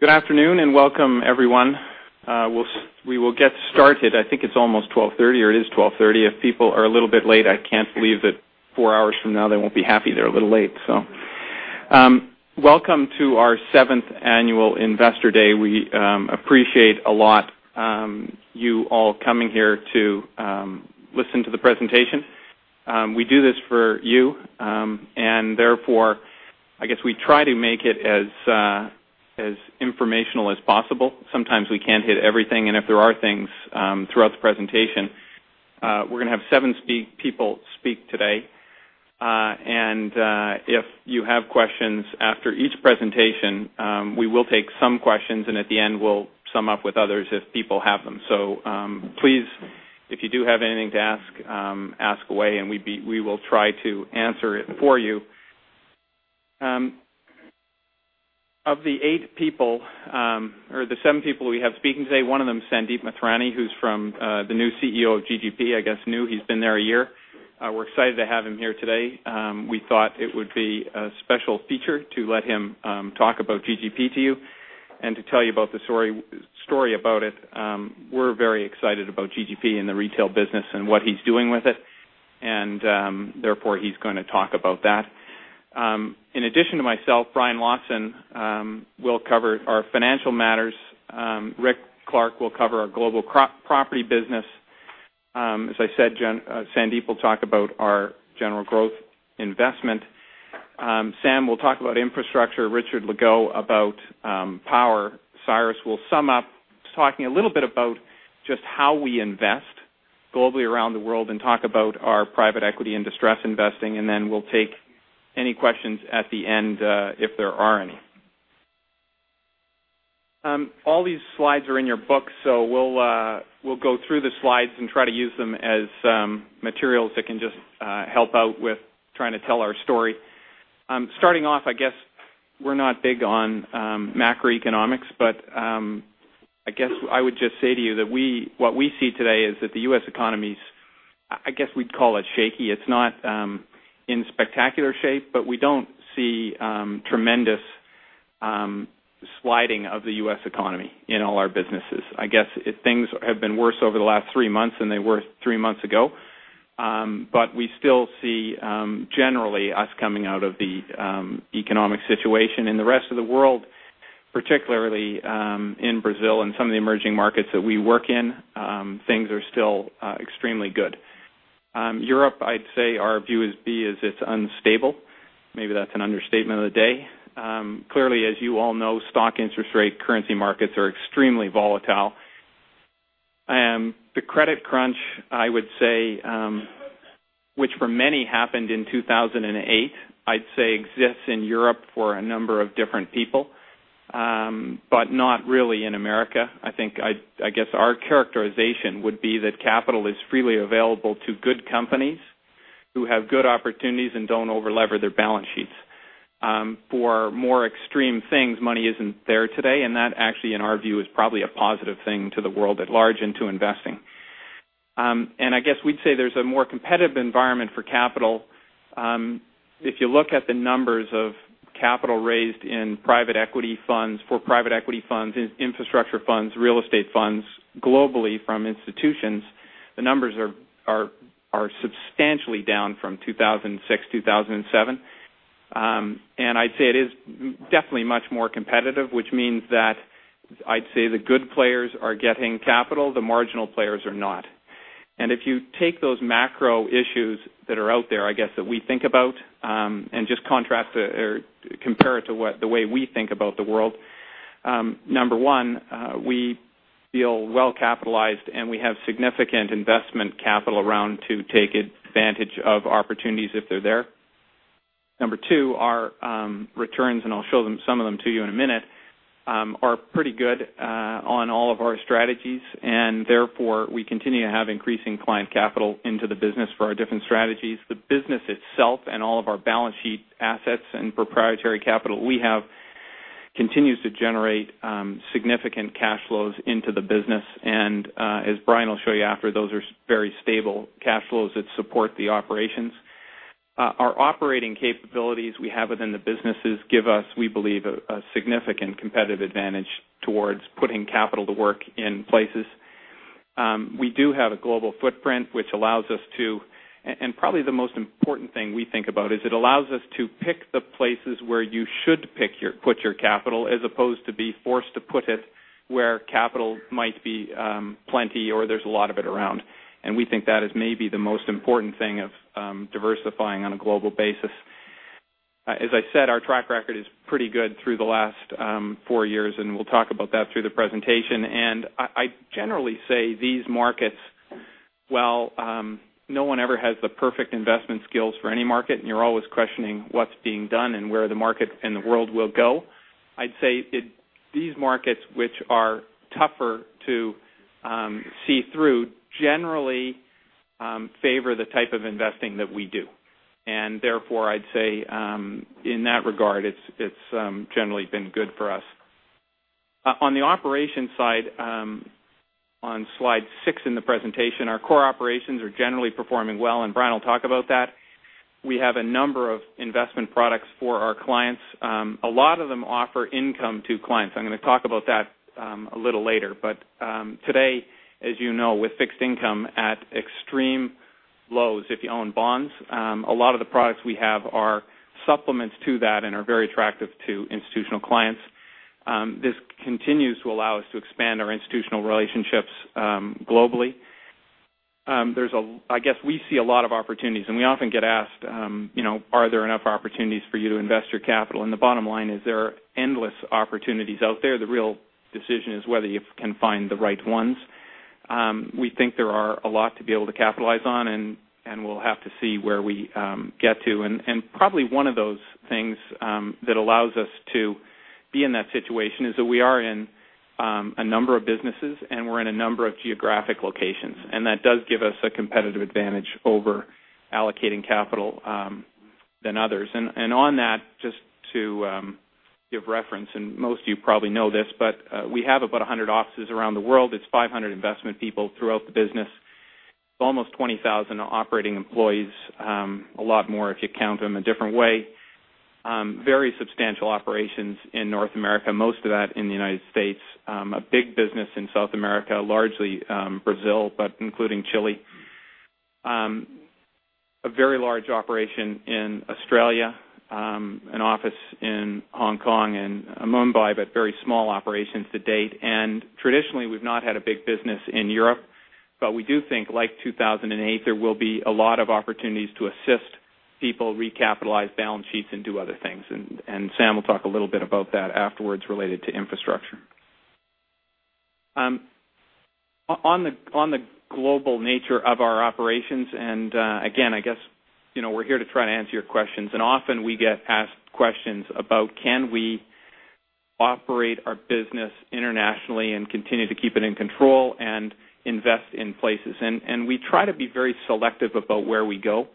Good afternoon and welcome, everyone. We will get started. I think it's almost 12:30, or it is 12:30. If people are a little bit late, I can't believe that four hours from now they won't be happy they're a little late. Welcome to our seventh annual Investor Day. We appreciate a lot, you all coming here to listen to the presentation. We do this for you, and therefore, I guess we try to make it as informational as possible. Sometimes we can't hit everything, and if there are things throughout the presentation, we're going to have seven people speak today. If you have questions after each presentation, we will take some questions, and at the end, we'll sum up with others if people have them. Please, if you do have anything to ask, ask away, and we will try to answer it for you. Of the eight people, or the seven people we have speaking today, one of them, Sandeep Mathrani, who's the new CEO of GGP, I guess new, he's been there a year. We're excited to have him here today. We thought it would be a special feature to let him talk about GGP to you and to tell you about the story about it. We're very excited about GGP and the retail business and what he's doing with it, and therefore, he's going to talk about that. In addition to myself, Brian Lawson will cover our financial matters. Ric Clark will cover our global property business. As I said, Sandeep will talk about our general growth investment. Sam will talk about infrastructure. Richard Legault about power. Cyrus will sum up, talking a little bit about just how we invest globally around the world and talk about our private equity and distressed investing, and then we'll take any questions at the end if there are any. All these slides are in your books, so we'll go through the slides and try to use them as materials that can just help out with trying to tell our story. Starting off, I guess we're not big on macroeconomics, but I guess I would just say to you that what we see today is that the U.S. economy's, I guess we'd call it shaky. It's not in spectacular shape, but we don't see tremendous sliding of the U.S. economy in all our businesses. I guess things have been worse over the last three months than they were three months ago, but we still see generally us coming out of the economic situation. In the rest of the world, particularly in Brazil and some of the emerging markets that we work in, things are still extremely good. Europe, I'd say our view is it's unstable. Maybe that's an understatement of the day. Clearly, as you all know, stock, interest rate, currency markets are extremely volatile. The credit crunch, I would say, which for many happened in 2008, I'd say exists in Europe for a number of different people, but not really in America. I think our characterization would be that capital is freely available to good companies who have good opportunities and don't overlever their balance sheets. For more extreme things, money isn't there today, and that actually, in our view, is probably a positive thing to the world at large and to investing. I guess we'd say there's a more competitive environment for capital. If you look at the numbers of capital raised in private equity funds, infrastructure funds, real estate funds globally from institutions, the numbers are substantially down from 2006, 2007. I'd say it is definitely much more competitive, which means that the good players are getting capital, the marginal players are not. If you take those macro issues that are out there, we think about and just contrast or compare it to the way we think about the world, number one, we feel well-capitalized and we have significant investment capital around to take advantage of opportunities if they're there. Number two, our returns, and I'll show some of them to you in a minute, are pretty good on all of our strategies, and therefore, we continue to have increasing client capital into the business for our different strategies. The business itself and all of our balance sheet assets and proprietary capital we have continues to generate significant cash flows into the business. As Brian will show you after, those are very stable cash flows that support the operations. Our operating capabilities we have within the businesses give us, we believe, a significant competitive advantage towards putting capital to work in places. We do have a global footprint which allows us to, and probably the most important thing we think about is it allows us to pick the places where you should put your capital as opposed to be forced to put it where capital might be plenty or there's a lot of it around. We think that is maybe the most important thing of diversifying on a global basis. As I said, our track record is pretty good through the last four years, and we'll talk about that through the presentation. I generally say these markets, no one ever has the perfect investment skills for any market, and you're always questioning what's being done and where the market in the world will go. I'd say these markets which are tougher to see through generally favor the type of investing that we do. Therefore, I'd say in that regard, it's generally been good for us. On the operations side, on slide six in the presentation, our core operations are generally performing well, and Brian will talk about that. We have a number of investment products for our clients. A lot of them offer income to clients. I'm going to talk about that a little later. Today, as you know, with fixed income at extreme lows, if you own bonds, a lot of the products we have are supplements to that and are very attractive to institutional clients. This continues to allow us to expand our institutional relationships globally. I guess we see a lot of opportunities, and we often get asked, you know, are there enough opportunities for you to invest your capital? The bottom line is there are endless opportunities out there. The real decision is whether you can find the right ones. We think there are a lot to be able to capitalize on, and we'll have to see where we get to. Probably one of those things that allows us to be in that situation is that we are in a number of businesses and we're in a number of geographic locations, and that does give us a competitive advantage over allocating capital than others. Just to give reference, and most of you probably know this, we have about 100 offices around the world. It's 500 investment people throughout the business, almost 20,000 operating employees, a lot more if you count them a different way. Very substantial operations in North America, most of that in the United States, a big business in South America, largely Brazil, but including Chile. A very large operation in Australia, an office in Hong Kong and Mumbai, but very small operations to date. Traditionally, we've not had a big business in Europe, but we do think like 2008, there will be a lot of opportunities to assist people recapitalize balance sheets and do other things. Sam will talk a little bit about that afterwards related to infrastructure. On the global nature of our operations, I guess we're here to try to answer your questions. We often get asked questions about whether we can operate our business internationally and continue to keep it in control and invest in places. We try to be very selective about where we go.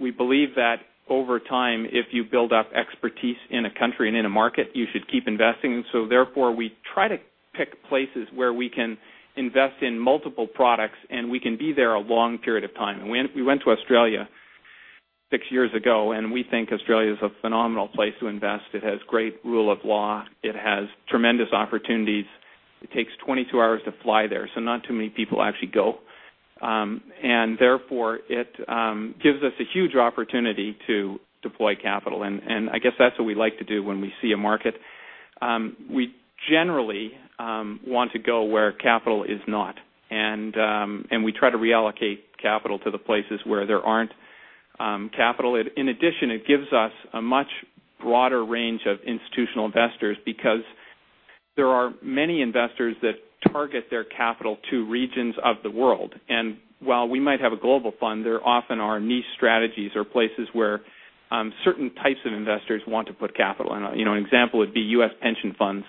We believe that over time, if you build up expertise in a country and in a market, you should keep investing. Therefore, we try to pick places where we can invest in multiple products, and we can be there a long period of time. We went to Australia six years ago, and we think Australia is a phenomenal place to invest. It has great rule of law. It has tremendous opportunities. It takes 22 hours to fly there, so not too many people actually go. Therefore, it gives us a huge opportunity to deploy capital. That is what we like to do when we see a market. We generally want to go where capital is not, and we try to reallocate capital to the places where there is not capital. In addition, it gives us a much broader range of institutional investors because there are many investors that target their capital to regions of the world. While we might have a global fund, there often are niche strategies or places where certain types of investors want to put capital. An example would be U.S. pension funds.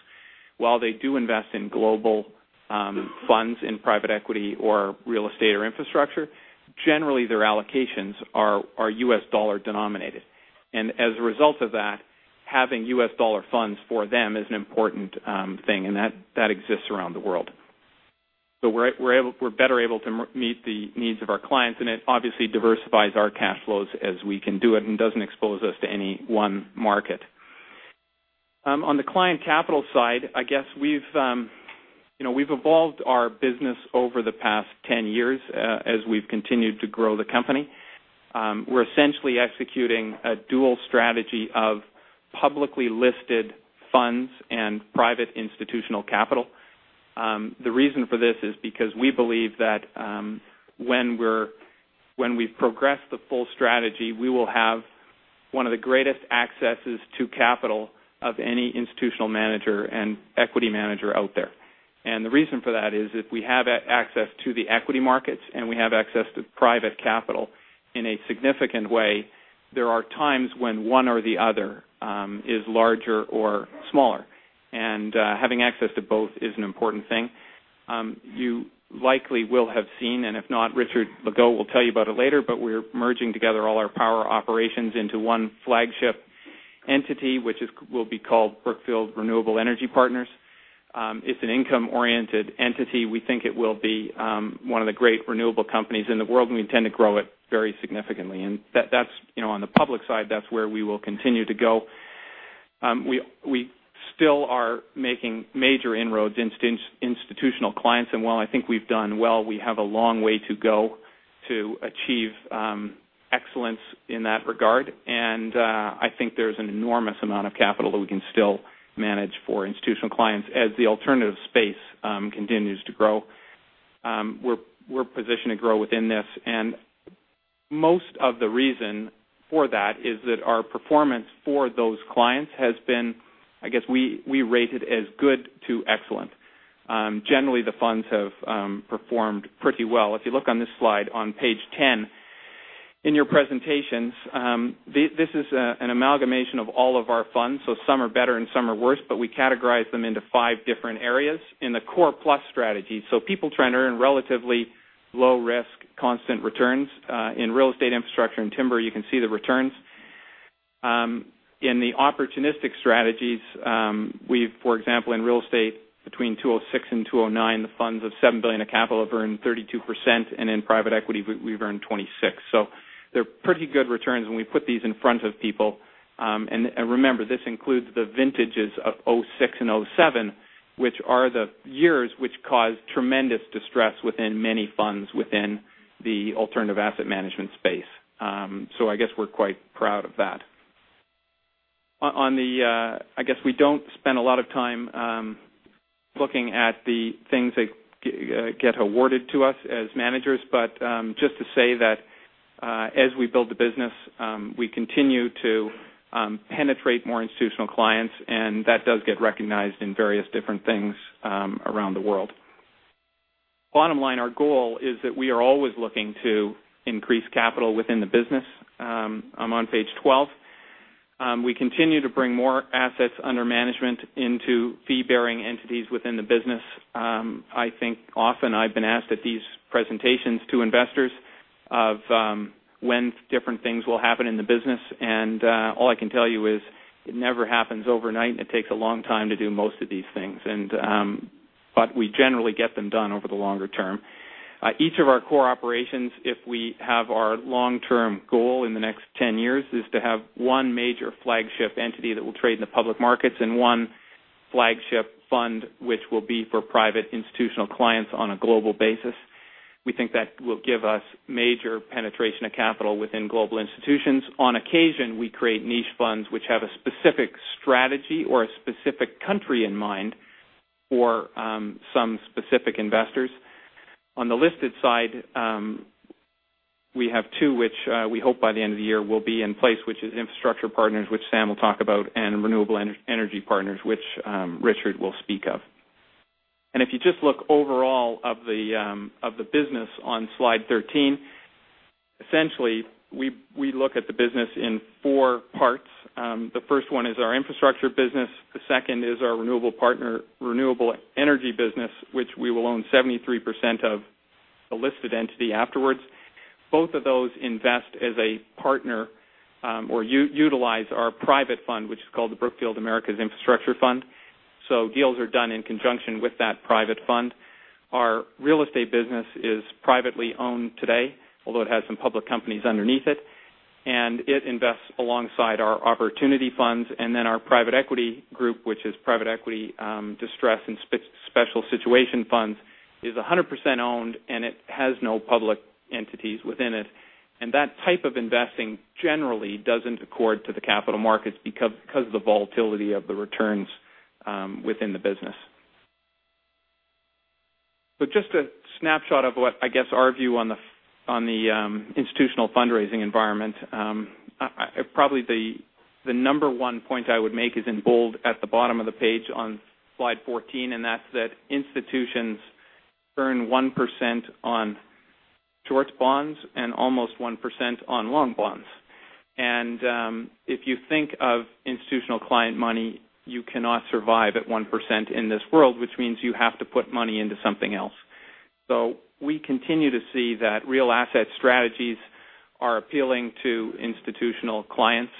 While they do invest in global funds in private equity or real estate or infrastructure, generally, their allocations are U.S. dollar denominated. As a result of that, having U.S. dollar funds for them is an important thing, and that exists around the world. We are better able to meet the needs of our clients, and it obviously diversifies our cash flows as we can do it and does not expose us to any one market. On the client capital side, we have evolved our business over the past 10 years as we have continued to grow the company. We are essentially executing a dual strategy of publicly listed funds and private institutional capital. The reason for this is because we believe that when we have progressed the full strategy, we will have one of the greatest accesses to capital of any institutional manager and equity manager out there. The reason for that is if we have access to the equity markets and we have access to private capital in a significant way, there are times when one or the other is larger or smaller. Having access to both is an important thing. You likely will have seen, and if not, Richard Legault will tell you about it later, but we're merging together all our power operations into one flagship entity, which will be called Brookfield Renewable Energy Partners. It's an income-oriented entity. We think it will be one of the great renewable companies in the world, and we intend to grow it very significantly. On the public side, that's where we will continue to go. We still are making major inroads in institutional clients, and while I think we've done well, we have a long way to go to achieve excellence in that regard. I think there's an enormous amount of capital that we can still manage for institutional clients as the alternative space continues to grow. We're positioned to grow within this. Most of the reason for that is that our performance for those clients has been, I guess we rate it as good to excellent. Generally, the funds have performed pretty well. If you look on this slide on page 10 in your presentations, this is an amalgamation of all of our funds. Some are better and some are worse, but we categorize them into five different areas in the core plus strategy. People try to earn relatively low risk, constant returns. In real estate, infrastructure, and timber, you can see the returns. In the opportunistic strategies, for example, in real estate between 2006 and 2009, the funds of $7 billion of capital have earned 32%, and in private equity, we've earned 26%. They're pretty good returns when we put these in front of people. Remember, this includes the vintages of 2006 and 2007, which are the years which caused tremendous distress within many funds within the alternative asset management space. I guess we're quite proud of that. We don't spend a lot of time looking at the things that get awarded to us as managers, but just to say that as we build the business, we continue to penetrate more institutional clients, and that does get recognized in various different things around the world. Bottom line, our goal is that we are always looking to increase capital within the business.. I'm on page 12. We continue to bring more assets under management into fee-bearing entities within the business. I think often I've been asked at these presentations to investors of when different things will happen in the business, and all I can tell you is it never happens overnight, and it takes a long time to do most of these things. We generally get them done over the longer term. Each of our core operations, if we have our long-term goal in the next 10 years, is to have one major flagship entity that will trade in the public markets and one flagship fund which will be for private institutional clients on a global basis. We think that will give us major penetration of capital within global institutions. On occasion, we create niche funds which have a specific strategy or a specific country in mind for some specific investors. On the listed side, we have two which we hope by the end of the year will be in place, which is infrastructure partners, which Sam will talk about, and renewable energy partners, which Richard will speak of. If you just look overall at the business on slide 13, essentially, we look at the business in four parts. The first one is our infrastructure business. The second is our renewable energy business, which we will own 73% of the listed entity afterwards. Both of those invest as a partner or utilize our private fund, which is called the Brookfield Americas Infrastructure Fund. Deals are done in conjunction with that private fund. Our real estate business is privately owned today, although it has some public companies underneath it. It invests alongside our opportunity funds. Our private equity group, which is private equity distressed and special situation funds, is 100% owned, and it has no public entities within it. That type of investing generally doesn't accord to the capital markets because of the volatility of the returns within the business. Just a snapshot of what I guess our view on the institutional fundraising environment is. Probably the number one point I would make is in bold at the bottom of the page on slide 14, and that's that institutions earn 1% on short bonds and almost 1% on long bonds. If you think of institutional client money, you cannot survive at 1% in this world, which means you have to put money into something else. We continue to see that real asset strategies are appealing to institutional clients,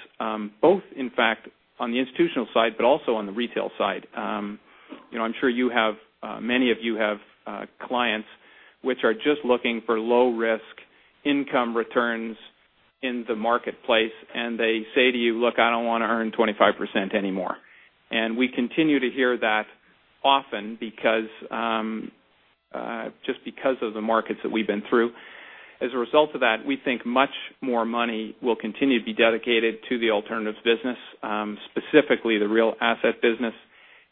both in fact on the institutional side, but also on the retail side. I'm sure many of you have clients which are just looking for low-risk income returns in the marketplace, and they say to you, "Look, I don't want to earn 25% anymore." We continue to hear that often just because of the markets that we've been through. As a result of that, we think much more money will continue to be dedicated to the alternatives business, specifically the real asset business,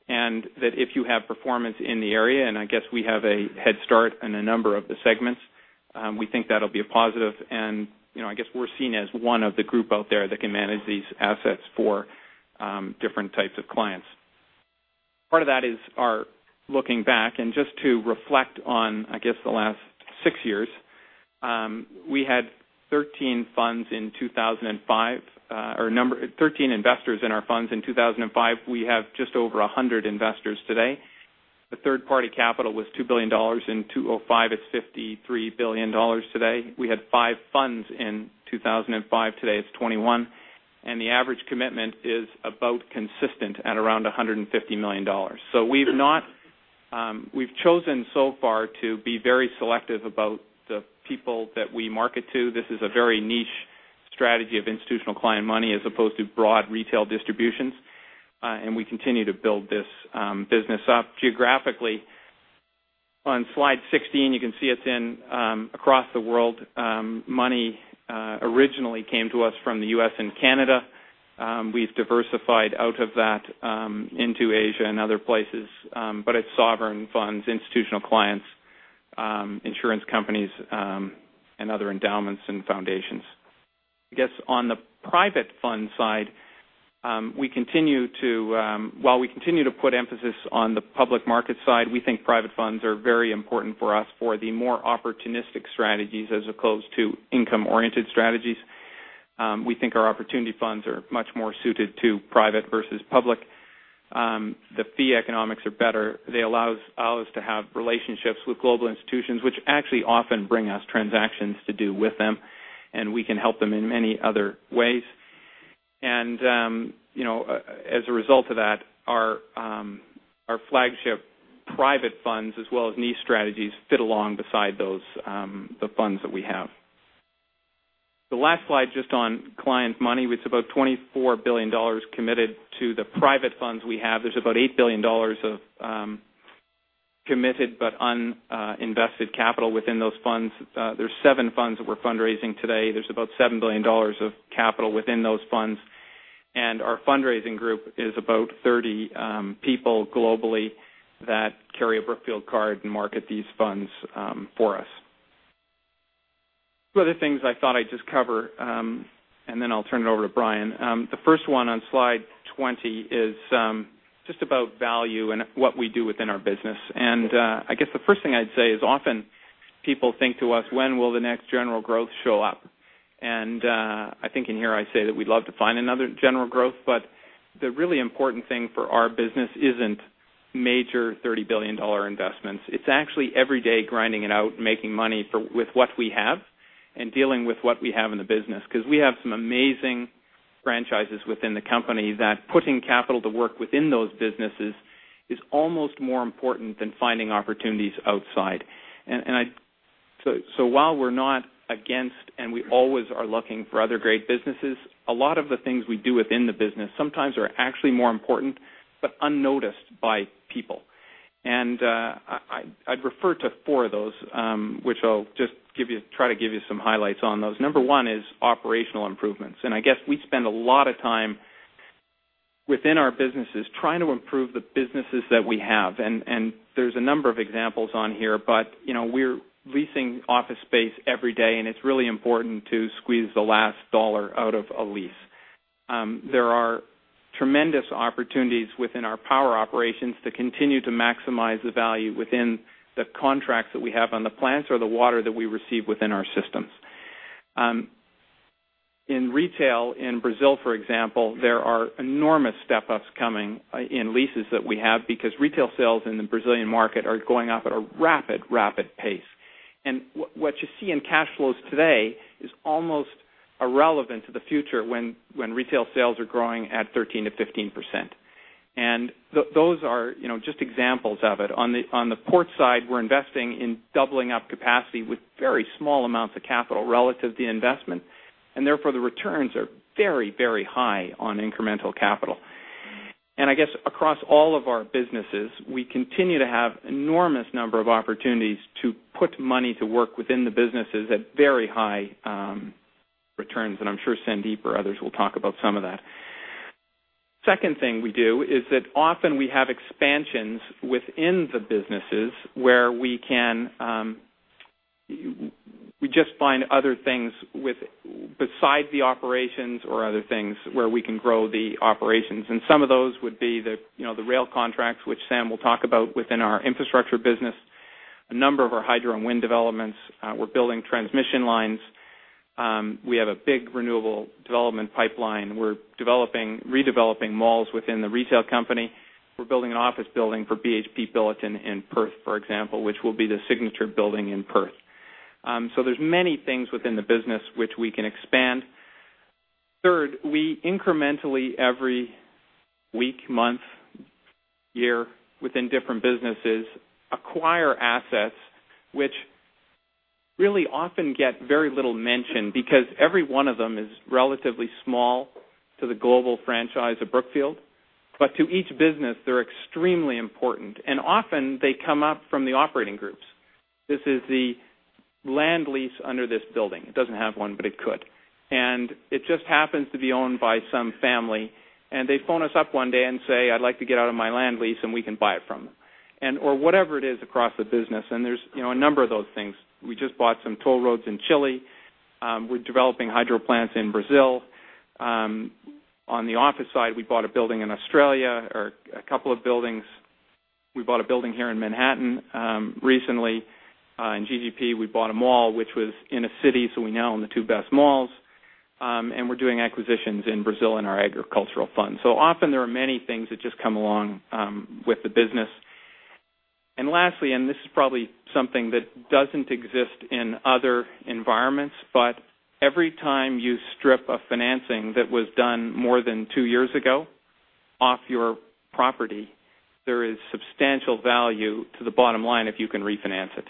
and that if you have performance in the area, and I guess we have a head start in a number of the segments, we think that'll be a positive. I guess we're seen as one of the group out there that can manage these assets for different types of clients. Part of that is our looking back and just to reflect on, I guess, the last six years. We had 13 funds in 2005, or 13 investors in our funds in 2005. We have just over 100 investors today. The third-party capital was $2 billion in 2005, it's $53 billion today. We had five funds in 2005. Today, it's 21. The average commitment is about consistent at around $150 million. We've chosen so far to be very selective about the people that we market to. This is a very niche strategy of institutional client money as opposed to broad retail distributions. We continue to build this business up geographically. On slide 16, you can see it's in across the world. Money originally came to us from the U.S. and Canada. We've diversified out of that into Asia and other places, but it's sovereign funds, institutional clients, insurance companies, and other endowments and foundations. I guess on the private fund side, while we continue to put emphasis on the public market side, we think private funds are very important for us for the more opportunistic strategies as opposed to income-oriented strategies. We think our opportunity funds are much more suited to private versus public. The fee economics are better. They allow us to have relationships with global institutions, which actually often bring us transactions to do with them, and we can help them in many other ways. As a result of that, our flagship private funds as well as niche strategies fit along beside the funds that we have. The last slide just on client money, it's about $24 billion committed to the private funds we have. There's about $8 billion of committed but uninvested capital within those funds. There are seven funds that we're fundraising today. There's about $7 billion of capital within those funds. Our fundraising group is about 30 people globally that carry a Brookfield card and market these funds for us. Two other things I thought I'd just cover, and then I'll turn it over to Brian. The first one on slide 20 is just about value and what we do within our business. I guess the first thing I'd say is often people think to us, "When will the next General Growth show up?" I think in here I say that we'd love to find another General Growth, but the really important thing for our business isn't major $30 billion investments. It's actually every day grinding it out and making money with what we have and dealing with what we have in the business because we have some amazing franchises within the company that putting capital to work within those businesses is almost more important than finding opportunities outside. While we're not against and we always are looking for other great businesses, a lot of the things we do within the business sometimes are actually more important but unnoticed by people. I'd refer to four of those, which I'll just try to give you some highlights on. Number one is operational improvements. I guess we spend a lot of time within our businesses trying to improve the businesses that we have. There are a number of examples on here, but we're leasing office space every day, and it's really important to squeeze the last dollar out of a lease. There are tremendous opportunities within our power operations to continue to maximize the value within the contracts that we have on the plants or the water that we receive within our systems. In retail in Brazil, for example, there are enormous step-ups coming in leases that we have because retail sales in the Brazilian market are going up at a rapid, rapid pace. What you see in cash flows today is almost irrelevant to the future when retail sales are growing at 13% to 15%. Those are just examples of it. On the port side, we're investing in doubling up capacity with very small amounts of capital relative to the investment. Therefore, the returns are very, very high on incremental capital. Across all of our businesses, we continue to have an enormous number of opportunities to put money to work within the businesses at very high returns. I'm sure Sandeep or others will talk about some of that. The second thing we do is that often we have expansions within the businesses where we just find other things besides the operations or other things where we can grow the operations. Some of those would be the rail contracts, which Sam will talk about within our infrastructure business, a number of our hydro and wind developments. We're building transmission lines. We have a big renewable development pipeline. We're redeveloping malls within the retail company. We're building an office building for BHP Billiton in Perth, for example, which will be the signature building in Perth. There are many things within the business which we can expand. Third, we incrementally every week, month, year within different businesses acquire assets which really often get very little mention because every one of them is relatively small to the global franchise of Brookfield. To each business, they're extremely important. Often they come up from the operating groups. This is the land lease under this building. It doesn't have one, but it could. It just happens to be owned by some family. They phone us up one day and say, "I'd like to get out of my land lease," and we can buy it from them, or whatever it is across the business. There are a number of those things. We just bought some toll roads in Chile. We're developing hydro plants in Brazil. On the office side, we bought a building in Australia or a couple of buildings. We bought a building here in Manhattan recently. In GGP, we bought a mall which was in a city, so we now own the two best malls. We're doing acquisitions in Brazil in our agricultural fund. Often there are many things that just come along with the business. Lastly, and this is probably something that doesn't exist in other environments, every time you strip a financing that was done more than two years ago off your property, there is substantial value to the bottom line if you can refinance it.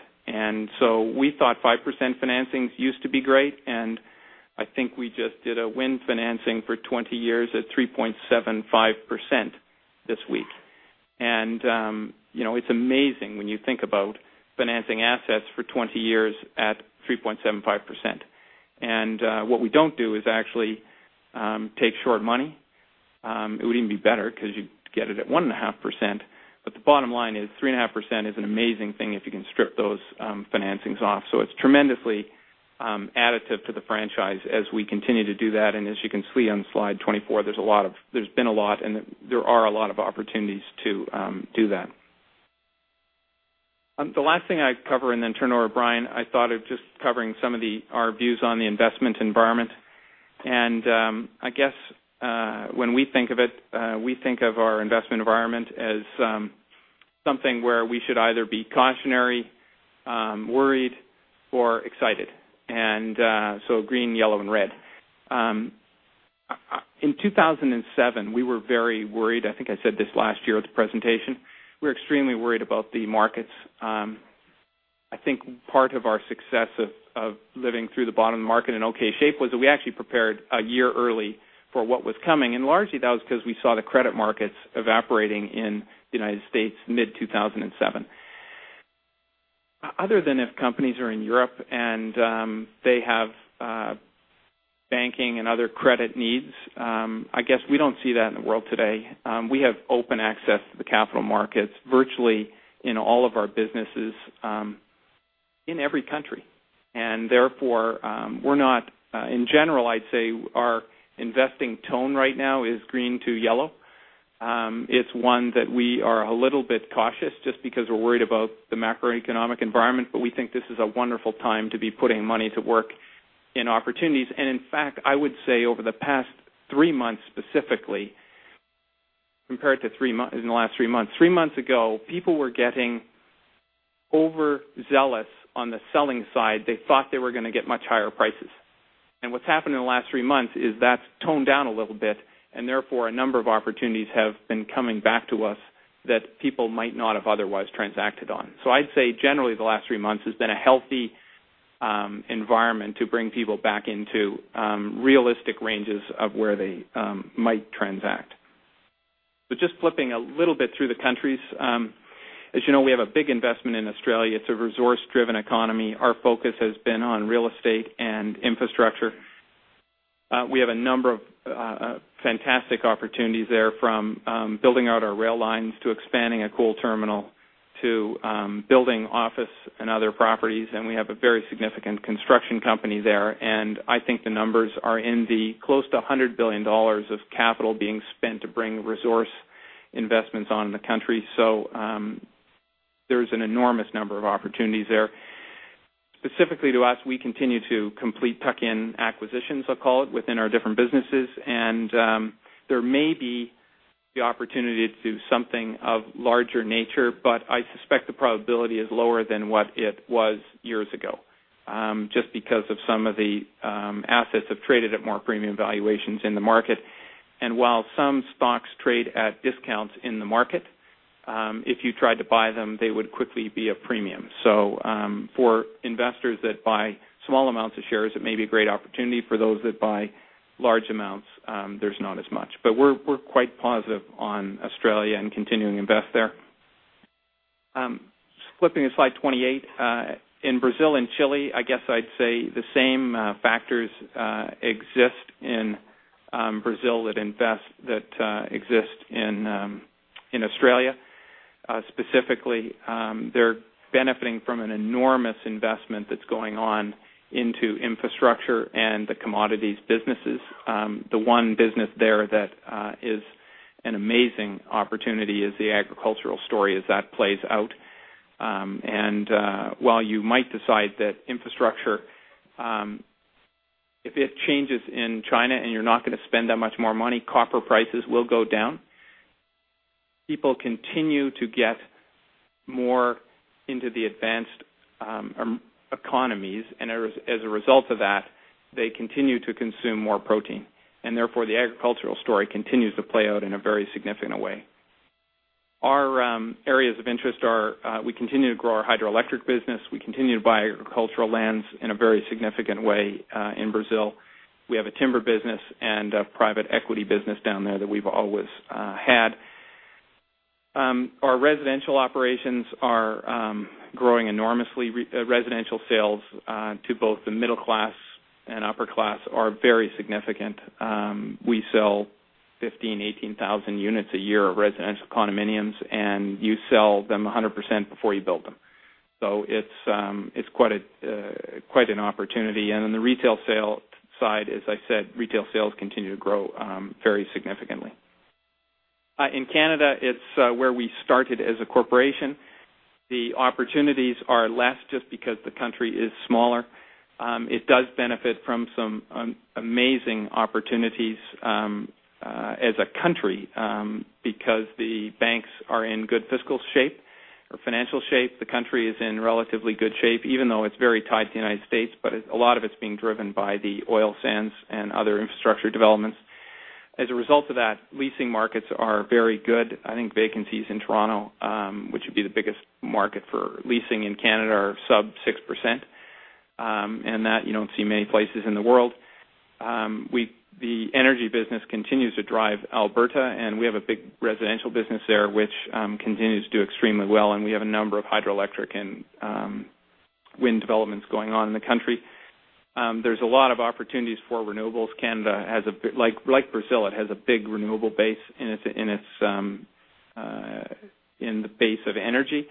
We thought 5% financing used to be great. I think we just did a win financing for 20 years at 3.75% this week. It's amazing when you think about financing assets for 20 years at 3.75%. What we don't do is actually take short money. It would even be better because you get it at 1.5%. The bottom line is 3.5% is an amazing thing if you can strip those financings off. It's tremendously additive to the franchise as we continue to do that. As you can see on slide 24, there's been a lot, and there are a lot of opportunities to do that. The last thing I'd cover and then turn over to Brian, I thought of just covering some of our views on the investment environment. When we think of it, we think of our investment environment as something where we should either be cautionary, worried, or excited. Green, yellow, and red. In 2007, we were very worried. I think I said this last year at the presentation. We were extremely worried about the markets. I think part of our success of living through the bottom of the market in okay shape was that we actually prepared a year early for what was coming. Largely, that was because we saw the credit markets evaporating in the United States mid-2007. Other than if companies are in Europe and they have banking and other credit needs, I guess we don't see that in the world today. We have open access to the capital markets virtually in all of our businesses in every country. Therefore, we're not, in general, I'd say our investing tone right now is green to yellow. It's one that we are a little bit cautious just because we're worried about the macroeconomic environment, but we think this is a wonderful time to be putting money to work in opportunities. In fact, I would say over the past three months specifically, compared to in the last three months, three months ago, people were getting overzealous on the selling side. They thought they were going to get much higher prices. What's happened in the last three months is that's toned down a little bit. Therefore, a number of opportunities have been coming back to us that people might not have otherwise transacted on. I'd say generally, the last three months has been a healthy environment to bring people back into realistic ranges of where they might transact. Just flipping a little bit through the countries, as you know, we have a big investment in Australia. It's a resource-driven economy. Our focus has been on real estate and infrastructure. We have a number of fantastic opportunities there from building out our rail lines to expanding a coal terminal to building office and other properties. We have a very significant construction company there. I think the numbers are in the close to $100 billion of capital being spent to bring resource investments on in the country. There's an enormous number of opportunities there. Specifically to us, we continue to complete tuck-in acquisitions, I'll call it, within our different businesses. There may be the opportunity to do something of larger nature, but I suspect the probability is lower than what it was years ago just because some of the assets have traded at more premium valuations in the market. While some stocks trade at discounts in the market, if you tried to buy them, they would quickly be a premium. For investors that buy small amounts of shares, it may be a great opportunity. For those that buy large amounts, there's not as much. We're quite positive on Australia and continuing to invest there. Flipping to slide 28, in Brazil and Chile, I'd say the same factors exist in Brazil that exist in Australia. Specifically, they're benefiting from an enormous investment that's going on into infrastructure and the commodities businesses. The one business there that is an amazing opportunity is the agricultural story as that plays out. While you might decide that infrastructure, if it changes in China and you're not going to spend that much more money, copper prices will go down. People continue to get more into the advanced economies, and as a result of that, they continue to consume more protein. Therefore, the agricultural story continues to play out in a very significant way. Our areas of interest are we continue to grow our hydroelectric business. We continue to buy agricultural lands in a very significant way in Brazil. We have a timber business and a private equity business down there that we've always had. Our residential operations are growing enormously. Residential sales to both the middle class and upper class are very significant. We sell 15,000-18,000 units a year of residential condominiums, and you sell them 100% before you build them. It's quite an opportunity. On the retail sale side, as I said, retail sales continue to grow very significantly. In Canada, it's where we started as a corporation. The opportunities are less just because the country is smaller. It does benefit from some amazing opportunities as a country because the banks are in good fiscal shape or financial shape. The country is in relatively good shape, even though it's very tied to the United States, but a lot of it's being driven by the oil sands and other infrastructure developments. As a result of that, leasing markets are very good. I think vacancies in Toronto, which would be the biggest market for leasing in Canada, are sub 6%, and you don't see many places in the world. The energy business continues to drive Alberta, and we have a big residential business there which continues to do extremely well. We have a number of hydroelectric and wind developments going on in the country. There's a lot of opportunities for renewables. Canada, like Brazil, has a big renewable base in the base of energy.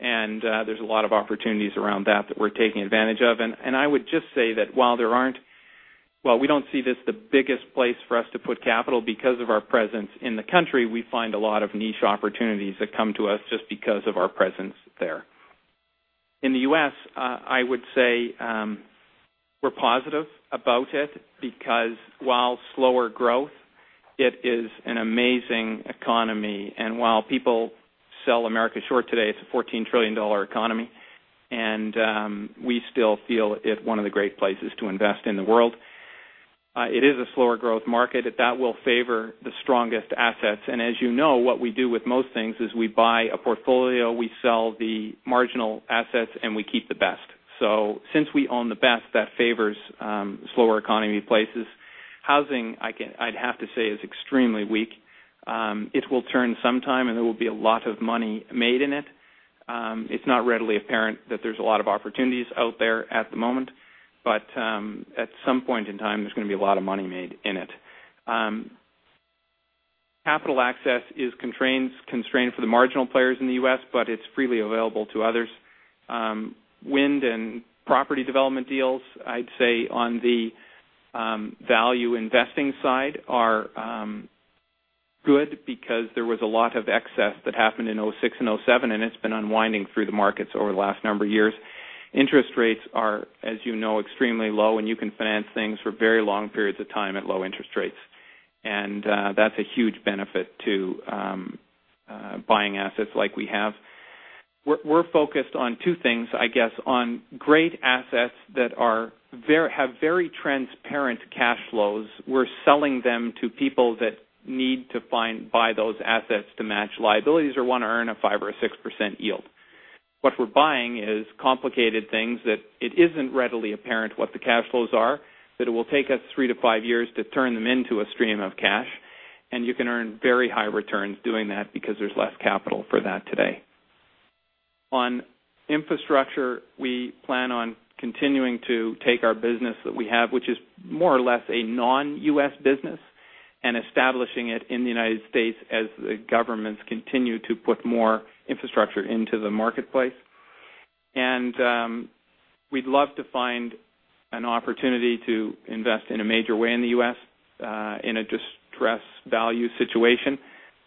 There are a lot of opportunities around that we're taking advantage of. I would just say that while we don't see this as the biggest place for us to put capital because of our presence in the country, we find a lot of niche opportunities that come to us just because of our presence there. In the U.S., I would say we're positive about it because while slower growth, it is an amazing economy. While people sell America short today, it's a $14 trillion economy, and we still feel it's one of the great places to invest in the world. It is a slower growth market. That will favor the strongest assets. As you know, what we do with most things is we buy a portfolio, we sell the marginal assets, and we keep the best. Since we own the best, that favors slower economy places. Housing, I'd have to say, is extremely weak. It will turn sometime, and there will be a lot of money made in it. It's not readily apparent that there's a lot of opportunities out there at the moment, but at some point in time, there's going to be a lot of money made in it. Capital access is constrained for the marginal players in the U.S., but it's freely available to others. Wind and property development deals, I'd say, on the value investing side are good because there was a lot of excess that happened in 2006 and 2007, and it's been unwinding through the markets over the last number of years. Interest rates are, as you know, extremely low, and you can finance things for very long periods of time at low interest rates. That's a huge benefit to buying assets like we have. We're focused on two things, I guess, on great assets that have very transparent cash flows. We're selling them to people that need to buy those assets to match liabilities or want to earn a 5% or a 6% yield. What we're buying is complicated things that it isn't readily apparent what the cash flows are, that it will take us three to five years to turn them into a stream of cash. You can earn very high returns doing that because there's less capital for that today. On infrastructure, we plan on continuing to take our business that we have, which is more or less a non-U.S. business, and establishing it in the United States as the governments continue to put more infrastructure into the marketplace. We'd love to find an opportunity to invest in a major way in the U.S. in a distressed value situation.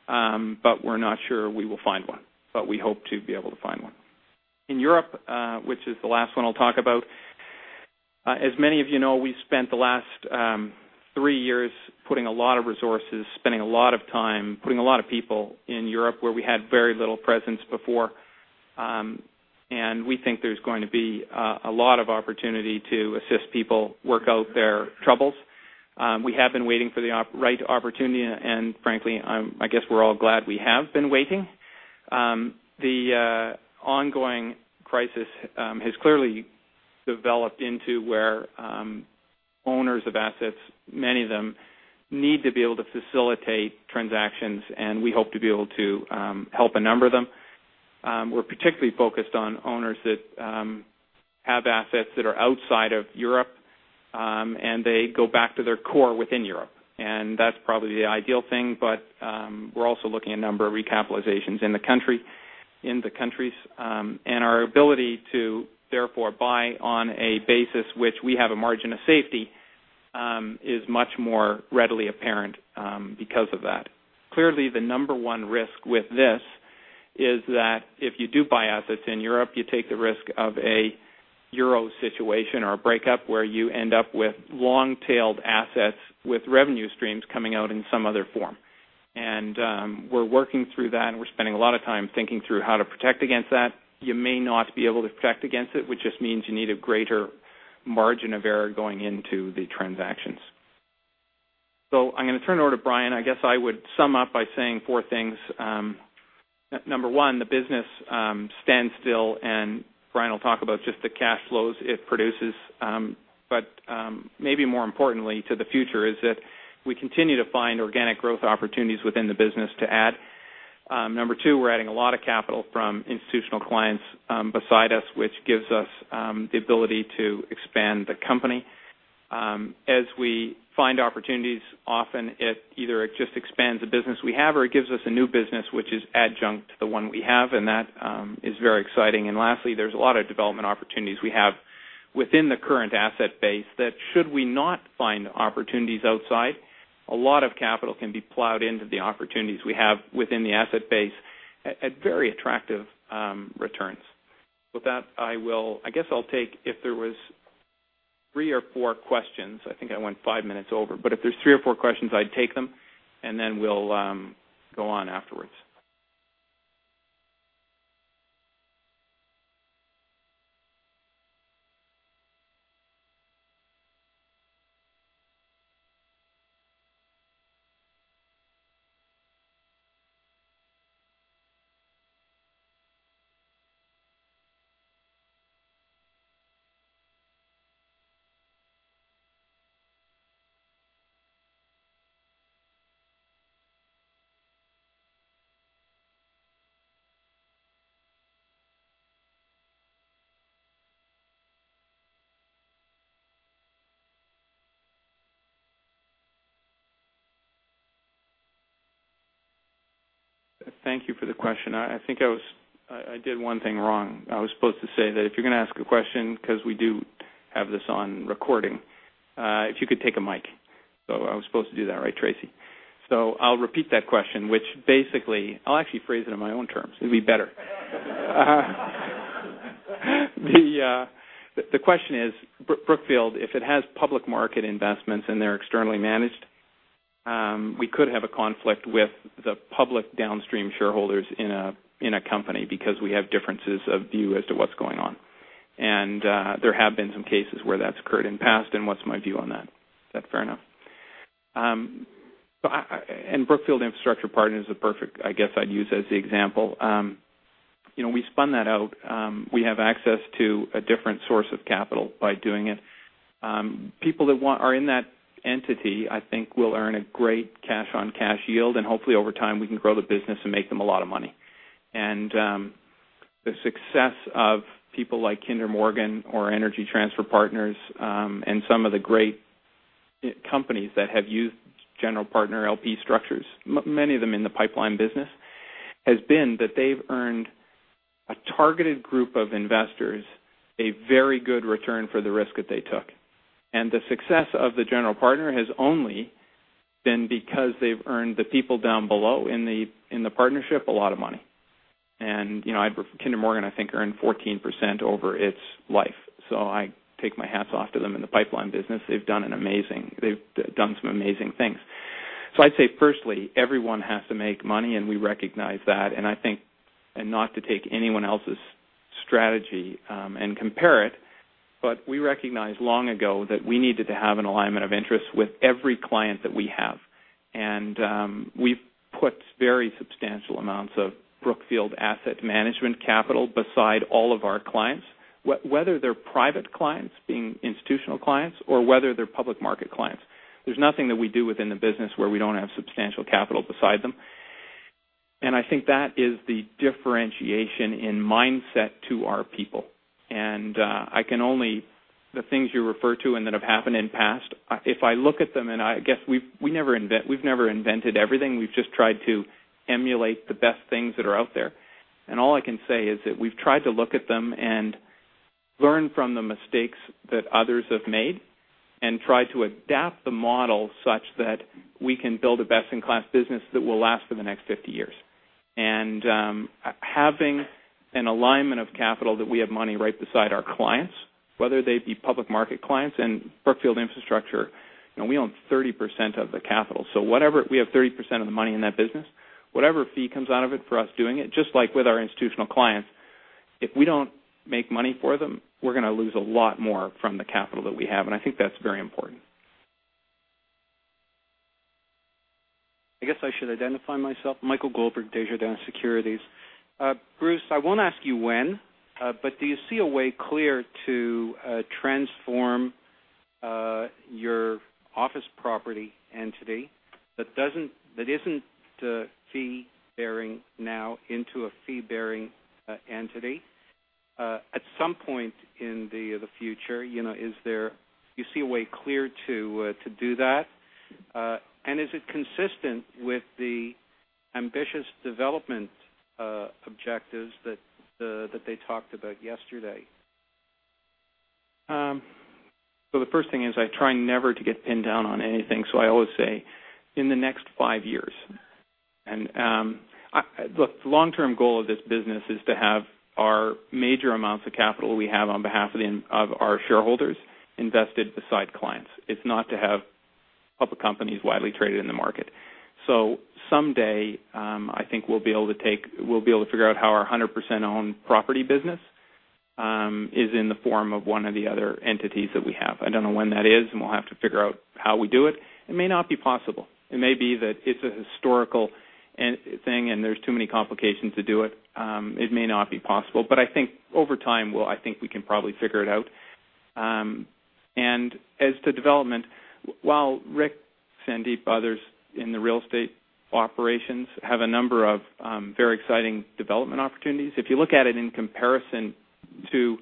We're not sure we will find one, but we hope to be able to find one. In Europe, which is the last one I'll talk about, as many of you know, we spent the last three years putting a lot of resources, spending a lot of time, putting a lot of people in Europe where we had very little presence before. We think there's going to be a lot of opportunity to assist people work out their troubles. We have been waiting for the right opportunity, and frankly, I guess we're all glad we have been waiting. The ongoing crisis has clearly developed into where owners of assets, many of them, need to be able to facilitate transactions, and we hope to be able to help a number of them. We're particularly focused on owners that have assets that are outside of Europe, and they go back to their core within Europe. That's probably the ideal thing, but we're also looking at a number of recapitalizations in the country and our ability to therefore buy on a basis which we have a margin of safety is much more readily apparent because of that. Clearly, the number one risk with this is that if you do buy assets in Europe, you take the risk of a euro situation or a breakup where you end up with long-tailed assets with revenue streams coming out in some other form. We're working through that, and we're spending a lot of time thinking through how to protect against that. You may not be able to protect against it, which just means you need a greater margin of error going into the transactions. I'm going to turn it over to Brian. I guess I would sum up by saying four things. Number one, the business stands still, and Brian will talk about just the cash flows it produces. Maybe more importantly to the future is that we continue to find organic growth opportunities within the business to add. Number two, we're adding a lot of capital from institutional clients beside us, which gives us the ability to expand the company. As we find opportunities, often it either just expands the business we have or it gives us a new business which is adjunct to the one we have, and that is very exciting. Lastly, there's a lot of development opportunities we have within the current asset base that should we not find opportunities outside, a lot of capital can be plowed into the opportunities we have within the asset base at very attractive returns. With that, I guess I'll take if there were three or four questions. I think I went five minutes over, but if there's three or four questions, I'd take them, and then we'll go on afterwards. Thank you for the question. I think I did one thing wrong. I was supposed to say that if you're going to ask a question, because we do have this on recording, if you could take a mic. I was supposed to do that, right, Tracy? I'll repeat that question, which basically, I'll actually phrase it in my own terms. It'd be better. The question is, Brookfield, if it has public market investments and they're externally managed, we could have a conflict with the public downstream shareholders in a company because we have differences of view as to what's going on. There have been some cases where that's occurred in the past, and what's my view on that? Is that fair enough? Brookfield Infrastructure Partners is a perfect, I guess I'd use as the example. We spun that out. We have access to a different source of capital by doing it. People that are in that entity, I think, will earn a great cash-on-cash yield, and hopefully over time we can grow the business and make them a lot of money. The success of people like Kinder Morgan or Energy Transfer Partners and some of the great companies that have used general partner LP structures, many of them in the pipeline business, has been that they've earned a targeted group of investors a very good return for the risk that they took. The success of the general partner has only been because they've earned the people down below in the partnership a lot of money. Kinder Morgan, I think, earned 14% over its life. I take my hats off to them in the pipeline business. They've done some amazing things. I'd say firstly, everyone has to make money, and we recognize that. I think, and not to take anyone else's strategy and compare it, but we recognized long ago that we needed to have an alignment of interests with every client that we have. We've put very substantial amounts of Brookfield Asset Management capital beside all of our clients, whether they're private clients being institutional clients or whether they're public market clients. There's nothing that we do within the business where we don't have substantial capital beside them. I think that is the differentiation in mindset to our people. The things you refer to and that have happened in the past, if I look at them, I guess we've never invented everything. We've just tried to emulate the best things that are out there. All I can say is that we've tried to look at them and learn from the mistakes that others have made and try to adapt the model such that we can build a best-in-class business that will last for the next 50 years. Having an alignment of capital that we have money right beside our clients, whether they be public market clients and Brookfield Infrastructure, we own 30% of the capital. We have 30% of the money in that business. Whatever fee comes out of it for us doing it, just like with our institutional clients, if we don't make money for them, we're going to lose a lot more from the capital that we have. I think that's very important. I should identify myself, Michael Goldberg, Desjardins Securities. Bruce, I won't ask you when, but do you see a way clear to transform your office property entity that isn't fee-bearing now into a fee-bearing entity at some point in the future? Do you see a way clear to do that? Is it consistent with the ambitious development objectives that they talked about yesterday? The first thing is I try never to get pinned down on anything. I always say in the next five years, and look, the long-term goal of this business is to have our major amounts of capital we have on behalf of our shareholders invested beside clients. It's not to have public companies widely traded in the market. Someday, I think we'll be able to figure out how our 100% owned property business is in the form of one of the other entities that we have. I don't know when that is, and we'll have to figure out how we do it. It may not be possible. It may be that it's a historical thing and there's too many complications to do it. It may not be possible, but I think over time, I think we can probably figure it out. As to development, while Ric, Sandeep, others in the real estate operations have a number of very exciting development opportunities, if you look at it in comparison to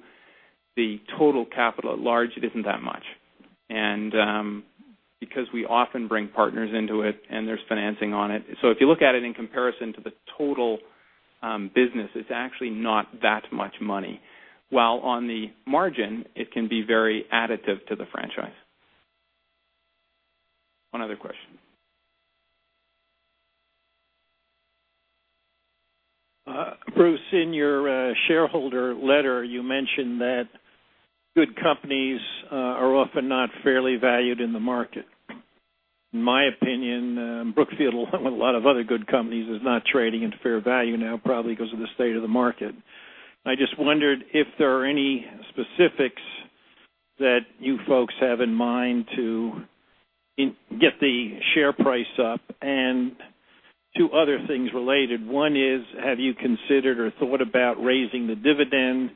the total capital at large, it isn't that much. Because we often bring partners into it and there's financing on it. If you look at it in comparison to the total business, it's actually not that much money. While on the margin, it can be very additive to the franchise. One other question. Bruce, in your shareholder letter, you mentioned that good companies are often not fairly valued in the market. In my opinion, Brookfield, along with a lot of other good companies, is not trading at fair value now, probably because of the state of the market. I just wondered if there are any specifics that you folks have in mind to get the share price up. Two other things related: one is, have you considered or thought about raising the dividend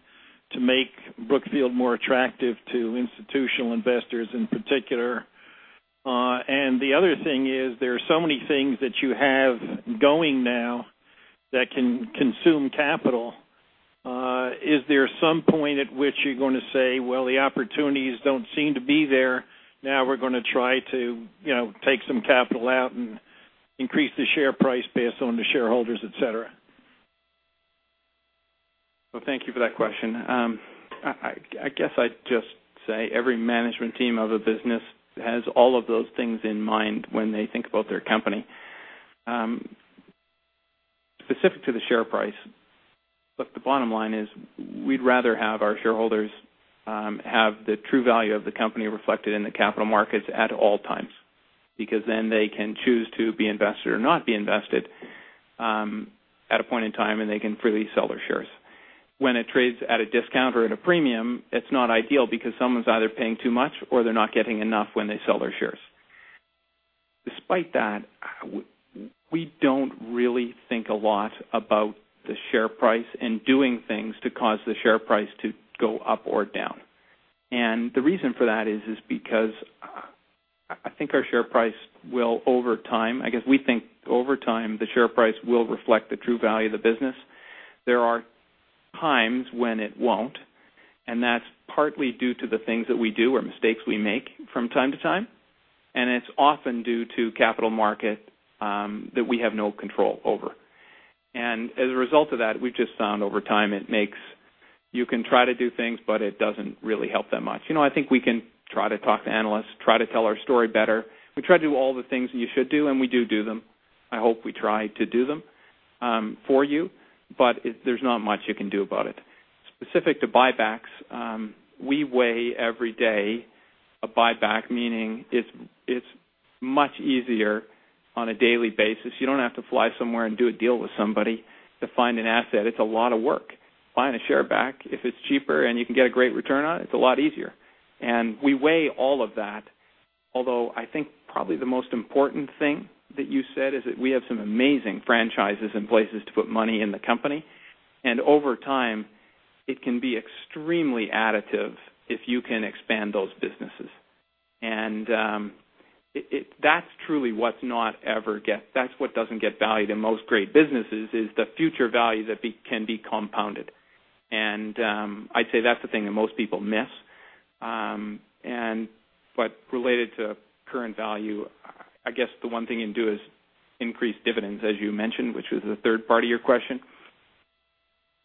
to make Brookfield more attractive to institutional investors in particular? The other thing is, there are so many things that you have going now that can consume capital. Is there some point at which you're going to say the opportunities don't seem to be there, now you're going to try to take some capital out and increase the share price based on the shareholders, etc.? Thank you for that question. I guess I'd just say every management team of a business has all of those things in mind when they think about their company. Specific to the share price, the bottom line is we'd rather have our shareholders have the true value of the company reflected in the capital markets at all times because then they can choose to be invested or not be invested at a point in time, and they can freely sell their shares. When it trades at a discount or at a premium, it's not ideal because someone's either paying too much or they're not getting enough when they sell their shares. Despite that, we don't really think a lot about the share price and doing things to cause the share price to go up or down. The reason for that is because I think our share price will, over time, I guess we think over time the share price will reflect the true value of the business. There are times when it won't, and that's partly due to the things that we do or mistakes we make from time to time. It's often due to capital market factors that we have no control over. As a result of that, we've just found over time you can try to do things, but it doesn't really help that much. I think we can try to talk to analysts, try to tell our story better. We try to do all the things that you should do, and we do do them. I hope we try to do them for you, but there's not much you can do about it. Specific to buybacks, we weigh every day a buyback, meaning it's much easier on a daily basis. You don't have to fly somewhere and do a deal with somebody to find an asset. It's a lot of work. Buying a share back, if it's cheaper and you can get a great return on it, it's a lot easier. We weigh all of that, although I think probably the most important thing that you said is that we have some amazing franchises and places to put money in the company. Over time, it can be extremely additive if you can expand those businesses. That's truly what doesn't get valued in most great businesses, the future value that can be compounded. I'd say that's the thing that most people miss. Related to current value, I guess the one thing you can do is increase dividends, as you mentioned, which was the third part of your question.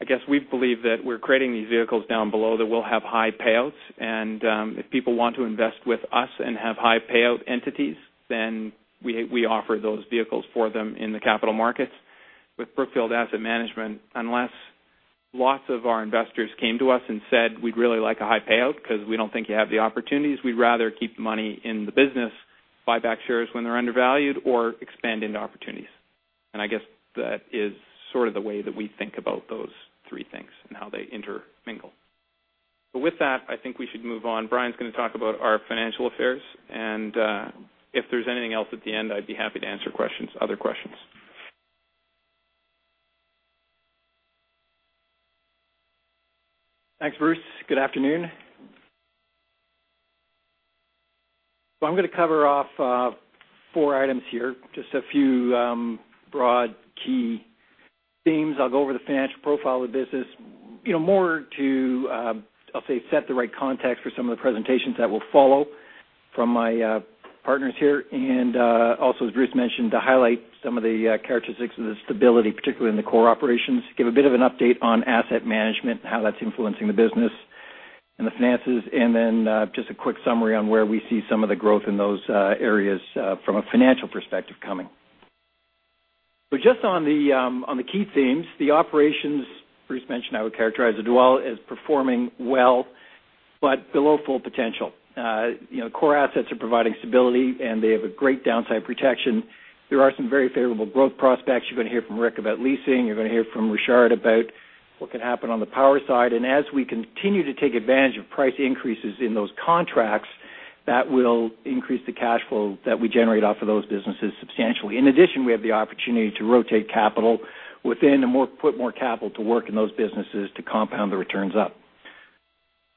I guess we believe that we're creating these vehicles down below that will have high payouts. If people want to invest with us and have high payout entities, we offer those vehicles for them in the capital markets with Brookfield Asset Management. Unless lots of our investors came to us and said, "We'd really like a high payout because we don't think you have the opportunities," we'd rather keep the money in the business, buy back shares when they're undervalued, or expand into opportunities. That is sort of the way that we think about those three things and how they intermingle. With that, I think we should move on. Brian's going to talk about our financial affairs. If there's anything else at the end, I'd be happy to answer other questions. Thanks, Bruce. Good afternoon. I'm going to cover off four items here, just a few broad key themes. I'll go over the financial profile of the business, you know, more to, I'll say, set the right context for some of the presentations that will follow from my partners here. Also, as Bruce mentioned, to highlight some of the characteristics of the stability, particularly in the core operations, give a bit of an update on asset management and how that's influencing the business and the finances. Then just a quick summary on where we see some of the growth in those areas from a financial perspective coming. Just on the key themes, the operations Bruce mentioned, I would characterize as performing well, but below full potential. Core assets are providing stability, and they have great downside protection. There are some very favorable growth prospects. You're going to hear from Ric about leasing. You're going to hear from Richard about what can happen on the power side. As we continue to take advantage of price increases in those contracts, that will increase the cash flow that we generate off of those businesses substantially. In addition, we have the opportunity to rotate capital within and put more capital to work in those businesses to compound the returns up.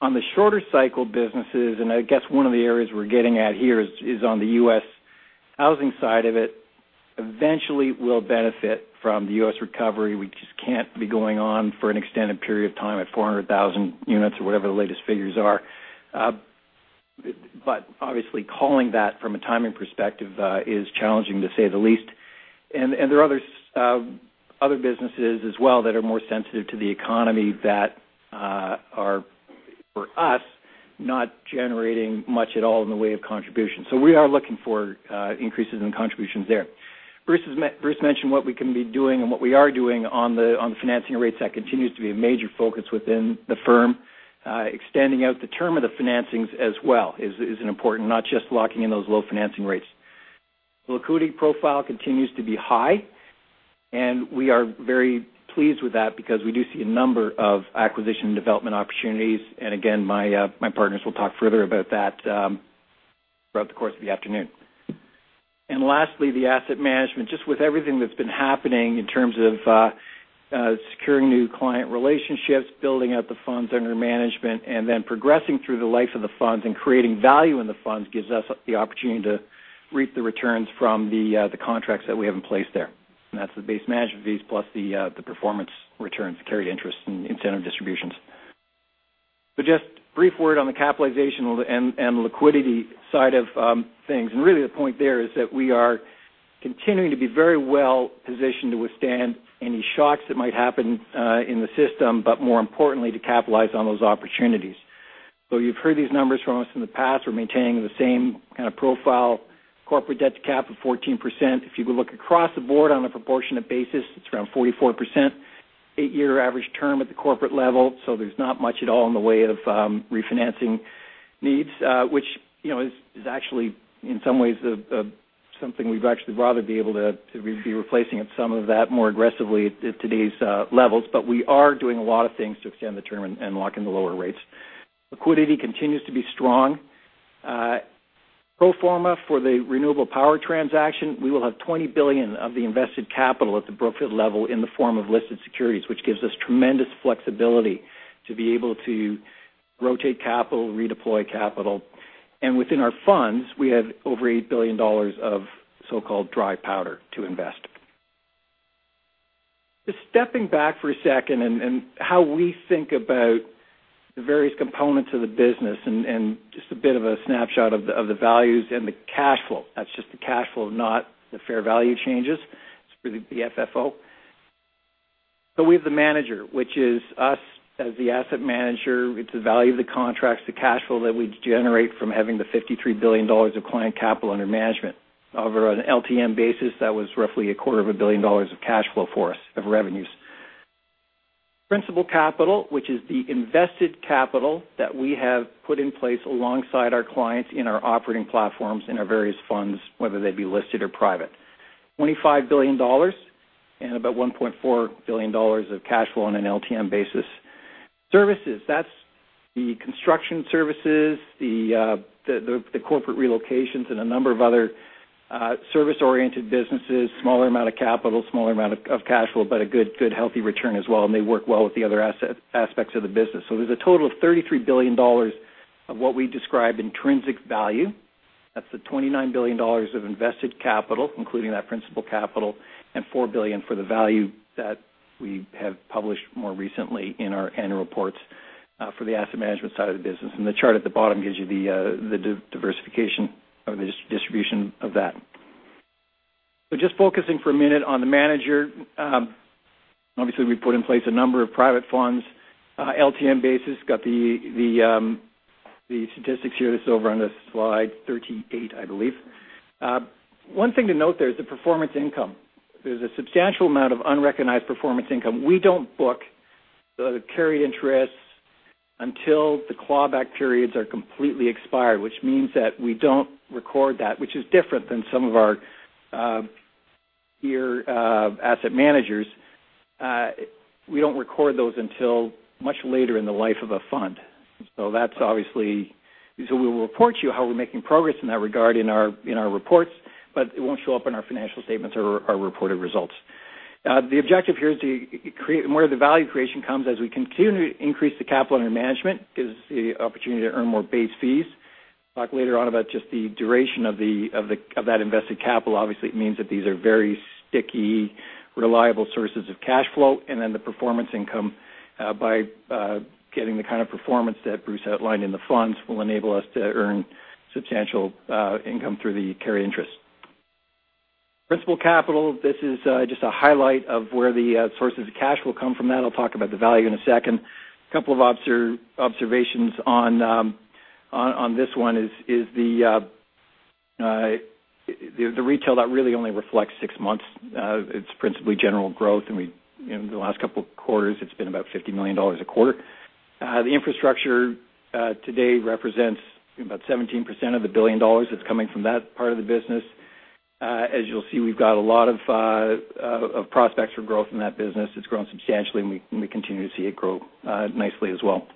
On the shorter cycle businesses, and I guess one of the areas we're getting at here is on the U.S. housing side of it, eventually we'll benefit from the U.S. recovery. We just can't be going on for an extended period of time at 400,000 units or whatever the latest figures are. Obviously, calling that from a timing perspective is challenging, to say the least. There are other businesses as well that are more sensitive to the economy that are, for us, not generating much at all in the way of contributions. We are looking for increases in contributions there. Bruce mentioned what we can be doing and what we are doing on the financing rates. That continues to be a major focus within the firm. Extending out the term of the financings as well is important, not just locking in those low financing rates. The liquidity profile continues to be high, and we are very pleased with that because we do see a number of acquisition and development opportunities. My partners will talk further about that throughout the course of the afternoon. Lastly, the asset management, just with everything that's been happening in terms of securing new client relationships, building out the funds under management, and then progressing through the life of the funds and creating value in the funds gives us the opportunity to reap the returns from the contracts that we have in place there. That's the base management fees plus the performance returns, carried interests, and incentive distributions. Just a brief word on the capitalization and liquidity side of things. Really, the point there is that we are continuing to be very well positioned to withstand any shocks that might happen in the system, but more importantly, to capitalize on those opportunities. You've heard these numbers from us in the past. We're maintaining the same kind of profile. Corporate debt to cap of 14%. If you could look across the board on a proportionate basis, it's around 44% eight-year average term at the corporate level. There's not much at all in the way of refinancing needs, which is actually, in some ways, something we'd actually rather be able to be replacing at some of that more aggressively at today's levels. We are doing a lot of things to extend the term and lock in the lower rates. Liquidity continues to be strong. Pro forma for the renewable power transaction, we will have $20 billion of the invested capital at the Brookfield level in the form of listed securities, which gives us tremendous flexibility to be able to rotate capital, redeploy capital. Within our funds, we have over $8 billion of so-called dry powder to invest. Stepping back for a second and how we think about the various components of the business and just a bit of a snapshot of the values and the cash flow. That's just the cash flow, not the fair value changes. It's really the FFO. We have the manager, which is us as the asset manager. It's the value of the contracts, the cash flow that we generate from having the $53 billion of client capital under management. Over an LTM basis, that was roughly a quarter of a billion dollars of cash flow for us of revenues. Principal capital, which is the invested capital that we have put in place alongside our clients in our operating platforms in our various funds, whether they be listed or private. $25 billion and about $1.4 billion of cash flow on an LTM basis. Services, that's the construction services, the corporate relocations, and a number of other service-oriented businesses, smaller amount of capital, smaller amount of cash flow, but a good, good, healthy return as well. They work well with the other aspects of the business. There is a total of $33 billion of what we describe as intrinsic value. That's the $29 billion of invested capital, including that principal capital, and $4 billion for the value that we have published more recently in our annual reports for the asset management side of the business. The chart at the bottom gives you the diversification or the distribution of that. Just focusing for a minute on the manager, obviously, we put in place a number of private funds, LTM basis. Got the statistics here that's over on slide 38, I believe. One thing to note there is the performance income. There is a substantial amount of unrecognized performance income. We don't book the carried interests until the clawback periods are completely expired, which means that we don't record that, which is different than some of our asset managers. We don't record those until much later in the life of a fund. We'll report to you how we're making progress in that regard in our reports, but it won't show up in our financial statements or our reported results. The objective here is to create, and where the value creation comes as we continue to increase the capital under management is the opportunity to earn more base fees. I'll talk later on about just the duration of that invested capital. Obviously, it means that these are very sticky, reliable sources of cash flow. The performance income by getting the kind of performance that Bruce outlined in the funds will enable us to earn substantial income through the carry interest. Principal capital, this is just a highlight of where the sources of cash will come from that. I'll talk about the value in a second. A couple of observations on this one is the retail that really only reflects six months. It's principally General Growth. In the last couple of quarters, it's been about $50 million a quarter. The infrastructure today represents about 17% of the billion dollars that's coming from that part of the business. As you'll see, we've got a lot of prospects for growth in that business. It's grown substantially, and we continue to see it grow nicely as well.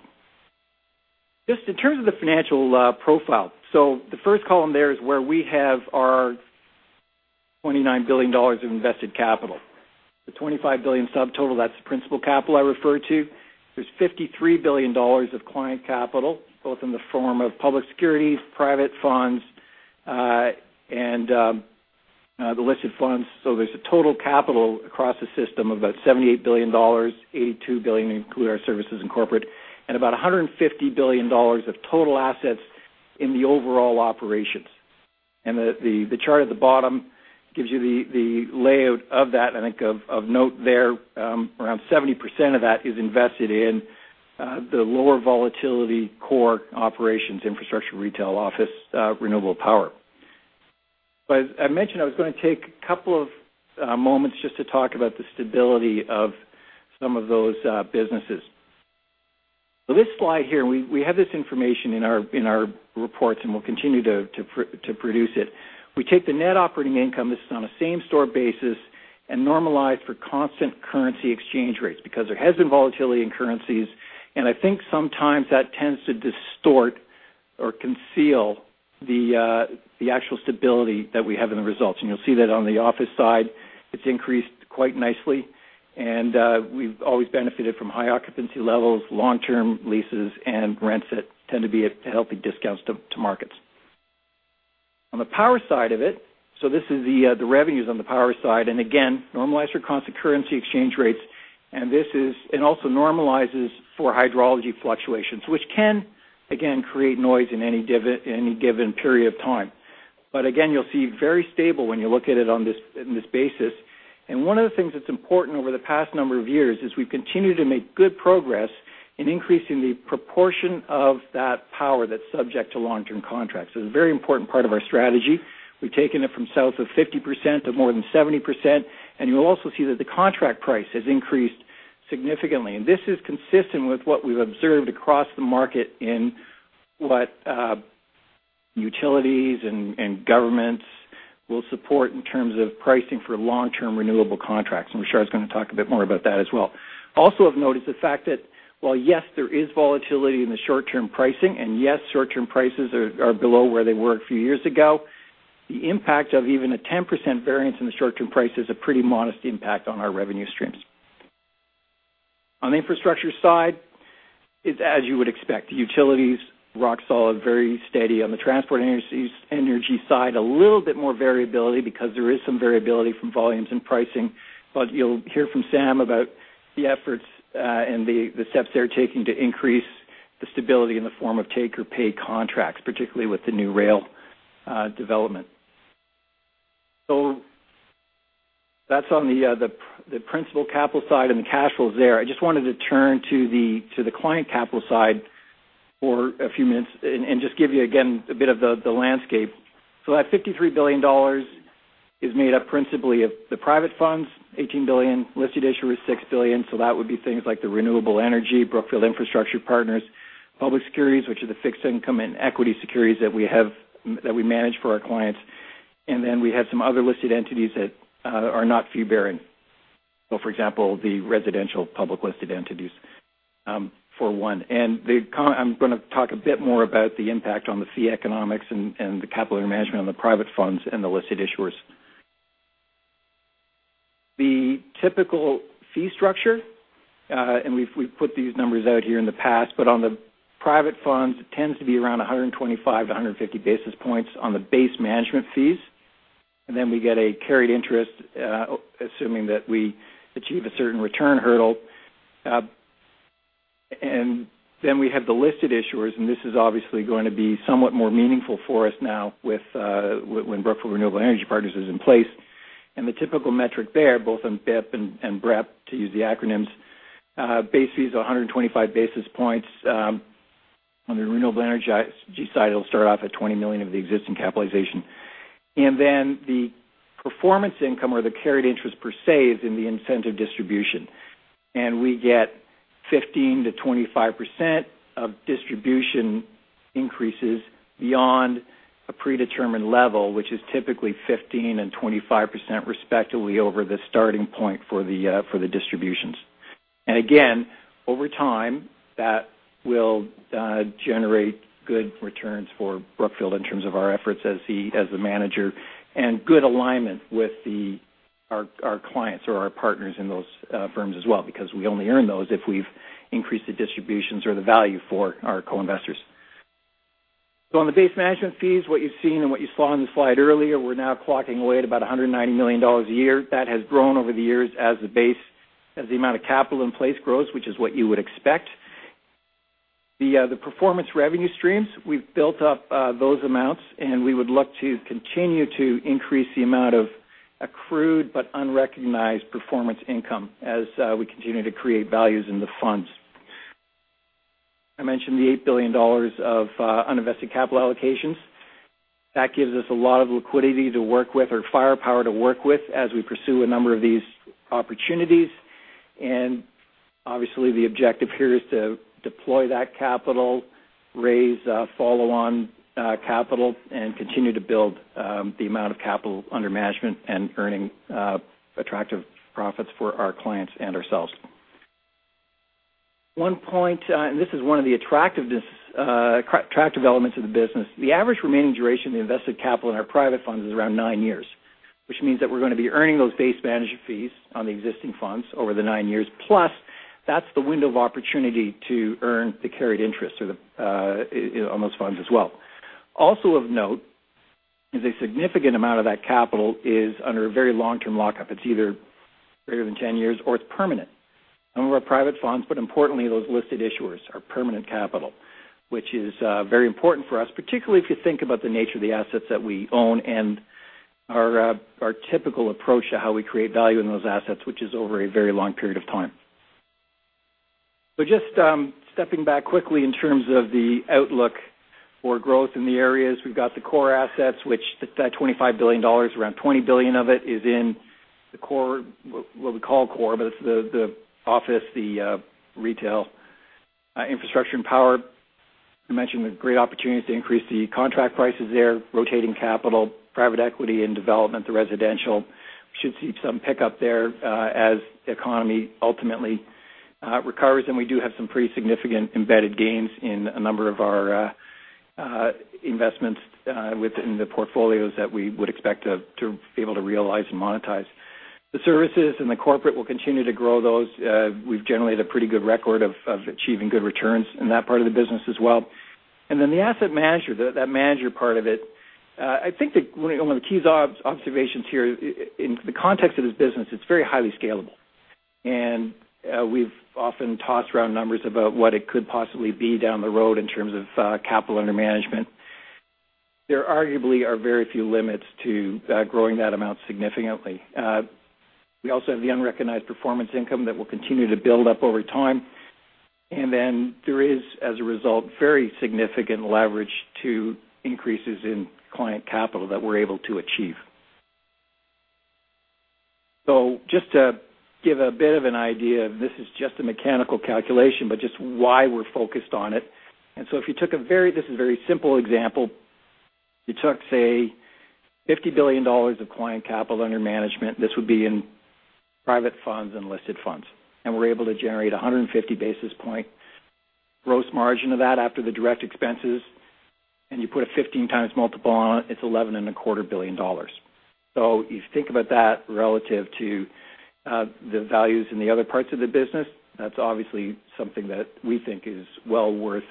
Just in terms of the financial profile. The first column there is where we have our $29 billion of invested capital. The $25 billion subtotal, that's the principal capital I referred to. There's $53 billion of client capital, both in the form of public securities, private funds, and the listed funds. There's a total capital across the system of about $78 billion, $82 billion to include our services and corporate, and about $150 billion of total assets in the overall operations. The chart at the bottom gives you the layout of that. I think of note there, around 70% of that is invested in the lower volatility core operations, infrastructure, retail, office, renewable power. As I mentioned, I was going to take a couple of moments just to talk about the stability of some of those businesses. This slide here, and we have this information in our reports, and we'll continue to produce it. We take the net operating income, this is on a same store basis, and normalize for constant currency exchange rates because there has been volatility in currencies. I think sometimes that tends to distort or conceal the actual stability that we have in the results. You'll see that on the office side, it's increased quite nicely. We've always benefited from high occupancy levels, long-term leases, and rents that tend to be at healthy discounts to markets. On the power side of it, this is the revenues on the power side. Again, normalize for constant currency exchange rates. This also normalizes for hydrology fluctuations, which can, again, create noise in any given period of time. Again, you'll see very stable when you look at it on this basis. One of the things that's important over the past number of years is we've continued to make good progress in increasing the proportion of that power that's subject to long-term contracts. It's a very important part of our strategy. We've taken it from south of 50% to more than 70%. You'll also see that the contract price has increased significantly. This is consistent with what we've observed across the market in what utilities and governments will support in terms of pricing for long-term renewable contracts. Rashad is going to talk a bit more about that as well. Also of note is the fact that, while yes, there is volatility in the short-term pricing, and yes, short-term prices are below where they were a few years ago, the impact of even a 10% variance in the short-term price is a pretty modest impact on our revenue streams. On the infrastructure side, it's, as you would expect, utilities, rock solid, very steady. On the transport energy side, a little bit more variability because there is some variability from volumes and pricing. You'll hear from Sam about the efforts and the steps they're taking to increase the stability in the form of take or pay contracts, particularly with the new rail development. That's on the principal capital side and the cash flows there. I just wanted to turn to the client capital side for a few minutes and just give you, again, a bit of the landscape. That $53 billion is made up principally of the private funds, $18 billion, listed issuers, $6 billion. That would be things like the renewable energy, Brookfield Infrastructure Partners, public securities, which are the fixed income and equity securities that we manage for our clients. Then we have some other listed entities that are not fee-bearing. For example, the residential public listed entities, for one. I'm going to talk a bit more about the impact on the fee economics and the capital management on the private funds and the listed issuers. The typical fee structure, and we've put these numbers out here in the past, but on the private funds, it tends to be around 125-150 basis points on the base management fees. Then we get a carried interest, assuming that we achieve a certain return hurdle. Then we have the listed issuers, and this is obviously going to be somewhat more meaningful for us now when Brookfield Renewable Energy Partners is in place. The typical metric there, both on BEP and BREP, to use the acronyms, base fees are 125 basis points. On the renewable energy side, it'll start off at $20 million of the existing capitalization. The performance income or the carried interest per se is in the incentive distribution. We get 15%-25% of distribution increases beyond a predetermined level, which is typically 15% and 25% respectively over the starting point for the distributions. Over time, that will generate good returns for Brookfield in terms of our efforts as the manager and good alignment with our clients or our partners in those firms as well, because we only earn those if we've increased the distributions or the value for our co-investors. On the base management fees, what you've seen and what you saw on the slide earlier, we're now clocking away at about $190 million a year. That has grown over the years as the amount of capital in place grows, which is what you would expect. The performance revenue streams, we've built up those amounts, and we would look to continue to increase the amount of accrued but unrecognized performance income as we continue to create values in the funds. I mentioned the $8 billion of uninvested capital allocations. That gives us a lot of liquidity to work with or firepower to work with as we pursue a number of these opportunities. Obviously, the objective here is to deploy that capital, raise follow-on capital, and continue to build the amount of capital under management and earning attractive profits for our clients and ourselves. One point, and this is one of the attractive elements of the business, the average remaining duration of the invested capital in our private funds is around nine years, which means that we're going to be earning those base management fees on the existing funds over the nine years. Plus, that's the window of opportunity to earn the carried interest on those funds as well. Also of note is a significant amount of that capital is under a very long-term lockup. It's either greater than 10 years or it's permanent. Some of our private funds, but importantly, those listed issuers are permanent capital, which is very important for us, particularly if you think about the nature of the assets that we own and our typical approach to how we create value in those assets, which is over a very long period of time. Just stepping back quickly in terms of the outlook for growth in the areas, we've got the core assets, which that $25 billion, around $20 billion of it is in the core, what we call core, but it's the office, the retail, infrastructure, and power. I mentioned the great opportunities to increase the contract prices there, rotating capital, private equity, and development, the residential. We should see some pickup there as the economy ultimately recovers. We do have some pretty significant embedded gains in a number of our investments within the portfolios that we would expect to be able to realize and monetize. The services and the corporate will continue to grow those. We've generated a pretty good record of achieving good returns in that part of the business as well. The asset management, that manager part of it, I think one of the key observations here in the context of this business, it's very highly scalable. We've often tossed around numbers about what it could possibly be down the road in terms of capital under management. There arguably are very few limits to growing that amount significantly. We also have the unrecognized performance income that will continue to build up over time. There is, as a result, very significant leverage to increases in client capital that we're able to achieve. Just to give a bit of an idea of this, this is just a mechanical calculation, but just why we're focused on it. If you took a very, this is a very simple example, you took, say, $50 billion of client capital under management, this would be in private funds and listed funds, and we're able to generate 150 basis point gross margin of that after the direct expenses. You put a 15x multiple on it, it's $11.25 billion. You think about that relative to the values in the other parts of the business, that's obviously something that we think is well worth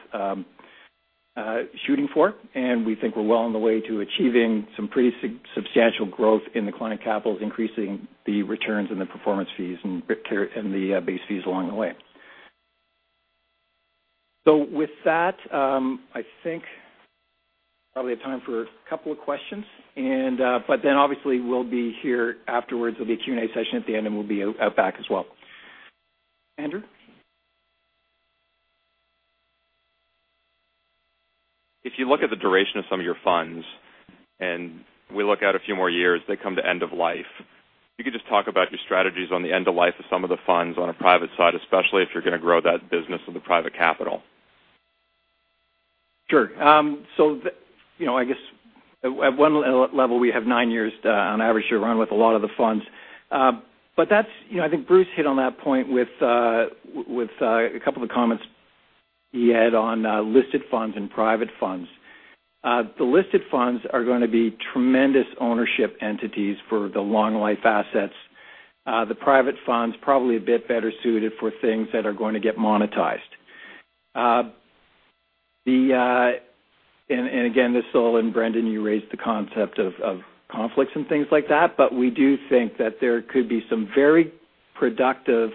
shooting for. We think we're well on the way to achieving some pretty substantial growth in the client capitals, increasing the returns and the performance fees and the base fees along the way. With that, I think probably a time for a couple of questions. Obviously, we'll be here afterwards. There'll be a Q&A session at the end, and we'll be back as well. Andrew? If you look at the duration of some of your funds and we look out a few more years, they come to end of life. If you could just talk about your strategies on the end of life of some of the funds on a private side, especially if you're going to grow that business with the private capital. Sure. You know, I guess at one level, we have nine years on average year run with a lot of the funds. That's, you know, I think Bruce hit on that point with a couple of the comments he had on listed funds and private funds. The listed funds are going to be tremendous ownership entities for the long-life assets. The private funds are probably a bit better suited for things that are going to get monetized. This is all in, [Brendan], you raised the concept of conflicts and things like that, but we do think that there could be some very productive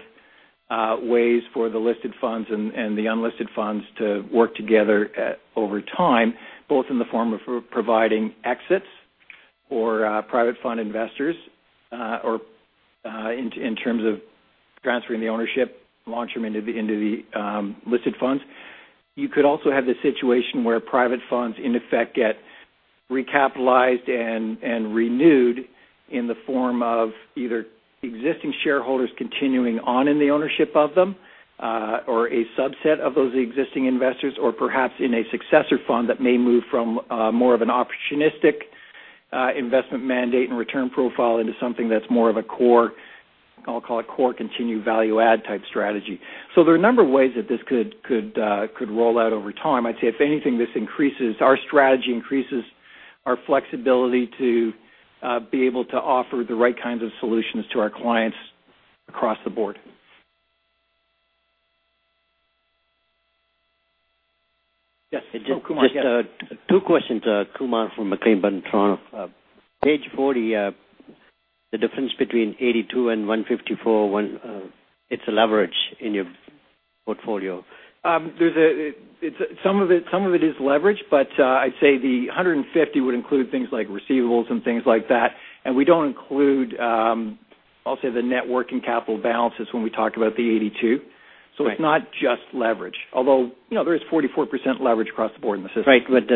ways for the listed funds and the unlisted funds to work together over time, both in the form of providing exits for private fund investors, or in terms of transferring the ownership, launching them into the listed funds. You could also have this situation where private funds in effect get recapitalized and renewed in the form of either existing shareholders continuing on in the ownership of them, or a subset of those existing investors, or perhaps in a successor fund that may move from more of an opportunistic investment mandate and return profile into something that's more of a core, I'll call it core continued value-add type strategy. There are a number of ways that this could roll out over time. I'd say if anything, this increases our strategy, increases our flexibility to be able to offer the right kinds of solutions to our clients across the board. Yeah. Just two questions, Kumar from [McLean Burntran]. Page 40, the difference between $82 billion and $154 billion, it's a leverage in your portfolio. Some of it is leverage, but I'd say the $150 billion would include things like receivables and things like that. We don't include, I'll say, the networking capital balances when we talk about the $82 billion. It's not just leverage, although there is 44% leverage across the board in the system. Right.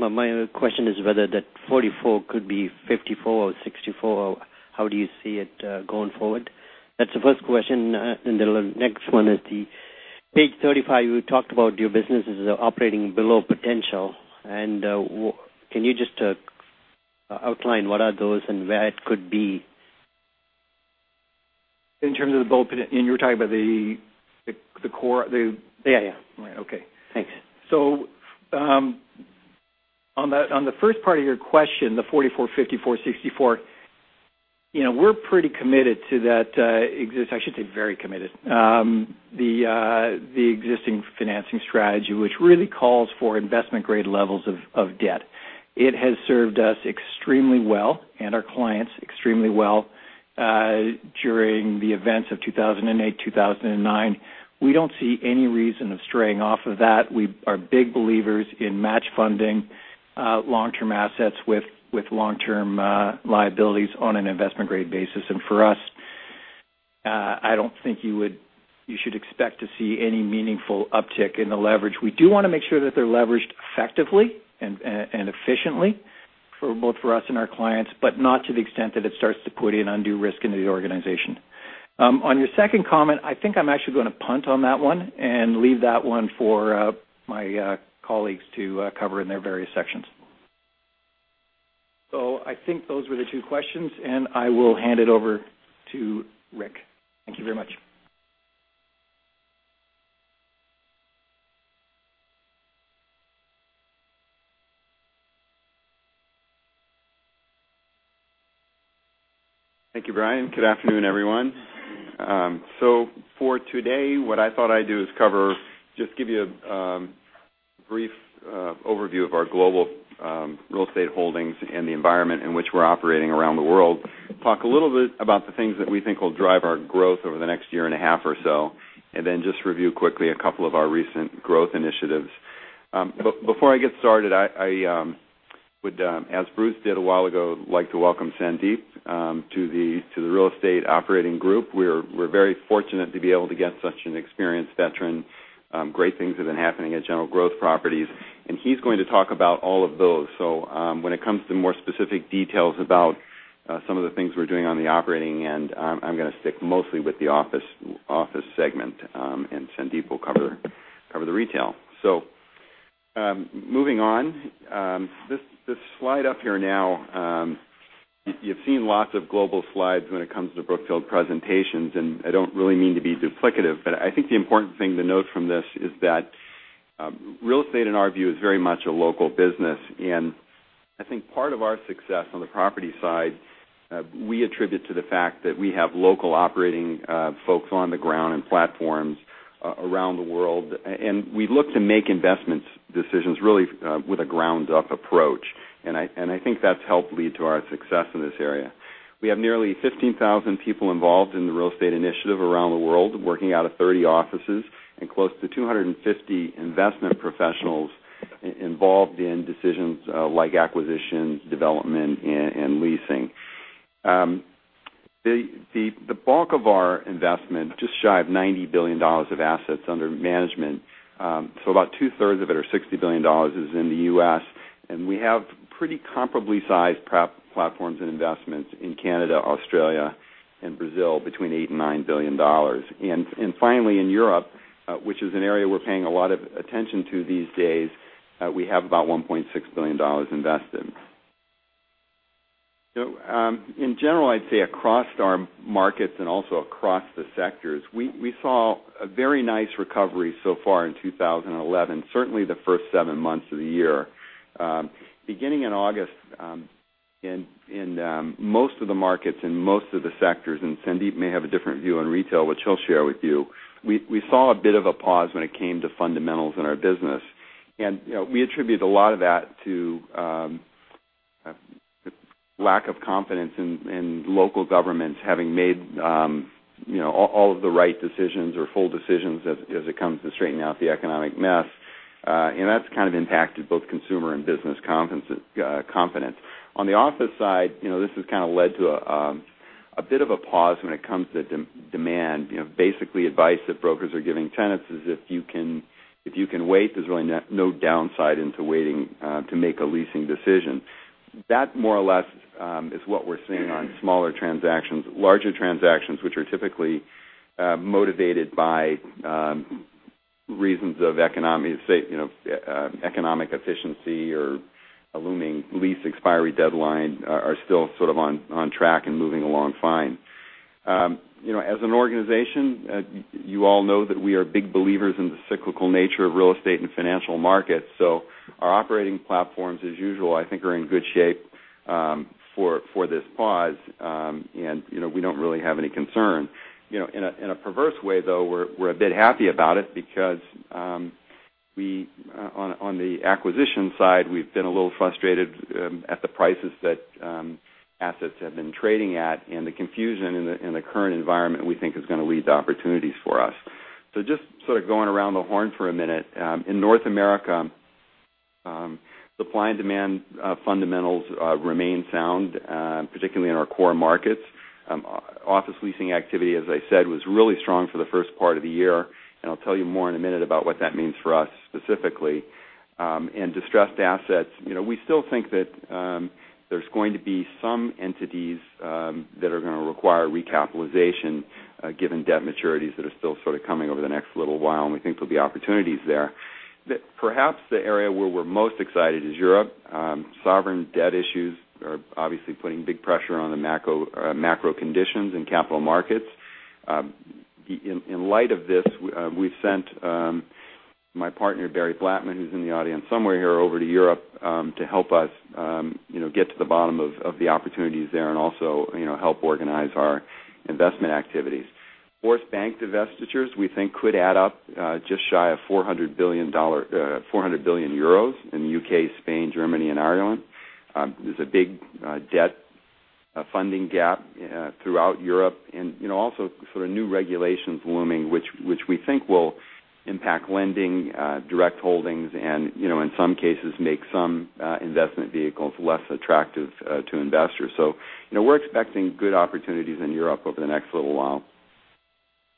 My question is whether that [44 could be 54 or 64], or how do you see it going forward? That's the first question. The next one is page 35. You talked about your businesses operating below potential. Can you just outline what those are and where it could be? In terms of the below potential, you're talking about the core. Yeah, right. Okay. Thanks. On the first part of your question, the [44, 54, 64], we're pretty committed to that, I should say very committed, the existing financing strategy, which really calls for investment-grade levels of debt. It has served us extremely well and our clients extremely well during the events of 2008, 2009. We don't see any reason of straying off of that. We are big believers in match funding, long-term assets with long-term liabilities on an investment-grade basis. For us, I don't think you should expect to see any meaningful uptick in the leverage. We do want to make sure that they're leveraged effectively and efficiently for both us and our clients, but not to the extent that it starts to put in undue risk into the organization. On your second comment, I think I'm actually going to punt on that one and leave that one for my colleagues to cover in their various sections. I think those were the two questions, and I will hand it over to Ric. Thank you very much. Thank you, Brian. Good afternoon, everyone. For today, what I thought I'd do is cover, just give you a brief overview of our global real estate holdings and the environment in which we're operating around the world. Talk a little bit about the things that we think will drive our growth over the next year and a half or so, and then just review quickly a couple of our recent growth initiatives. Before I get started, as Bruce did a while ago, I'd like to welcome Sandeep to the real estate operating group. We're very fortunate to be able to get such an experienced veteran. Great things have been happening at General Growth Properties, and he's going to talk about all of those. When it comes to more specific details about some of the things we're doing on the operating end, I'm going to stick mostly with the office segment, and Sandeep will cover the retail. Moving on, this slide up here now, you've seen lots of global slides when it comes to Brookfield presentations, and I don't really mean to be duplicative, but I think the important thing to note from this is that real estate in our view is very much a local business. I think part of our success on the property side, we attribute to the fact that we have local operating folks on the ground and platforms around the world. We look to make investment decisions really with a ground-up approach, and I think that's helped lead to our success in this area. We have nearly 15,000 people involved in the real estate initiative around the world, working out of 30 offices and close to 250 investment professionals involved in decisions like acquisitions, development, and leasing. The bulk of our investment, just shy of $90 billion of assets under management, so about 2/3 of it or $60 billion, is in the U.S. We have pretty comparably sized platforms and investments in Canada, Australia, and Brazil between $8 billion, $9 billion. Finally, in Europe, which is an area we're paying a lot of attention to these days, we have about $1.6 billion invested. In general, I'd say across our markets and also across the sectors, we saw a very nice recovery so far in 2011, certainly the first seven months of the year. Beginning in August, in most of the markets and most of the sectors, and Sandeep may have a different view on retail, which he'll share with you, we saw a bit of a pause when it came to fundamentals in our business. We attribute a lot of that to lack of confidence in local governments having made all of the right decisions or full decisions as it comes to straighten out the economic mess. That has impacted both consumer and business confidence. On the office side, this has led to a bit of a pause when it comes to demand. Basically, advice that brokers are giving tenants is if you can wait, there's really no downside to waiting to make a leasing decision. That is what we're seeing on smaller transactions. Larger transactions, which are typically motivated by reasons of economic efficiency or a looming lease expiry deadline, are still on track and moving along fine. As an organization, you all know that we are big believers in the cyclical nature of real estate and financial markets. Our operating platforms, as usual, I think are in good shape for this pause, and we don't really have any concern. In a perverse way, though, we're a bit happy about it because on the acquisition side, we've been a little frustrated at the prices that assets have been trading at. The confusion in the current environment we think is going to lead to opportunities for us. Just going around the horn for a minute, in North America, supply and demand fundamentals remain sound, particularly in our core markets. Office leasing activity, as I said, was really strong for the first part of the year. I'll tell you more in a minute about what that means for us specifically. Distressed assets, we still think that there's going to be some entities that are going to require recapitalization, given debt maturities that are still coming over the next little while, and we think there'll be opportunities there. Perhaps the area where we're most excited is Europe. Sovereign debt issues are obviously putting big pressure on the macro conditions in capital markets. In light of this, we've sent my partner Barry Blattman, who's in the audience somewhere here, over to Europe to help us get to the bottom of the opportunities there and also help organize our investment activities. Fourth bank divestitures we think could add up just shy of EUR 400 billion in the U.K., Spain, Germany, and Ireland. There's a big debt funding gap throughout Europe. You know, also sort of new regulations looming, which we think will impact lending, direct holdings, and, in some cases, make some investment vehicles less attractive to investors. We are expecting good opportunities in Europe over the next little while.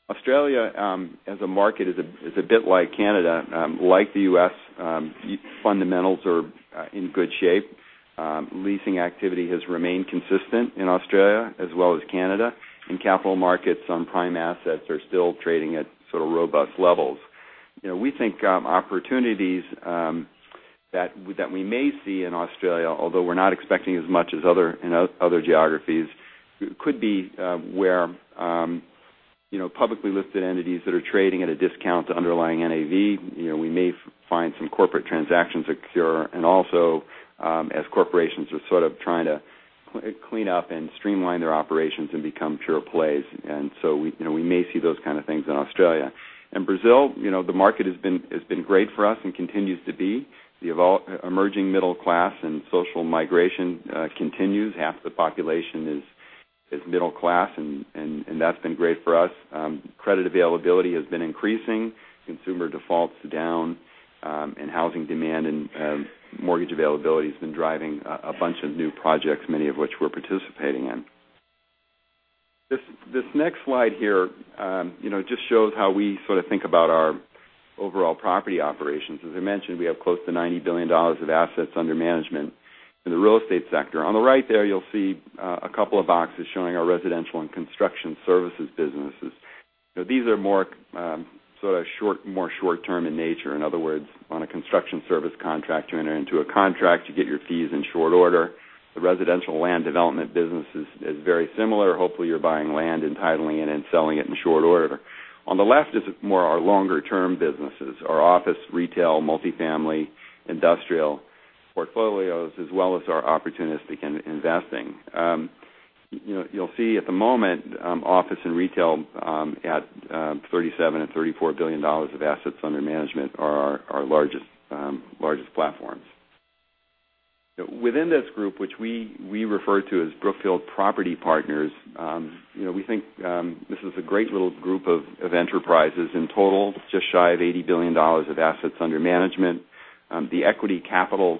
Australia, as a market, is a bit like Canada. Like the U.S., fundamentals are in good shape. Leasing activity has remained consistent in Australia, as well as Canada, and capital markets on prime assets are still trading at robust levels. We think opportunities that we may see in Australia, although we're not expecting as much as other geographies, could be where publicly listed entities are trading at a discount to underlying NAV. We may find some corporate transactions occur, and also, as corporations are trying to clean up and streamline their operations and become pure plays. We may see those kinds of things in Australia. Brazil, the market has been great for us and continues to be. The emerging middle class and social migration continues. Half the population is middle class, and that's been great for us. Credit availability has been increasing. Consumer defaults are down, and housing demand and mortgage availability have been driving a bunch of new projects, many of which we're participating in. This next slide here just shows how we think about our overall property operations. As I mentioned, we have close to $90 billion of assets under management in the real estate sector. On the right, you'll see a couple of boxes showing our residential and construction services businesses. These are more short-term in nature. In other words, on a construction service contract, you enter into a contract, you get your fees in short order. The residential land development business is very similar. Hopefully, you're buying land, entitling it, and selling it in short order. On the left is more our longer-term businesses, our office, retail, multifamily, industrial portfolios, as well as our opportunistic investing. You'll see at the moment, office and retail at $37 billion and $34 billion of assets under management are our largest platforms. Within this group, which we refer to as Brookfield Property Partners, we think this is a great little group of enterprises in total, just shy of $80 billion of assets under management. The equity capital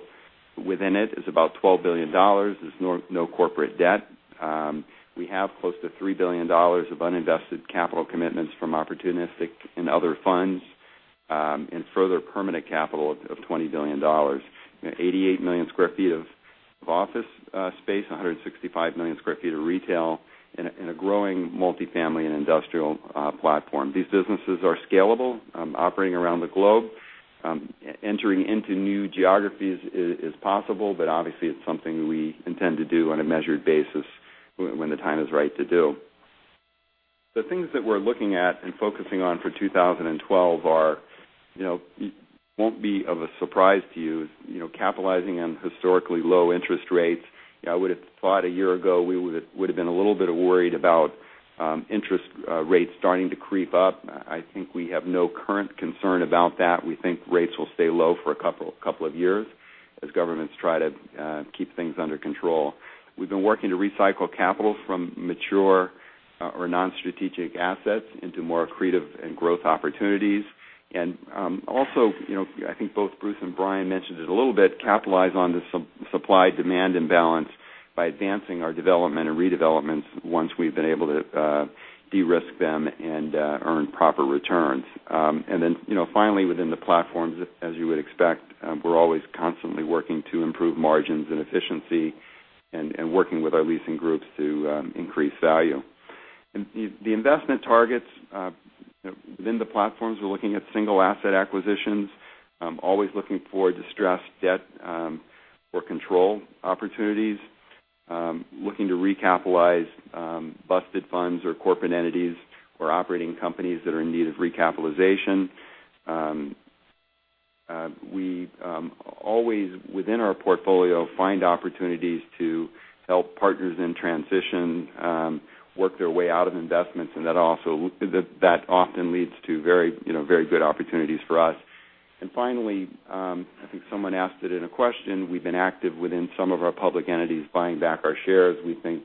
within it is about $12 billion. There's no corporate debt. We have close to $3 billion of uninvested capital commitments from opportunistic and other funds, and further permanent capital of $20 billion. 88 million sq ft of office space, 165 million sq ft of retail, and a growing multifamily and industrial platform. These businesses are scalable, operating around the globe. Entering into new geographies is possible, but obviously, it's something we intend to do on a measured basis when the time is right to do. The things that we're looking at and focusing on for 2012 are, you know, it won't be of a surprise to you, you know, capitalizing on historically low interest rates. I would have thought a year ago, we would have been a little bit worried about interest rates starting to creep up. I think we have no current concern about that. We think rates will stay low for a couple of years as governments try to keep things under control. We've been working to recycle capital from mature or non-strategic assets into more creative and growth opportunities. Also, I think both Bruce and Brian mentioned it a little bit, capitalize on this supply-demand imbalance by advancing our development and redevelopments once we've been able to de-risk them and earn proper returns. Finally, within the platforms, as you would expect, we're always constantly working to improve margins and efficiency and working with our leasing groups to increase value. The investment targets within the platforms, we're looking at single asset acquisitions, always looking for distressed debt or control opportunities, looking to recapitalize busted funds or corporate entities or operating companies that are in need of recapitalization. We always, within our portfolio, find opportunities to help partners in transition work their way out of investments, and that also often leads to very, you know, very good opportunities for us. Finally, I think someone asked it in a question. We've been active within some of our public entities buying back our shares. We think,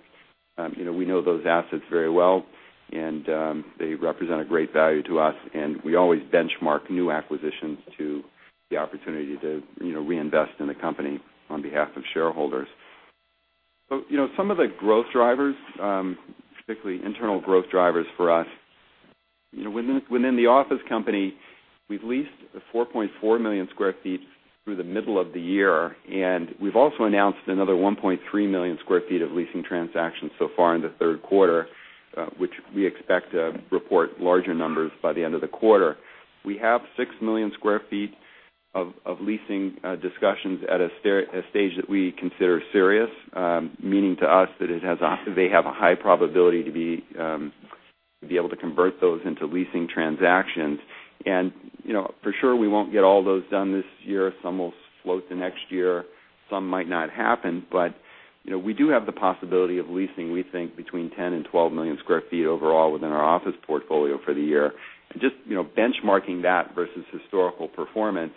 you know, we know those assets very well, and they represent a great value to us. We always benchmark new acquisitions to the opportunity to, you know, reinvest in the company on behalf of shareholders. Some of the growth drivers, specifically internal growth drivers for us, within the office company, we've leased 4.4 million sq ft through the middle of the year. We have also announced another 1.3 million sq ft of leasing transactions so far in the third quarter, which we expect to report larger numbers by the end of the quarter. We have 6 million sq ft of leasing discussions at a stage that we consider serious, meaning to us that they have a high probability to be able to convert those into leasing transactions. For sure, we won't get all those done this year. Some will float to next year. Some might not happen. We do have the possibility of leasing, we think, between 10 million and 12 million sq ft overall within our office portfolio for the year. Just benchmarking that versus historical performance,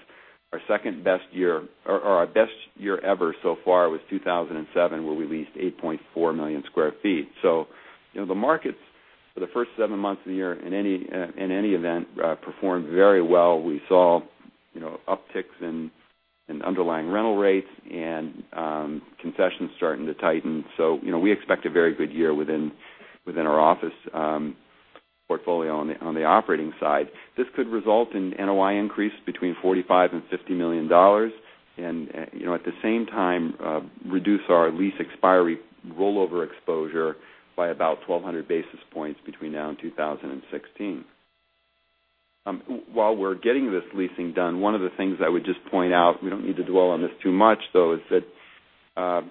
our second best year or our best year ever so far was 2007 where we leased 8.4 million sq ft. The markets for the first seven months of the year in any event performed very well. We saw upticks in underlying rental rates and concessions starting to tighten. We expect a very good year within our office portfolio on the operating side. This could result in NOI increase between $45 million and $50 million. At the same time, reduce our lease expiry rollover exposure by about 1,200 basis points between now and 2016. While we're getting this leasing done, one of the things I would just point out, we don't need to dwell on this too much, though, is that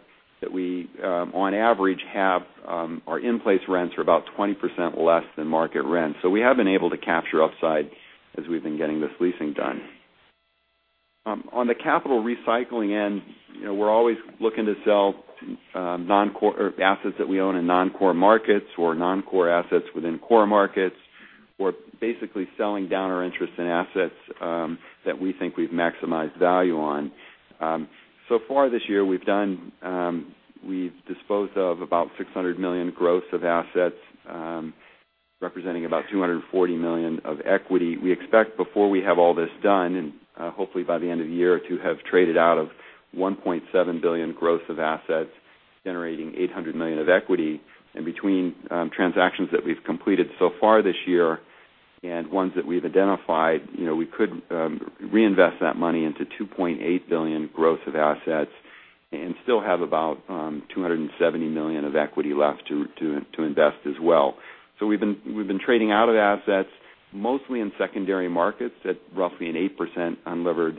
we, on average, have our in-place rents about 20% less than market rent. We have been able to capture upside as we've been getting this leasing done. On the capital recycling end, we're always looking to sell non-core assets that we own in non-core markets or non-core assets within core markets. We're basically selling down our interest in assets that we think we've maximized value on. So far this year, we've disposed of about $600 million gross of assets, representing about $240 million of equity. We expect before we have all this done, and hopefully by the end of the year, to have traded out of $1.7 billion gross of assets, generating $800 million of equity. Between transactions that we've completed so far this year and ones that we've identified, we could reinvest that money into $2.8 billion gross of assets and still have about $270 million of equity left to invest as well. We have been trading out of assets mostly in secondary markets at roughly an 8% unlevered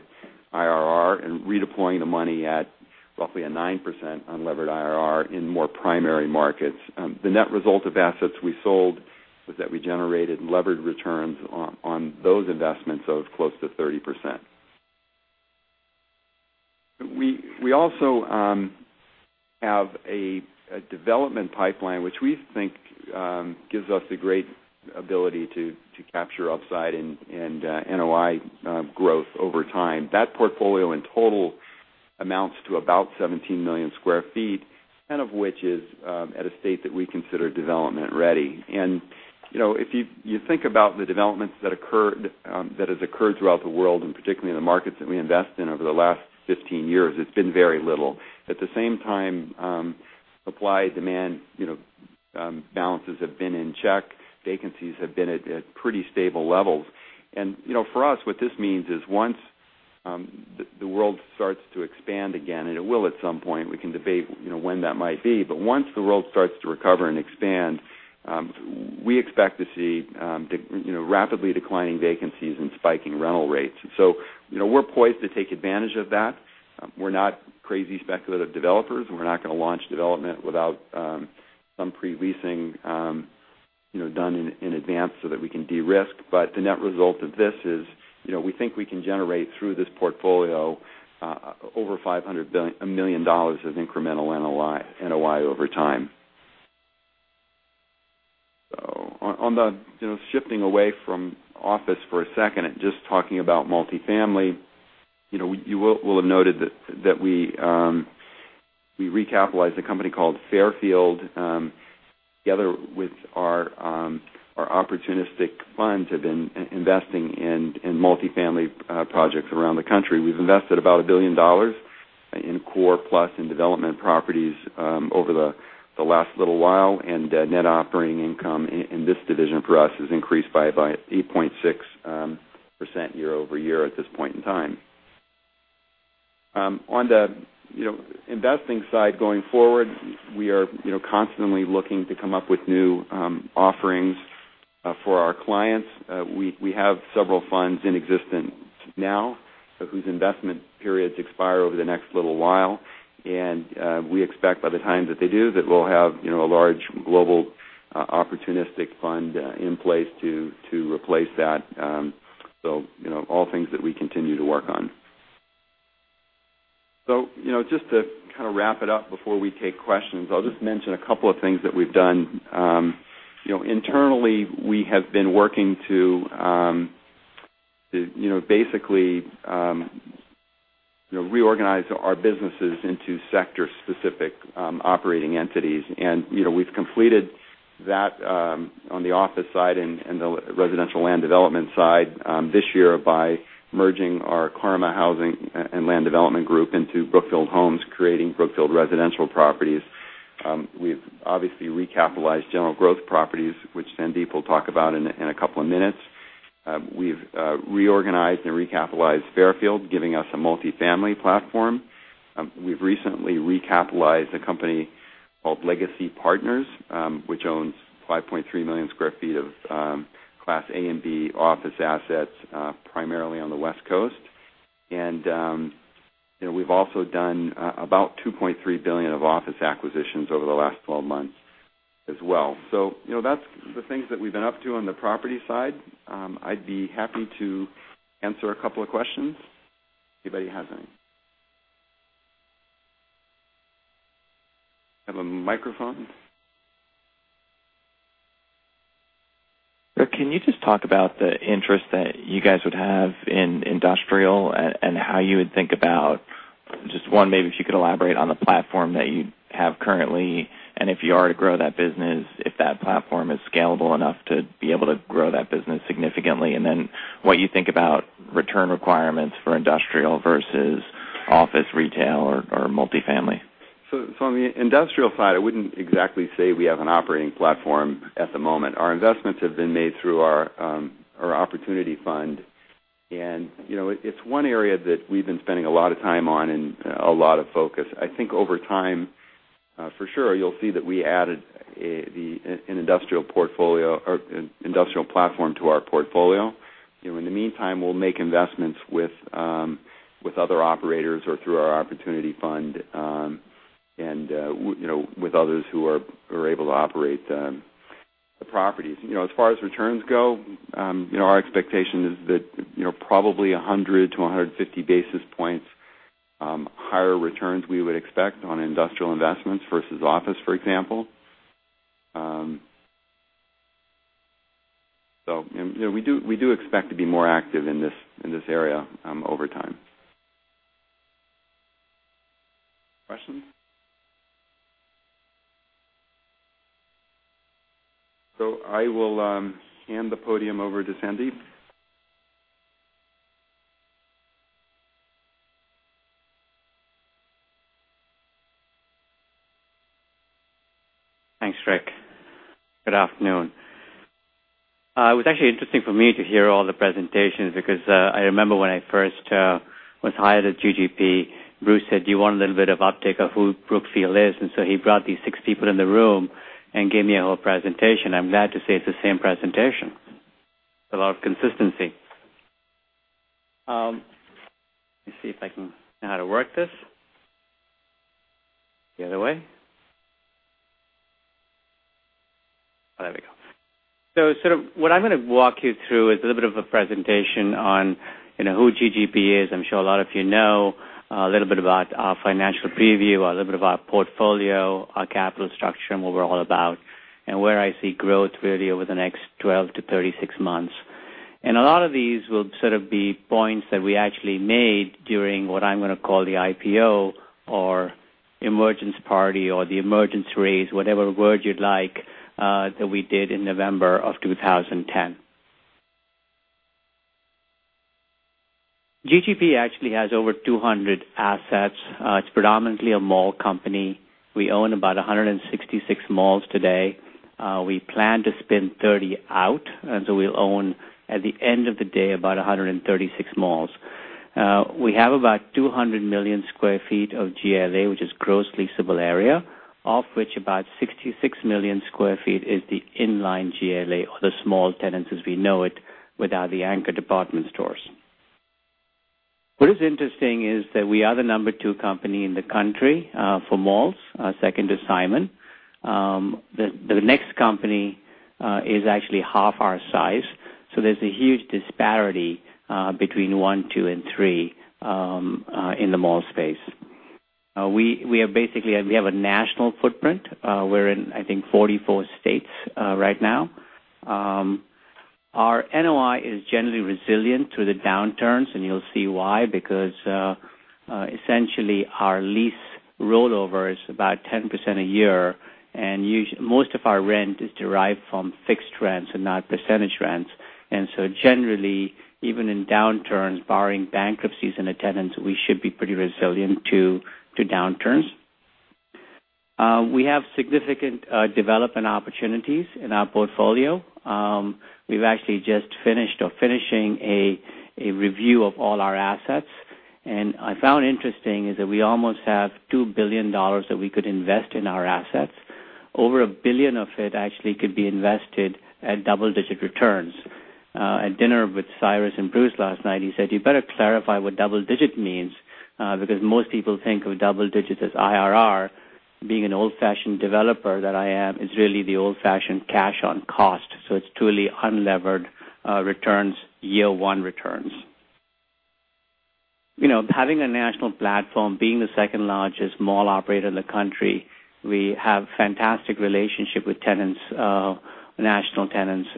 IRR and redeploying the money at roughly a 9% unlevered IRR in more primary markets. The net result of assets we sold was that we generated levered returns on those investments of close to 30%. We also have a development pipeline, which we think gives us a great ability to capture upside and NOI growth over time. That portfolio in total amounts to about 17 million sq ft, 10 million sq ft of which is at a state that we consider development ready. If you think about the developments that occurred throughout the world, and particularly in the markets that we invest in over the last 15 years, it's been very little. At the same time, supply-demand balances have been in check. Vacancies have been at pretty stable levels. For us, what this means is once the world starts to expand again, and it will at some point, we can debate when that might be, but once the world starts to recover and expand, we expect to see rapidly declining vacancies and spiking rental rates. We are poised to take advantage of that. We are not crazy speculative developers. We are not going to launch development without some pre-leasing done in advance so that we can de-risk. The net result of this is we think we can generate through this portfolio over $500 million of incremental NOI over time. Shifting away from office for a second and just talking about multifamily, you will have noted that we recapitalized a company called Fairfield, together with our opportunistic fund, have been investing in multifamily projects around the country. We have invested about $1 billion in core plus in development properties over the last little while. Net operating income in this division for us has increased by about 8.6% year-over-year at this point in time. On the investing side going forward, we are constantly looking to come up with new offerings for our clients. We have several funds in existence now whose investment periods expire over the next little while. We expect by the time that they do, that we will have a large global opportunistic fund in place to replace that. All things that we continue to work on. Just to kind of wrap it up before we take questions, I'll just mention a couple of things that we've done. Internally, we have been working to basically reorganize our businesses into sector-specific operating entities. We've completed that on the office side and the residential land development side this year by merging our Karma Housing and Land Development Group into Brookfield Homes, creating Brookfield Residential Properties. We've obviously recapitalized General Growth Properties, which Sandeep will talk about in a couple of minutes. We've reorganized and recapitalized Fairfield, giving us a multifamily platform. We've recently recapitalized a company called Legacy Partners, which owns 5.3 million sq ft of Class A and B office assets, primarily on the West Coast. We've also done about $2.3 billion of office acquisitions over the last 12 months as well. That's the things that we've been up to on the property side. I'd be happy to answer a couple of questions. Anybody has any? I have a microphone. Can you just talk about the interest that you guys would have in industrial and how you would think about just one, maybe if you could elaborate on the platform that you have currently, and if you are to grow that business, if that platform is scalable enough to be able to grow that business significantly. Then what you think about return requirements for industrial versus office, retail, or multifamily. On the industrial side, I wouldn't exactly say we have an operating platform at the moment. Our investments have been made through our opportunity fund. It's one area that we've been spending a lot of time on and a lot of focus. I think over time, for sure, you'll see that we added an industrial portfolio or industrial platform to our portfolio. In the meantime, we'll make investments with other operators or through our opportunity fund and with others who are able to operate the properties. As far as returns go, our expectation is that probably 100-150 basis points higher returns we would expect on industrial investments versus office, for example. We do expect to be more active in this area over time. Questions? I will hand the podium over to Sandeep. Thanks, Ric. Good afternoon. It was actually interesting for me to hear all the presentations because I remember when I first was hired at GGP, Bruce said, "Do you want a little bit of update of who Brookfield is?" He brought these six people in the room and gave me a whole presentation. I'm glad to say it's the same presentation. A lot of consistency. Let me see if I can know how to work this. The other way. There we go. What I'm going to walk you through is a little bit of a presentation on, you know, who GGP is. I'm sure a lot of you know a little bit about our financial preview, a little bit about our portfolio, our capital structure, what we're all about, and where I see growth really over the next 12-36 months. A lot of these will be points that we actually made during what I'm going to call the IPO or emergence party or the emergence race, whatever word you'd like, that we did in November of 2010. GGP actually has over 200 assets. It's predominantly a mall company. We own about 166 malls today. We plan to spin 30 out. We'll own, at the end of the day, about 136 malls. We have about 200 million sq ft of GLA, which is gross leasable area, of which about 66 million sq ft is the inline GLA or the small tenants as we know it, without the anchor department stores. What is interesting is that we are the number two company in the country for malls, second to Simon. The next company is actually half our size. There is a huge disparity between one, two, and three in the mall space. We have a national footprint. We're in, I think, 44 states right now. Our NOI is generally resilient through the downturns, and you'll see why, because essentially our lease rollover is about 10% a year. Most of our rent is derived from fixed rents and not percentage rents. Generally, even in downturns, barring bankruptcies and attendance, we should be pretty resilient to downturns. We have significant development opportunities in our portfolio. We've actually just finished or are finishing a review of all our assets. What I found interesting is that we almost have $2 billion that we could invest in our assets. Over $1 billion of it actually could be invested at double-digit returns. At dinner with Cyrus and Bruce last night, he said, "You better clarify what double-digit means," because most people think of double-digit as IRR. Being an old-fashioned developer that I am, it's really the old-fashioned cash on cost. So it's truly unlevered returns, year-one returns. You know, having a national platform, being the second largest mall operator in the country, we have a fantastic relationship with tenants, national tenants.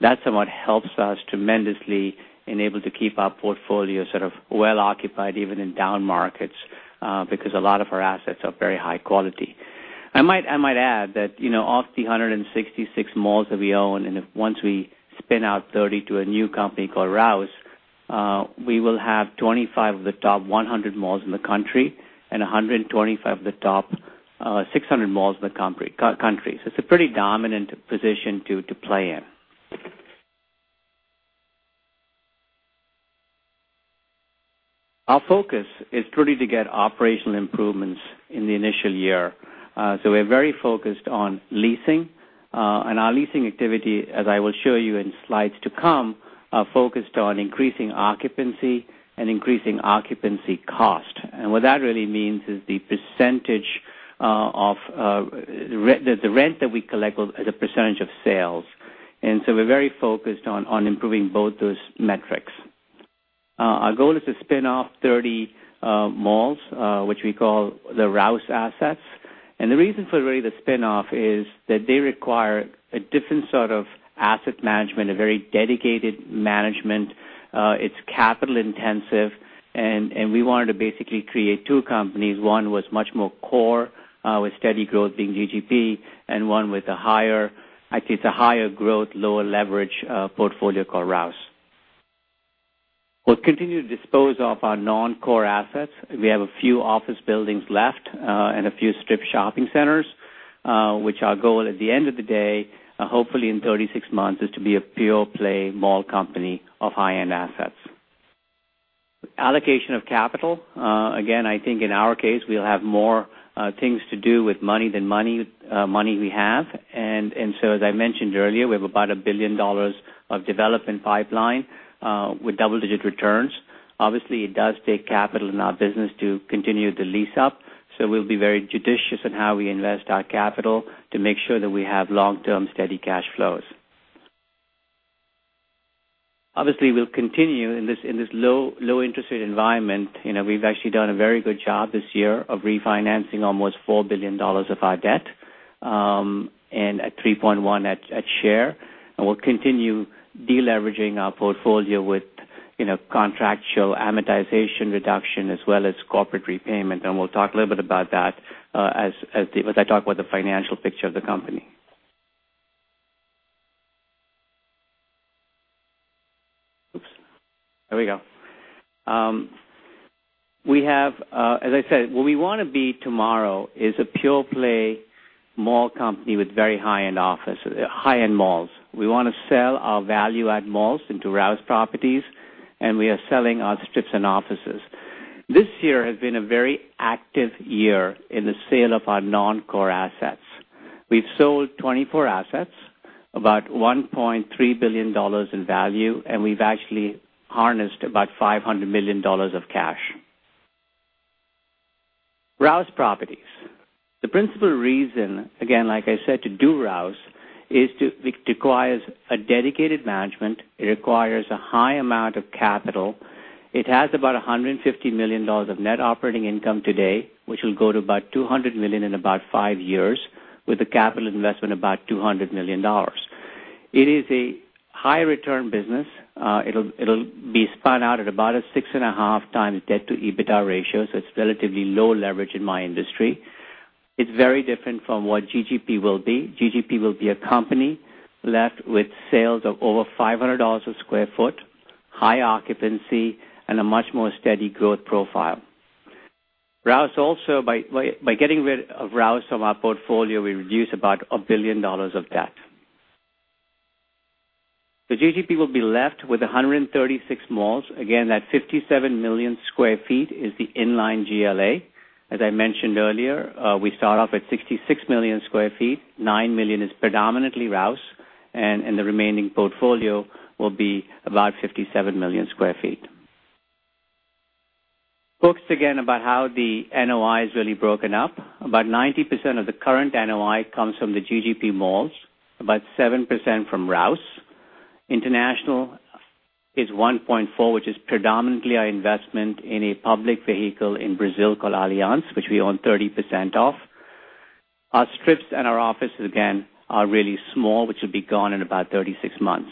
That somewhat helps us tremendously, enabling us to keep our portfolio sort of well occupied even in down markets because a lot of our assets are very high quality. I might add that, you know, of the 166 malls that we own, and if once we spin out 30 to a new company called Rouse, we will have 25 of the top 100 malls in the country and 125 of the top 600 malls in the country. It's a pretty dominant position to play in. Our focus is to get operational improvements in the initial year. We're very focused on leasing. Our leasing activity, as I will show you in slides to come, is focused on increasing occupancy and increasing occupancy cost. What that really means is the percentage of the rent that we collect as a percentage of sales. We're very focused on improving both those metrics. Our goal is to spin off 30 malls, which we call the Rouse assets. The reason for the spin-off is that they require a different sort of asset management, a very dedicated management. It's capital intensive. We wanted to basically create two companies. One was much more core with steady growth being GGP, and one with a higher, actually, it's a higher growth, lower leverage portfolio called Rouse. We'll continue to dispose of our non-core assets. We have a few office buildings left and a few strip shopping centers, which our goal at the end of the day, hopefully in 36 months, is to be a pure play mall company of high-end assets. Allocation of capital. Again, I think in our case, we'll have more things to do with money than money we have. As I mentioned earlier, we have about $1 billion of development pipeline with double-digit returns. Obviously, it does take capital in our business to continue the lease up. We'll be very judicious in how we invest our capital to make sure that we have long-term steady cash flows. Obviously, we'll continue in this low interest rate environment. We've actually done a very good job this year of refinancing almost $4 billion of our debt and at $3.1 at share. We'll continue deleveraging our portfolio with contractual amortization reduction as well as corporate repayment. We will talk a little bit about that as I talk about the financial picture of the company. There we go. We have, as I said, what we want to be tomorrow is a pure play mall company with very high-end office, high-end malls. We want to sell our value-add malls into Rouse Properties, and we are selling our strips and offices. This year has been a very active year in the sale of our non-core assets. We sold 24 assets, about $1.3 billion in value, and we have actually harnessed about $500 million of cash. Rouse Properties. The principal reason, again, like I said, to do Rouse is it requires a dedicated management. It requires a high amount of capital. It has about $150 million of net operating income today, which will go to about $200 million in about five years with a capital investment of about $200 million. It is a high-return business. It will be spun out at about a 6.5x debt to EBITDA ratio. It is relatively low leverage in my industry. It is very different from what GGP will be. GGP will be a company left with sales of over $500 a square foot, high occupancy, and a much more steady growth profile. Also, by getting rid of Rouse from our portfolio, we reduce about $1 billion of debt. The GGP will be left with 136 malls. That 57 million sq ft is the inline GLA. As I mentioned earlier, we start off at 66 million sq ft. 9 million is predominantly Rouse, and the remaining portfolio will be about 57 million sq ft. Focused again about how the NOI is really broken up. About 90% of the current NOI comes from the GGP malls, about 7% from Rouse. International is 1.4%, which is predominantly our investment in a public vehicle in Brazil called Allianz, which we own 30% of. Our strips and our offices, again, are really small, which will be gone in about 36 months.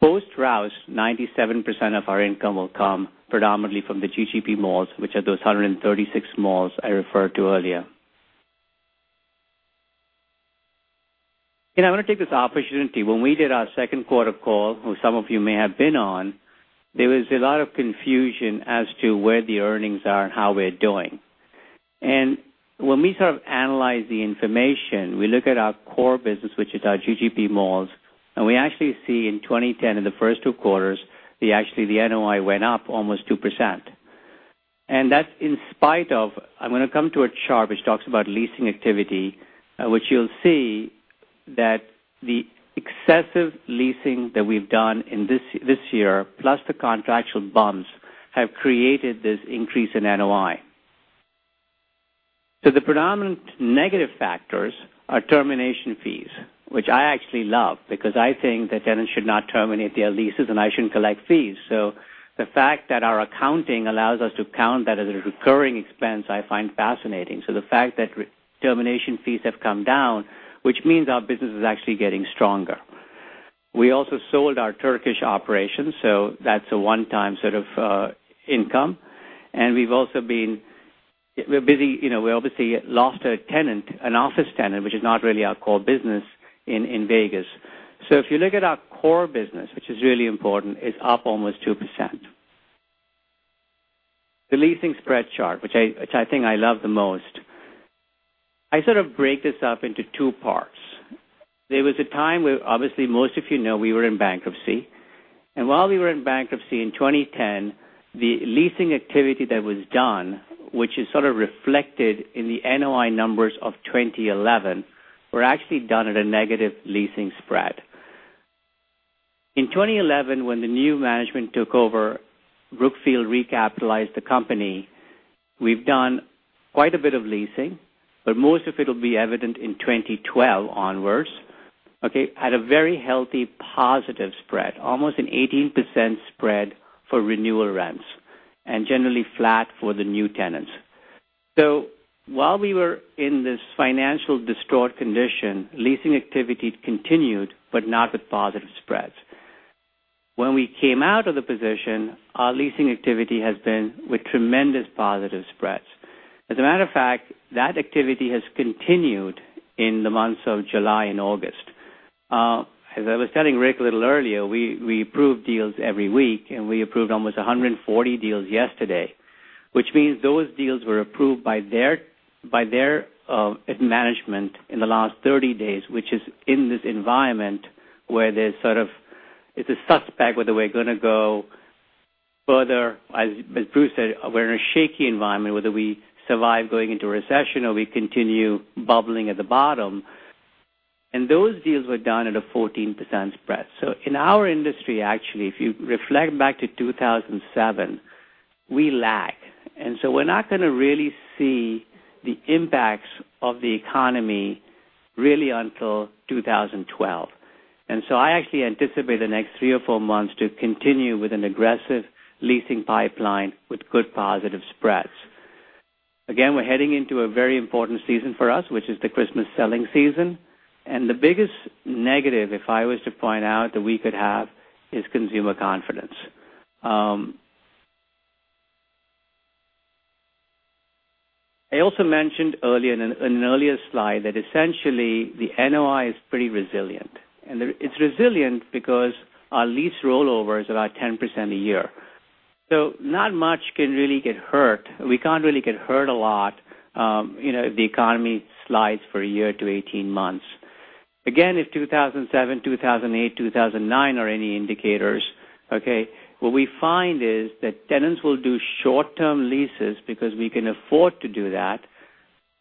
Post-Rouse, 97% of our income will come predominantly from the GGP malls, which are those 136 malls I referred to earlier. I want to take this opportunity. When we did our second quarter call, some of you may have been on, there was a lot of confusion as to where the earnings are and how we are doing. When we sort of analyze the information, we look at our core business, which is our GGP malls, and we actually see in 2010, in the first two quarters, the NOI went up almost 2%. That is in spite of, I am going to come to a chart which talks about leasing activity, which you will see that the excessive leasing that we have done in this year, plus the contractual bumps, have created this increase in NOI. The predominant negative factors are termination fees, which I actually love because I think that tenants should not terminate their leases and I should not collect fees. The fact that our accounting allows us to count that as a recurring expense, I find fascinating. The fact that termination fees have come down means our business is actually getting stronger. We also sold our Turkish operations, so that is a one-time sort of income. We have also been, we are busy, you know, we obviously lost a tenant, an office tenant, which is not really our core business in Vegas. If you look at our core business, which is really important, it is up almost 2%. The leasing spread chart, which I think I love the most, I sort of break this up into two parts. There was a time where, obviously, most of you know we were in bankruptcy. While we were in bankruptcy in 2010, the leasing activity that was done, which is sort of reflected in the NOI numbers of 2011, was actually done at a negative leasing spread. In 2011, when the new management took over, Brookfield recapitalized the company. We have done quite a bit of leasing, but most of it will be evident in 2012 onwards. It had a very healthy positive spread, almost an 18% spread for renewal rents and generally flat for the new tenants. While we were in this financial distorted condition, leasing activity continued, but not with positive spreads. When we came out of the position, our leasing activity has been with tremendous positive spreads. As a matter of fact, that activity has continued in the months of July and August. As I was telling Ric a little earlier, we approved deals every week, and we approved almost 140 deals yesterday, which means those deals were approved by their management in the last 30 days, which is in this environment where it is a suspect whether we are going to go further. As Bruce said, we are in a shaky environment, whether we survive going into a recession or we continue bubbling at the bottom. Those deals were done at a 14% spread. In our industry, actually, if you reflect back to 2007, we lack. We are not going to really see the impacts of the economy really until 2012. I actually anticipate the next three or four months to continue with an aggressive leasing pipeline with good positive spreads. We're heading into a very important season for us, which is the Christmas selling season. The biggest negative, if I was to point out that we could have, is consumer confidence. I also mentioned earlier in an earlier slide that essentially the NOI is pretty resilient. It's resilient because our lease rollover is about 10% a year. Not much can really get hurt. We can't really get hurt a lot. You know, the economy slides for a year to 18 months. If 2007, 2008, 2009 are any indicators, what we find is that tenants will do short-term leases because we can afford to do that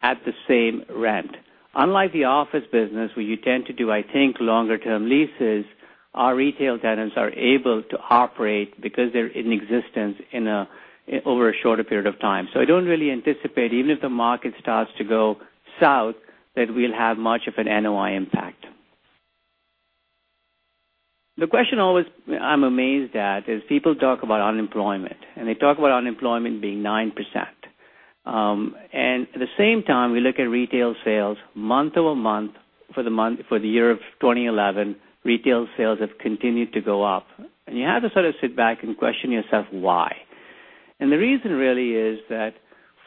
at the same rent. Unlike the office business, where you tend to do, I think, longer-term leases, our retail tenants are able to operate because they're in existence in over a shorter period of time. I don't really anticipate, even if the market starts to go south, that we'll have much of an NOI impact. The question always I'm amazed at is people talk about unemployment, and they talk about unemployment being 9%. At the same time, we look at retail sales month over month for the year of 2011. Retail sales have continued to go up. You have to sort of sit back and question yourself why. The reason really is that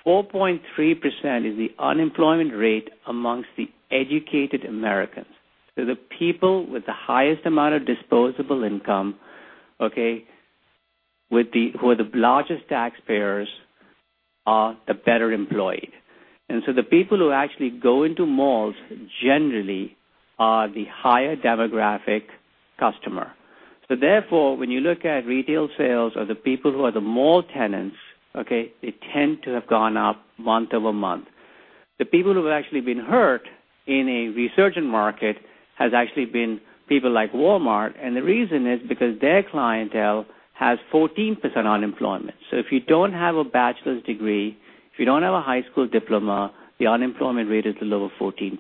4.3% is the unemployment rate amongst the educated Americans. The people with the highest amount of disposable income, who are the largest taxpayers, are the better employed. The people who actually go into malls generally are the higher demographic customer. Therefore, when you look at retail sales of the people who are the mall tenants, they tend to have gone up month over month. The people who have actually been hurt in a resurgent market have actually been people like Walmart. The reason is because their clientele has 14% unemployment. If you don't have a bachelor's degree, if you don't have a high school diploma, the unemployment rate is the low of 14%.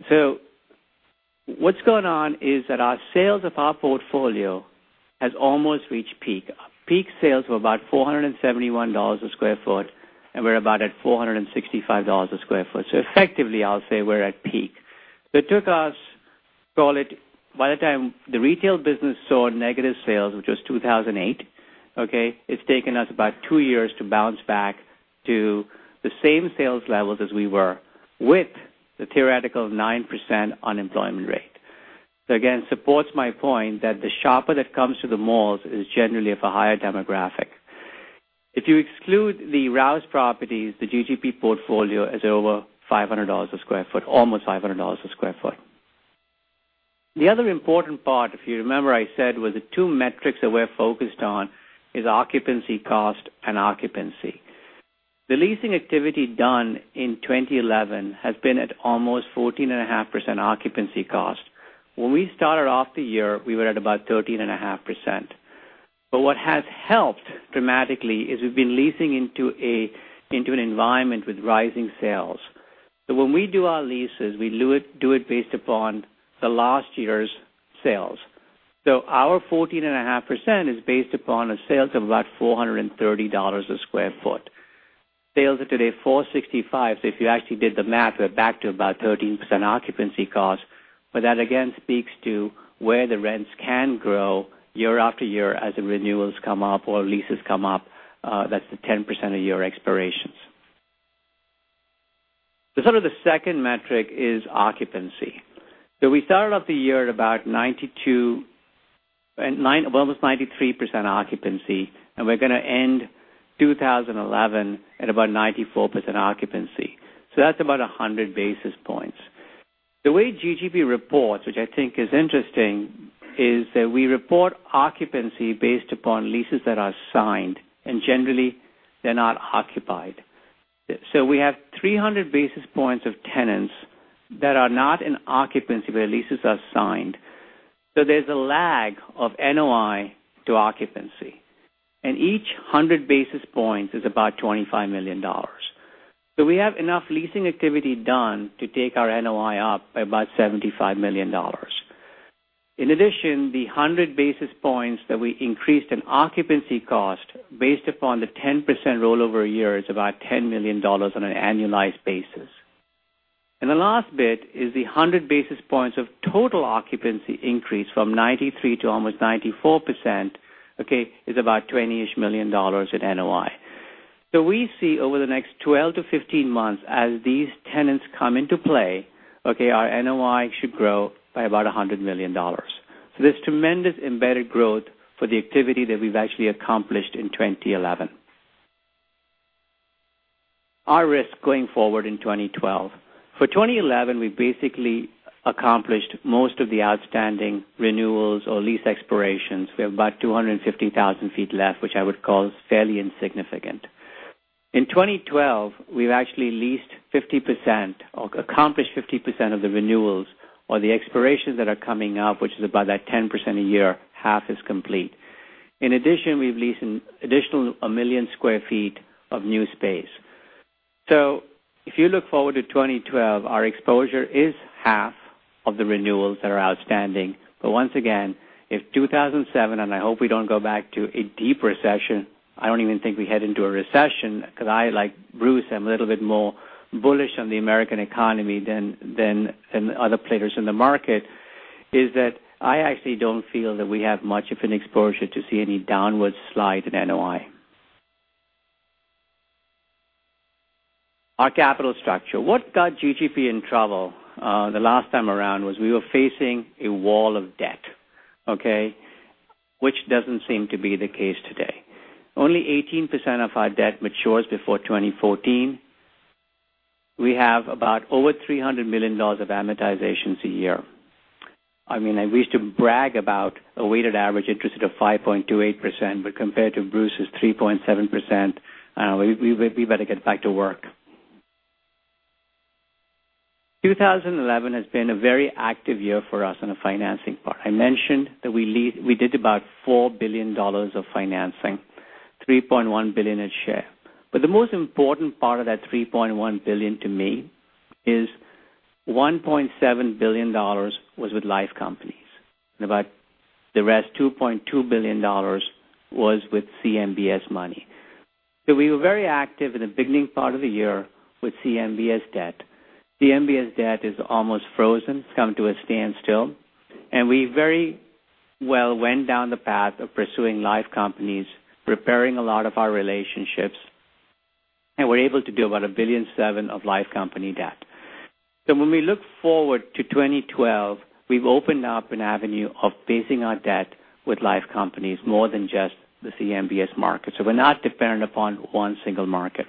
What's going on is that our sales of our portfolio have almost reached peak. Peak sales were about $471 a square foot, and we're about at $465 a square foot. Effectively, I'll say we're at peak. It took us, call it, by the time the retail business saw negative sales, which was 2008, it's taken us about two years to bounce back to the same sales levels as we were with the theoretical 9% unemployment rate. Again, supports my point that the shopper that comes to the malls is generally of a higher demographic. If you exclude the Rouse Properties, the GGP portfolio is over $500 a square foot, almost $500 a square foot. The other important part, if you remember, I said was the two metrics that we're focused on are occupancy cost and occupancy. The leasing activity done in 2011 has been at almost 14.5% occupancy cost. When we started off the year, we were at about 13.5%. What has helped dramatically is we've been leasing into an environment with rising sales. When we do our leases, we do it based upon the last year's sales. Our 14.5% is based upon sales of about $430 a square foot. Sales are today $465. If you actually did the math, we're back to about 13% occupancy cost. That again speaks to where the rents can grow year after year as the renewals come up or leases come up. That's the 10% of your expirations. The second metric is occupancy. We started off the year at about 92% and almost 93% occupancy, and we're going to end 2011 at about 94% occupancy. That's about 100 basis points. The way GGP reports, which I think is interesting, is that we report occupancy based upon leases that are signed, and generally, they're not occupied. We have 300 basis points of tenants that are not in occupancy where leases are signed. There's a lag of NOI to occupancy. Each 100 basis points is about $25 million. We have enough leasing activity done to take our NOI up by about $75 million. In addition, the 100 basis points that we increased in occupancy cost based upon the 10% rollover year is about $10 million on an annualized basis. The last bit is the 100 basis points of total occupancy increase from 93% to almost 94%, is about $20 million in NOI. We see over the next 12-15 months, as these tenants come into play, our NOI should grow by about $100 million. There's tremendous embedded growth for the activity that we've actually accomplished in 2011. Our risk going forward in 2012. For 2011, we basically accomplished most of the outstanding renewals or lease expirations. We have about 250,000 ft left, which I would call fairly insignificant. In 2012, we've actually leased 50% or accomplished 50% of the renewals or the expirations that are coming up, which is about that 10% a year. Half is complete. In addition, we've leased an additional 1 million sq ft of new space. If you look forward to 2012, our exposure is half of the renewals that are outstanding. Once again, if 2007, and I hope we don't go back to a deep recession, I don't even think we head into a recession because I, like Bruce, am a little bit more bullish on the American economy than other players in the market, is that I actually don't feel that we have much of an exposure to see any downward slide in NOI. Our capital structure. What got GGP in trouble the last time around was we were facing a wall of debt, which doesn't seem to be the case today. Only 18% of our debt matures before 2014. We have about over $300 million of amortizations a year. We used to brag about a weighted average interest rate of 5.28%, but compared to Bruce's 3.7%, I don't know, we better get back to work. 2011 has been a very active year for us on the financing part. I mentioned that we did about $4 billion of financing, $3.1 billion at share. The most important part of that $3.1 billion to me is $1.7 billion was with life companies. About the rest, $2.2 billion was with CMBS money. We were very active in the beginning part of the year with CMBS debt. CMBS debt is almost frozen. It's coming to a standstill. We very well went down the path of pursuing life companies, repairing a lot of our relationships, and we're able to do about $1.7 billion of life company debt. When we look forward to 2012, we've opened up an avenue of facing our debt with life companies more than just the CMBS market. We're not dependent upon one single market.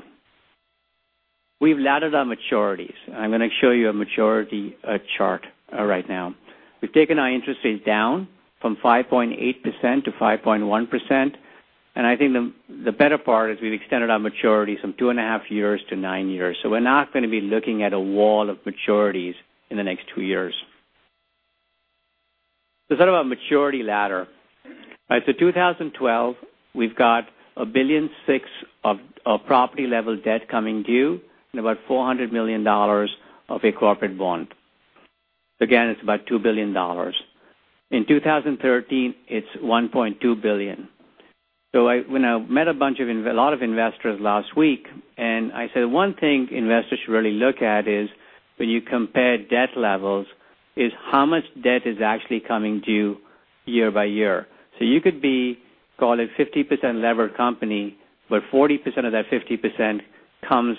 We've laddered our maturities. I'm going to show you a maturity chart right now. We've taken our interest rate down from 5.8% to 5.1%. The better part is we've extended our maturity from two and a half years to nine years. We're not going to be looking at a wall of maturities in the next two years. Our maturity ladder. In 2012, we've got $1.6 billion of property-level debt coming due and about $400 million of a corporate bond. Again, it's about $2 billion. In 2013, it's $1.2 billion. When I met a bunch of investors last week, I said one thing investors should really look at is when you compare debt levels, is how much debt is actually coming due year by year. You could be called a 50% levered company, but 40% of that 50% comes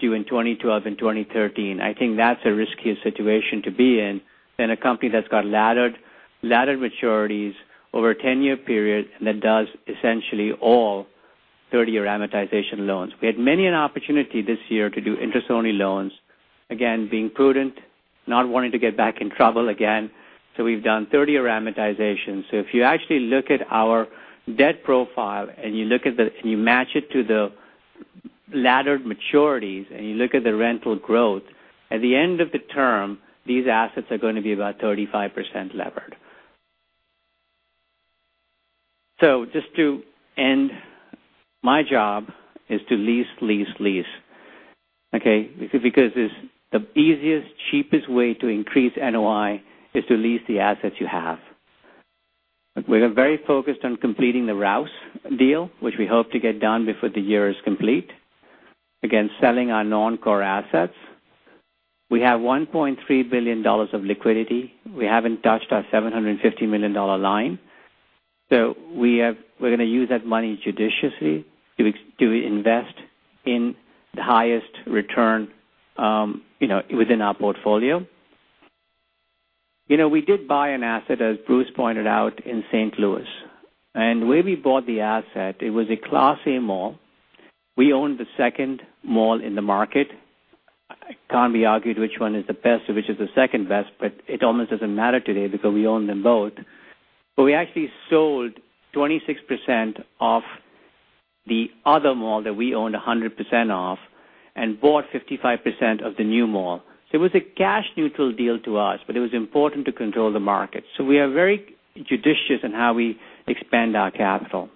due in 2012 and 2013. I think that's a riskier situation to be in than a company that's got laddered maturities over a 10-year period and that does essentially all 30-year amortization loans. We had many an opportunity this year to do interest-only loans. Again, being prudent, not wanting to get back in trouble again. We've done 30-year amortization. If you actually look at our debt profile and you match it to the laddered maturities and you look at the rental growth, at the end of the term, these assets are going to be about 35% levered. Just to end, my job is to lease, lease, lease. It's the easiest, cheapest way to increase NOI is to lease the assets you have. We are very focused on completing the Rouse deal, which we hope to get done before the year is complete. Again, selling our non-core assets. We have $1.3 billion of liquidity. We haven't touched our $750 million line. We're going to use that money judiciously to invest in the highest return, you know, within our portfolio. We did buy an asset, as Bruce pointed out, in St. Louis. The way we bought the asset, it was a Class A mall. We owned the second mall in the market. It can't be argued which one is the best or which is the second best, but it almost doesn't matter today because we own them both. We actually sold 26% of the other mall that we owned 100% of and bought 55% of the new mall. It was a cash-neutral deal to us, but it was important to control the market. We are very judicious in how we expand our capital.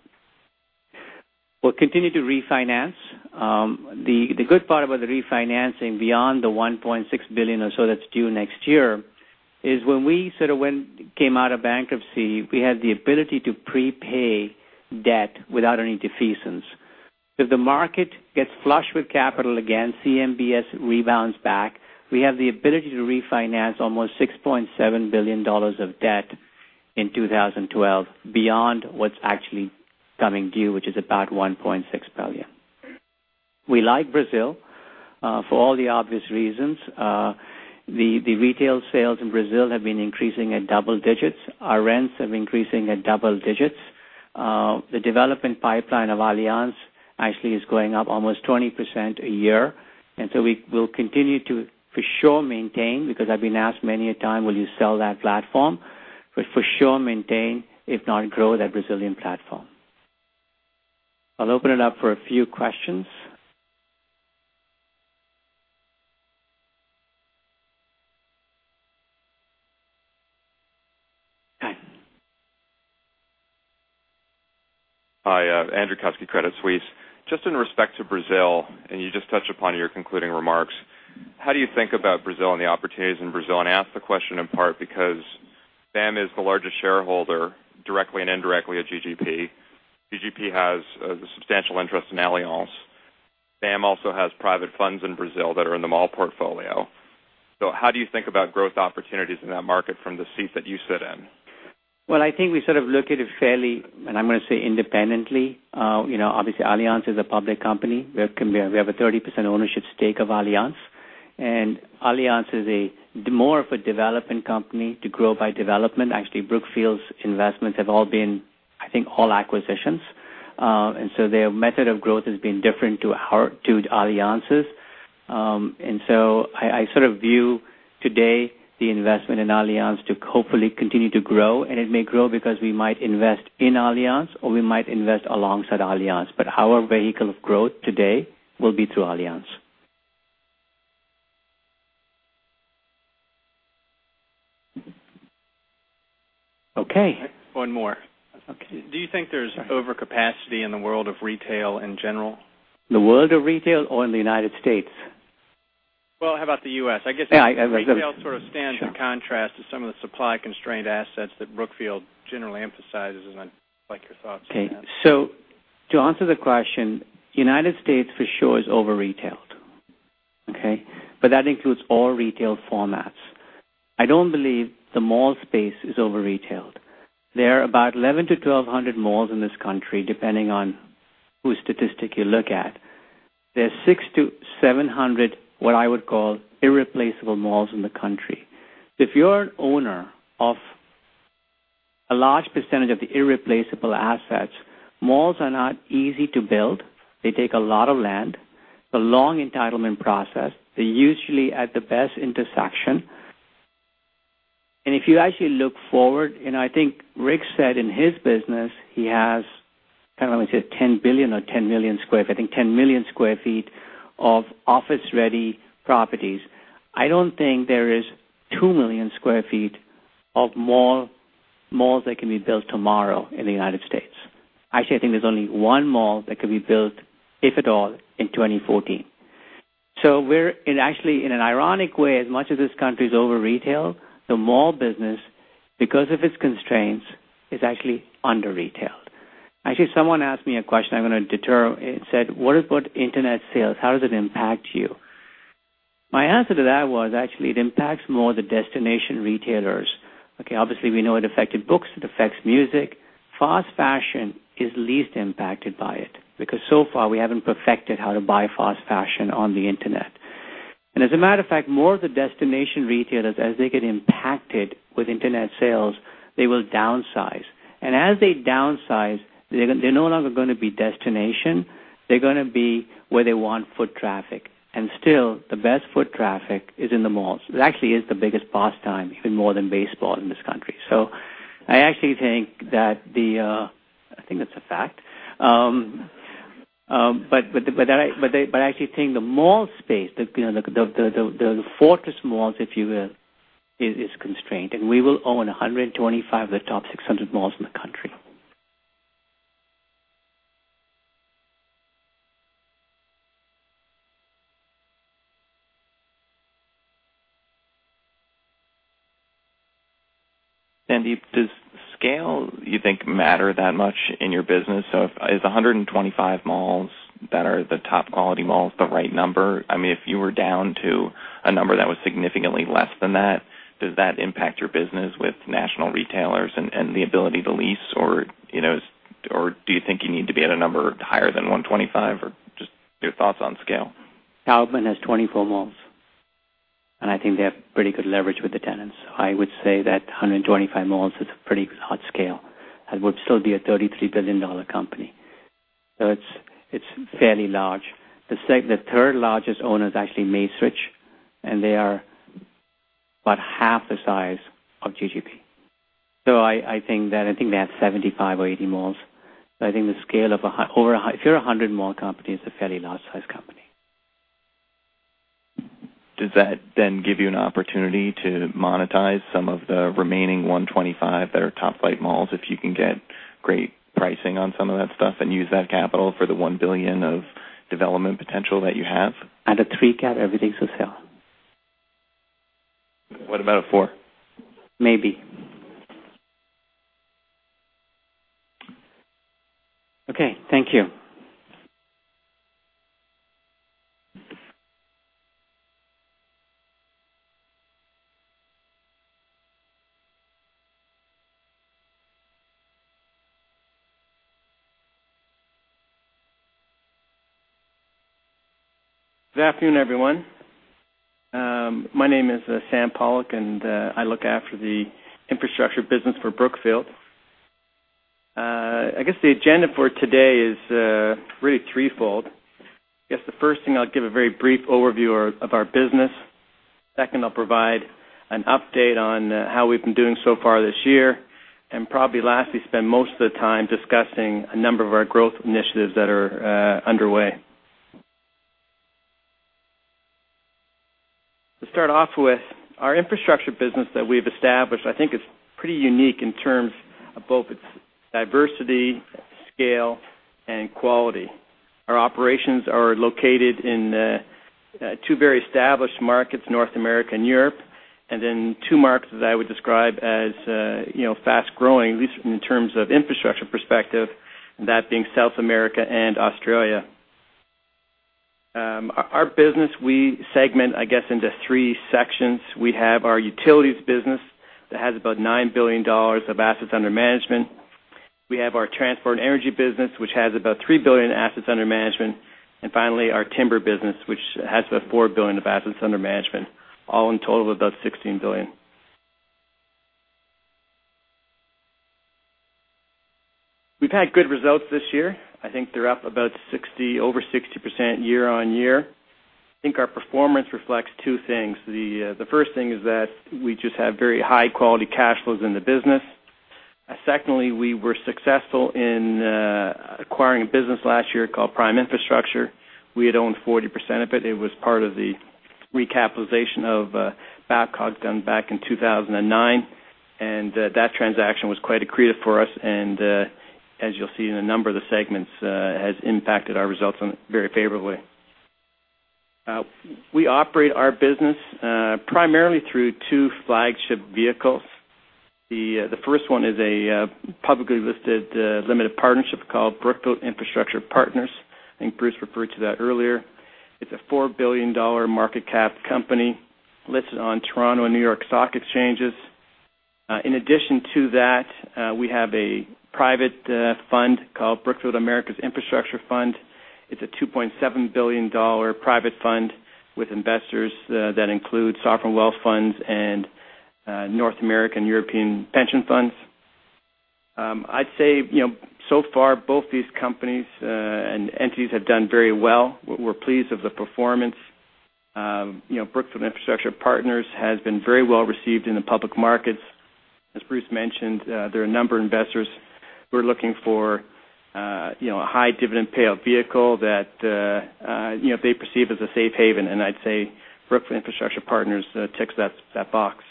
We'll continue to refinance. The good part about the refinancing beyond the $1.6 billion or so that's due next year is when we sort of came out of bankruptcy, we had the ability to prepay debt without any defeasance. If the market gets flush with capital again, CMBS rebounds back, we have the ability to refinance almost $6.7 billion of debt in 2012 beyond what's actually coming due, which is about $1.6 billion. We like Brazil for all the obvious reasons. The retail sales in Brazil have been increasing at double digits. Our rents are increasing at double digits. The development pipeline of Allianz actually is going up almost 20% a year. We will continue to for sure maintain, because I've been asked many a time, will you sell that platform? For sure maintain, if not grow that Brazilian platform. I'll open it up for a few questions. Hi, Andrew [Kutz], Credit Suisse. Just in respect to Brazil, and you just touched upon your concluding remarks, how do you think about Brazil and the opportunities in Brazil? I ask the question in part because BAM is the largest shareholder directly and indirectly at GGP. GGP has a substantial interest in Allianz. BAM also has private funds in Brazil that are in the mall portfolio. How do you think about growth opportunities in that market from the seat that you sit in? I think we sort of look at it fairly, and I'm going to say independently. Obviously, Allianz is a public company. We have a 30% ownership stake of Allianz. Allianz is more of a development company to grow by development. Actually, Brookfield's investments have all been, I think, all acquisitions, and their method of growth has been different to Allianz's. I sort of view today the investment in Allianz to hopefully continue to grow. It may grow because we might invest in Allianz or we might invest alongside Allianz. Our vehicle of growth today will be through Allianz. Okay. One more. Do you think there's overcapacity in the world of retail in general? The world of retail or in the United States? How about the U.S.? I guess retail sort of stands in contrast to some of the supply-constrained assets that Brookfield generally emphasizes. I'd like your thoughts on that. Okay. To answer the question, the United States for sure is over-retailed. That includes all retail formats. I don't believe the mall space is over-retailed. There are about 1,100-1,200 malls in this country, depending on whose statistic you look at. There are 600-700, what I would call, irreplaceable malls in the country. If you're an owner of a large percentage of the irreplaceable assets, malls are not easy to build. They take a lot of land. It's a long entitlement process. They're usually at the best intersection. If you actually look forward, I think Ric said in his business, he has, I don't know if it's 10 billion or 10 million sq ft, I think 10 million sq ft of office-ready properties. I don't think there is 2 million sq ft of malls that can be built tomorrow in the United States. Actually, I think there's only one mall that can be built, if at all, in 2014. In an ironic way, as much as this country is over-retailed, the mall business, because of its constraints, is actually under-retailed. Someone asked me a question. I'm going to deter. It said, "What about internet sales? How does it impact you?" My answer to that was, it impacts more the destination retailers. Obviously, we know it affected books. It affects music. Fast fashion is least impacted by it because so far we haven't perfected how to buy fast fashion on the internet. As a matter of fact, more of the destination retailers, as they get impacted with internet sales, they will downsize. As they downsize, they're no longer going to be destination. They're going to be where they want foot traffic. Still, the best foot traffic is in the malls. It actually is the biggest pastime, even more than baseball in this country. I actually think that's a fact. I actually think the mall space, the fortress malls, if you will, is constrained. We will own 125 of the top 600 malls in the country. Sandeep, does scale, you think, matter that much in your business? Is 125 malls that are the top quality malls the right number? If you were down to a number that was significantly less than that, does that impact your business with national retailers and the ability to lease? Do you think you need to be at a number higher than 125? Just your thoughts on scale? Taubman has 24 malls. I think they have pretty good leverage with the tenants. I would say that 125 malls is a pretty good scale. That would still be a $33 billion company. It is fairly large. The third largest owner is actually [Magswitch]. They are about half the size of GGP. I think they have 75 or 80 malls. I think the scale of over a, if you're a 100-mall company, it's a fairly large-sized company. Does that then give you an opportunity to monetize some of the remaining 125 that are top-flight malls if you can get great pricing on some of that stuff, and use that capital for the $1 billion of development potential that you have? At [$3,000], everything's a sale. What about a [4]? Maybe. Okay, thank you. Good afternoon, everyone. My name is Sam Pollock, and I look after the infrastructure business for Brookfield. The agenda for today is really threefold. The first thing, I'll give a very brief overview of our business. Second, I'll provide an update on how we've been doing so far this year. Probably lastly, spend most of the time discussing a number of our growth initiatives that are underway. Let's start off with our infrastructure business that we've established. I think it's pretty unique in terms of both its diversity, scale, and quality. Our operations are located in two very established markets, North America and Europe, and then two markets that I would describe as fast-growing, at least in terms of infrastructure perspective, that being South America and Australia. Our business, we segment, I guess, into three sections. We have our utilities business that has about $9 billion of assets under management. We have our transport and energy business, which has about $3 billion assets under management. Finally, our timber business, which has about $4 billion of assets under management, all in total of about $16 billion. We've had good results this year. I think they're up about 60%, over 60% year on year. I think our performance reflects two things. The first thing is that we just have very high-quality cash flows in the business. Secondly, we were successful in acquiring a business last year called Prime Infrastructure. We had owned 40% of it. It was part of the recapitalization of Babcock done back in 2009. That transaction was quite accretive for us. As you'll see in a number of the segments, it has impacted our results very favorably. We operate our business primarily through two flagship vehicles. The first one is a publicly listed limited partnership called Brookfield Infrastructure Partners. I think Bruce referred to that earlier. It's a $4 billion market cap company listed on Toronto and New York stock exchanges. In addition to that, we have a private fund called Brookfield America's Infrastructure Fund. It's a $2.7 billion private fund with investors that include sovereign wealth funds and North American and European pension funds. I'd say, you know, so far, both these companies and entities have done very well. We're pleased with the performance. Brookfield Infrastructure Partners has been very well received in the public markets. As Bruce mentioned, there are a number of investors who are looking for, you know, a high dividend payout vehicle that, you know, they perceive as a safe haven. I'd say Brookfield Infrastructure Partners ticks that box.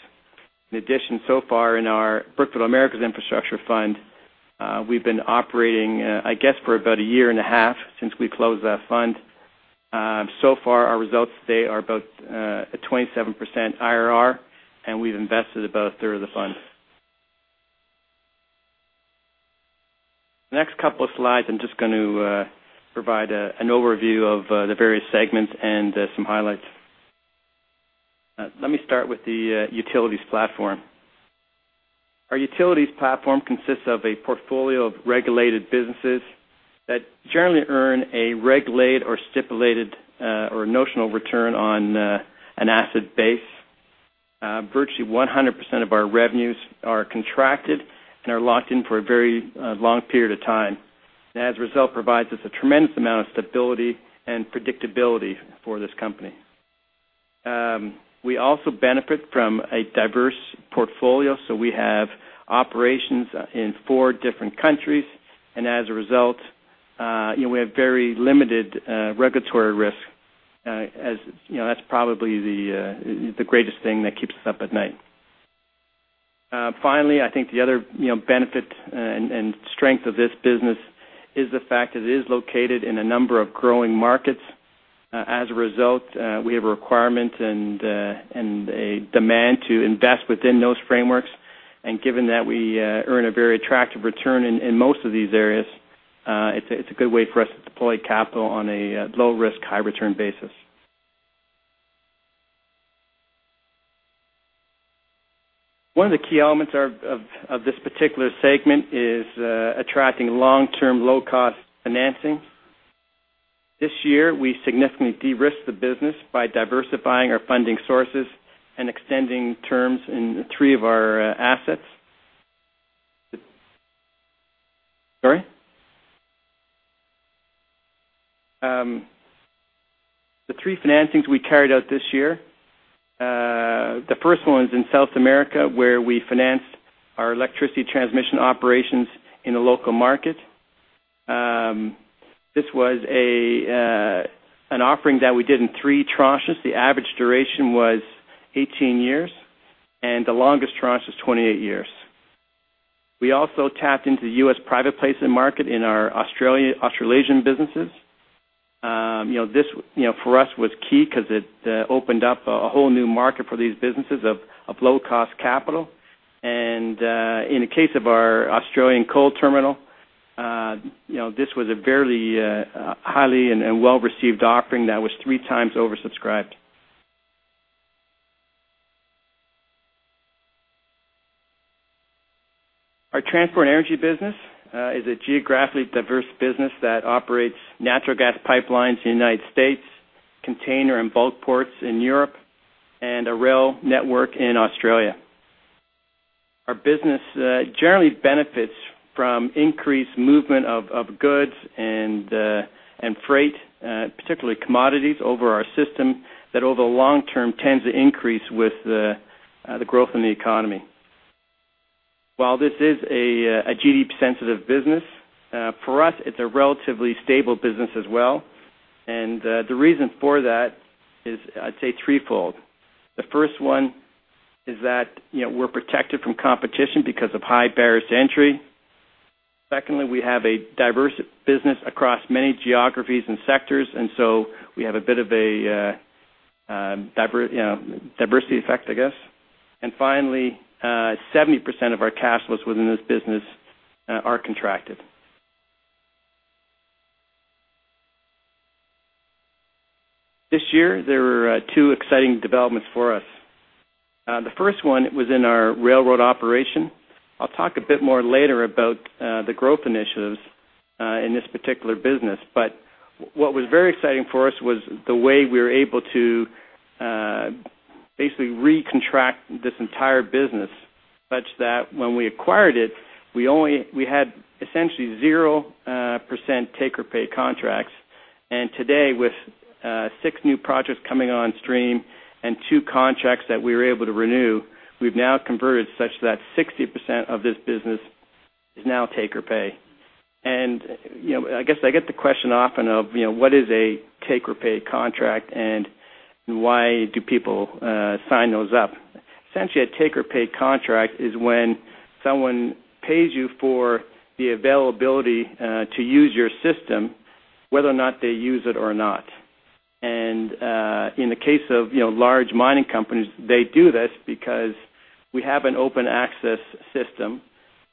In addition, so far in our Brookfield America's Infrastructure Fund, we've been operating for about a year and a half since we closed that fund. So far, our results today are about a 27% IRR, and we've invested about a third of the fund. The next couple of slides, I'm just going to provide an overview of the various segments and some highlights. Let me start with the utilities platform. Our utilities platform consists of a portfolio of regulated businesses that generally earn a regulated or stipulated or notional return on an asset base. Virtually 100% of our revenues are contracted and are locked in for a very long period of time. As a result, it provides us a tremendous amount of stability and predictability for this company. We also benefit from a diverse portfolio. We have operations in four different countries. As a result, we have very limited regulatory risk. As you know, that's probably the greatest thing that keeps us up at night. Finally, I think the other benefit and strength of this business is the fact that it is located in a number of growing markets. As a result, we have a requirement and a demand to invest within those frameworks. Given that we earn a very attractive return in most of these areas, it's a good way for us to deploy capital on a low-risk, high-return basis. One of the key elements of this particular segment is attracting long-term low-cost financing. This year, we significantly de-risked the business by diversifying our funding sources and extending terms in three of our assets. The three financings we carried out this year, the first one is in South America, where we financed our electricity transmission operations in a local market. This was an offering that we did in three tranches. The average duration was 18 years, and the longest tranche was 28 years. We also tapped into the U.S. private placement market in our Australasian businesses. This for us was key because it opened up a whole new market for these businesses of low-cost capital. In the case of our Australian coal terminal, this was a very highly and well-received offering that was three times oversubscribed. Our transport and energy business is a geographically diverse business that operates natural gas pipelines in the U.S., container and bulk ports in Europe, and a rail network in Australia. Our business generally benefits from increased movement of goods and freight, particularly commodities, over our system that over the long term tends to increase with the growth in the economy. While this is a GDP-sensitive business, for us, it's a relatively stable business as well. The reason for that is, I'd say, threefold. The first one is that we're protected from competition because of high barriers to entry. Secondly, we have a diverse business across many geographies and sectors, so we have a bit of a diversity effect, I guess. Finally, 70% of our cash flows within this business are contracted. This year, there were two exciting developments for us. The first one was in our railroad operation. I'll talk a bit more later about the growth initiatives in this particular business. What was very exciting for us was the way we were able to basically re-contract this entire business, such that when we acquired it, we had essentially 0% taker pay contracts. Today, with six new projects coming on stream and two contracts that we were able to renew, we've now converted such that 60% of this business is now taker pay. I get the question often of, you know, what is a taker pay contract and why do people sign those up? Essentially, a taker pay contract is when someone pays you for the availability to use your system, whether or not they use it. In the case of large mining companies, they do this because we have an open access system.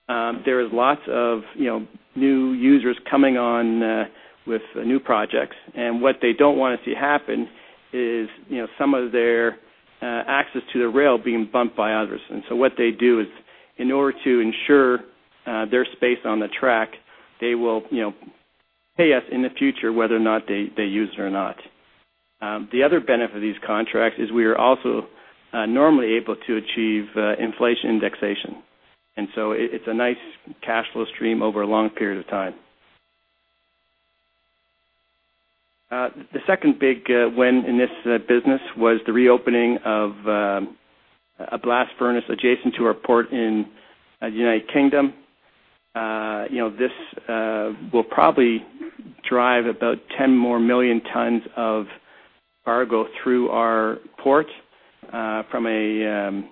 There are lots of new users coming on with new projects, and what they don't want to see happen is some of their access to the rail being bumped by others. What they do is, in order to ensure their space on the track, they will pay us in the future whether or not they use it. The other benefit of these contracts is we are also normally able to achieve inflation indexation, so it's a nice cash flow stream over a long period of time. The second big win in this business was the reopening of a blast furnace adjacent to our port in the United Kingdom. This will probably drive about 10 million more tons of cargo through our port. From an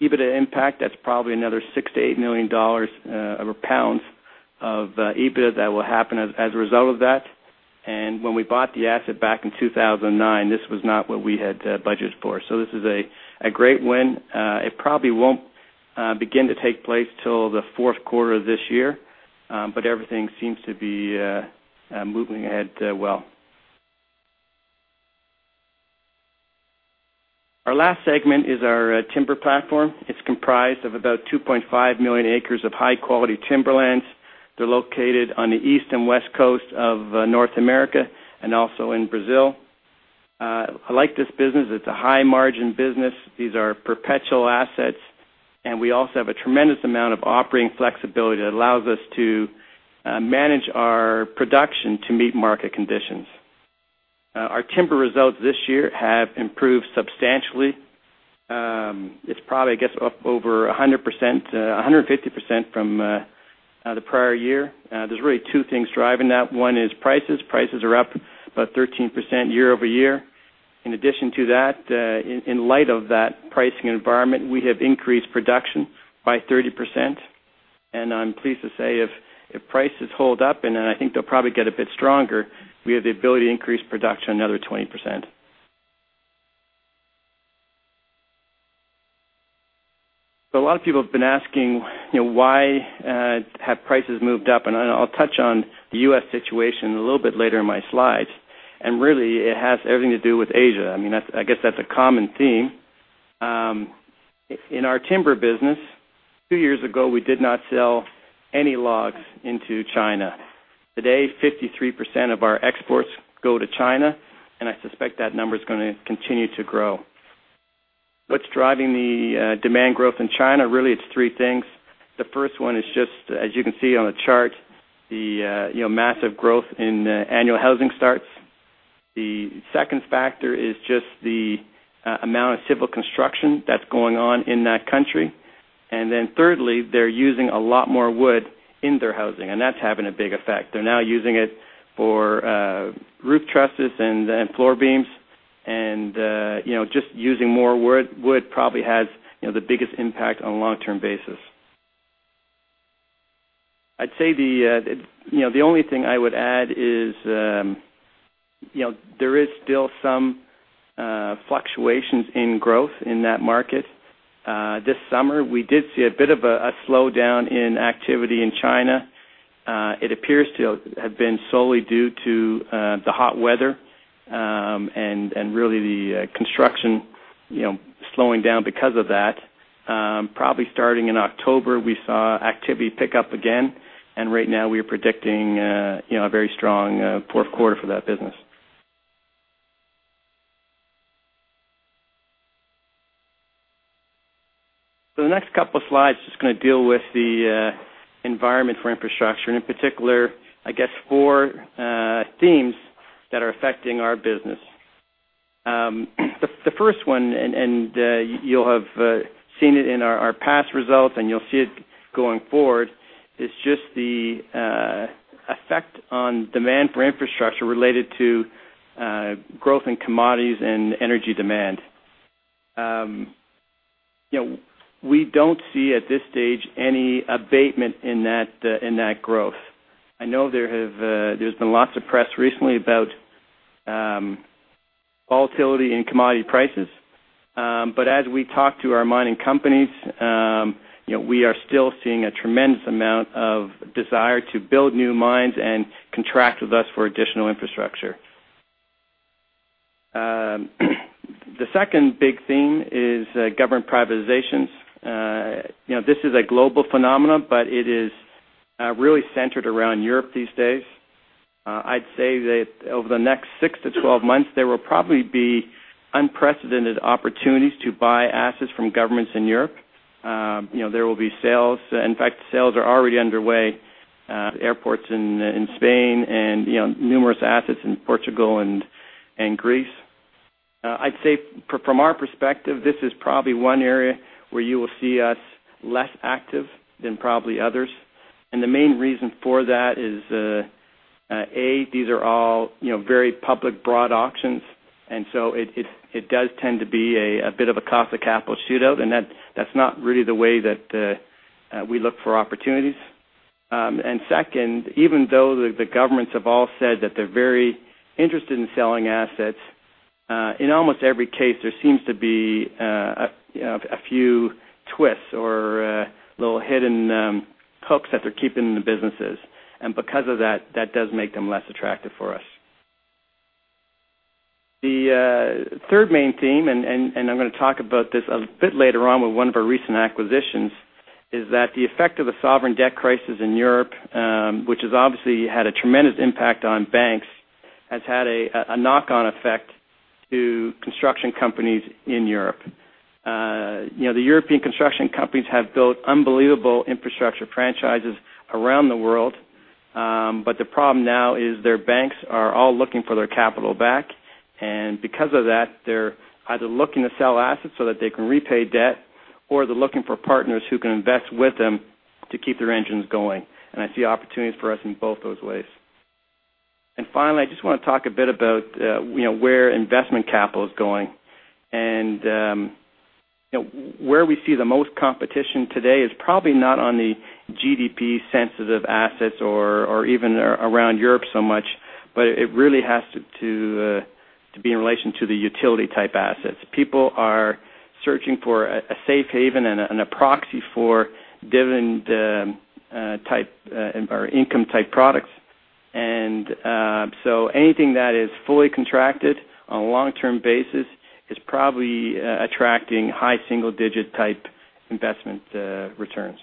EBITDA impact, that's probably another [$6 million-$8 million over pounds] of EBITDA that will happen as a result of that. When we bought the asset back in 2009, this was not what we had budgeted for. This is a great win. It probably won't begin to take place till the fourth quarter of this year, but everything seems to be moving ahead well. Our last segment is our timber platform. It's comprised of about 2.5 million acres of high-quality timberlands. They're located on the east and west coast of North America and also in Brazil. I like this business. It's a high-margin business. These are perpetual assets. We also have a tremendous amount of operating flexibility that allows us to manage our production to meet market conditions. Our timber results this year have improved substantially. It's probably, I guess, over 100%, 150% from the prior year. There are really two things driving that. One is prices. Prices are up about 13% year-over-year. In addition to that, in light of that pricing environment, we have increased production by 30%. I'm pleased to say if prices hold up, and I think they'll probably get a bit stronger, we have the ability to increase production another 20%. A lot of people have been asking, you know, why have prices moved up? I'll touch on the U.S. situation a little bit later in my slides. It has everything to do with Asia. I guess that's a common theme. In our timber business, two years ago, we did not sell any logs into China. Today, 53% of our exports go to China. I suspect that number is going to continue to grow. What's driving the demand growth in China? Really, it's three things. The first one is just, as you can see on the chart, the massive growth in annual housing starts. The second factor is just the amount of civil construction that's going on in that country. Thirdly, they're using a lot more wood in their housing. That's having a big effect. They're now using it for roof trusses and floor beams. Just using more wood probably has the biggest impact on a long-term basis. The only thing I would add is, you know, there is still some fluctuations. In growth in that market, this summer we did see a bit of a slowdown in activity in China. It appears to have been solely due to the hot weather and really the construction slowing down because of that. Probably starting in October, we saw activity pick up again. Right now, we are predicting a very strong fourth quarter for that business. The next couple of slides are just going to deal with the environment for infrastructure, and in particular, I guess four themes that are affecting our business. The first one, and you'll have seen it in our past results and you'll see it going forward, is just the effect on demand for infrastructure related to growth in commodities and energy demand. We don't see at this stage any abatement in that growth. I know there's been lots of press recently about volatility in commodity prices, but as we talk to our mining companies, we are still seeing a tremendous amount of desire to build new mines and contract with us for additional infrastructure. The second big theme is government privatizations. This is a global phenomenon, but it is really centered around Europe these days. I'd say that over the next six to 12 months, there will probably be unprecedented opportunities to buy assets from governments in Europe. There will be sales. In fact, sales are already underway at airports in Spain and numerous assets in Portugal and Greece. I'd say from our perspective, this is probably one area where you will see us less active than probably others. The main reason for that is, A, these are all very public broad auctions, and so it does tend to be a bit of a cost of capital shootout. That's not really the way that we look for opportunities. Second, even though the governments have all said that they're very interested in selling assets, in almost every case, there seems to be a few twists or little hidden hooks that they're keeping in the businesses. Because of that, that does make them less attractive for us. The third main theme, and I'm going to talk about this a bit later on with one of our recent acquisitions, is that the effect of the sovereign debt crisis in Europe, which has obviously had a tremendous impact on banks, has had a knock-on effect to construction companies in Europe. The European construction companies have built unbelievable infrastructure franchises around the world. The problem now is their banks are all looking for their capital back. Because of that, they're either looking to sell assets so that they can repay debt or they're looking for partners who can invest with them to keep their engines going. I see opportunities for us in both those ways. Finally, I just want to talk a bit about where investment capital is going. Where we see the most competition today is probably not on the GDP-sensitive assets or even around Europe so much. It really has to be in relation to the utility-type assets. People are searching for a safe haven and a proxy for dividend-type or income-type products. Anything that is fully contracted on a long-term basis is probably attracting high single-digit-type investment returns.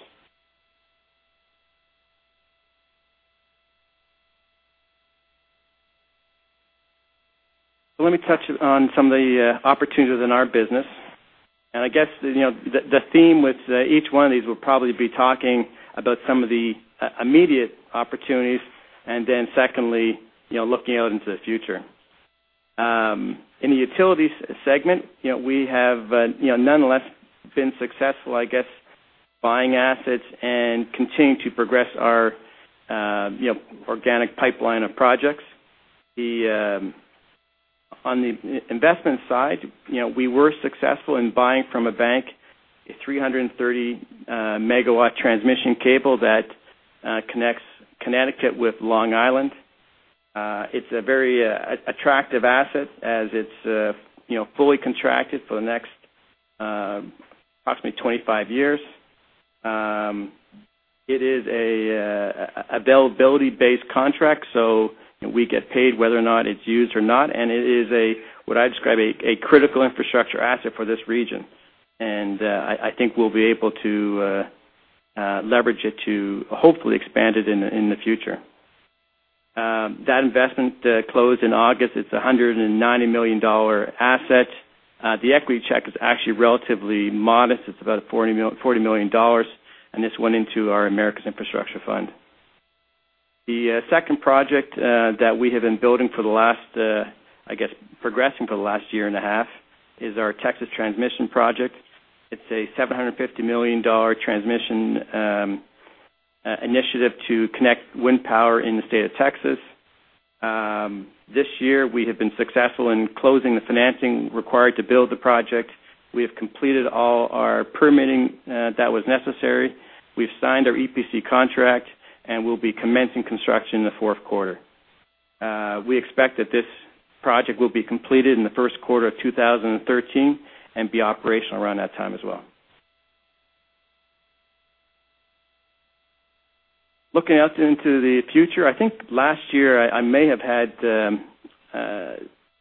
Let me touch on some of the opportunities within our business. I guess the theme with each one of these will probably be talking about some of the immediate opportunities and then, secondly, looking out into the future. In the utilities segment, we have nonetheless been successful, I guess, buying assets and continuing to progress our organic pipeline of projects. On the investment side, we were successful in buying from a bank a 330 MW transmission cable that connects Connecticut with Long Island. It's a very attractive asset as it's fully contracted for the next approximately 25 years. It is an availability-based contract, so we get paid whether or not it's used. It is what I describe as a critical infrastructure asset for this region. I think we'll be able to leverage it to hopefully expand it in the future. That investment closed in August. It's a $190 million asset. The equity check is actually relatively modest. It's about $40 million. This went into our America's Infrastructure Fund. The second project that we have been building for the last, I guess, progressing for the last year and a half is our Texas Transmission Project. It's a $750 million transmission initiative to connect wind power in the state of Texas. This year, we have been successful in closing the financing required to build the project. We have completed all our permitting that was necessary. We've signed our EPC contract and we'll be commencing construction in the fourth quarter. We expect that this project will be completed in the first quarter of 2013 and be operational around that time as well. Looking out into the future, I think last year I may have had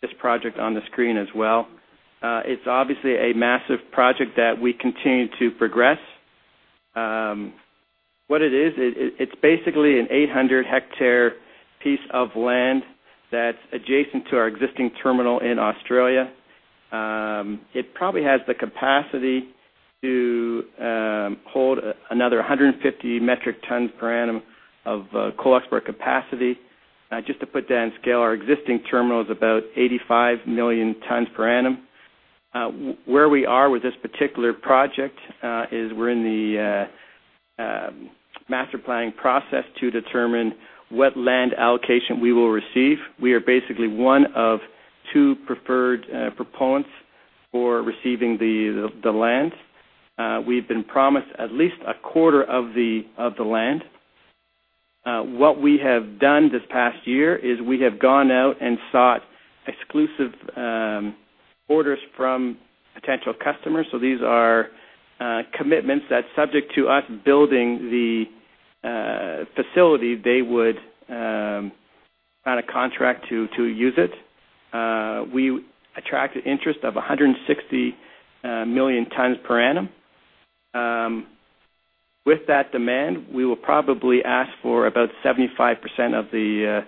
this project on the screen as well. It's obviously a massive project that we continue to progress. What it is, it's basically an 800-hectare piece of land that's adjacent to our existing terminal in Australia. It probably has the capacity to hold another 150 million tons per annum of coal export capacity. Just to put that on scale, our existing terminal is about 85 million tons per annum. Where we are with this particular project is we're in the master planning process to determine what land allocation we will receive. We are basically one of two preferred proponents for receiving the land. We've been promised at least a quarter of the land. What we have done this past year is we have gone out and sought exclusive orders from potential customers. These are commitments that, subject to us building the facility, they would sign a contract to use it. We attract the interest of 160 million tons per annum. With that demand, we will probably ask for about 75% of the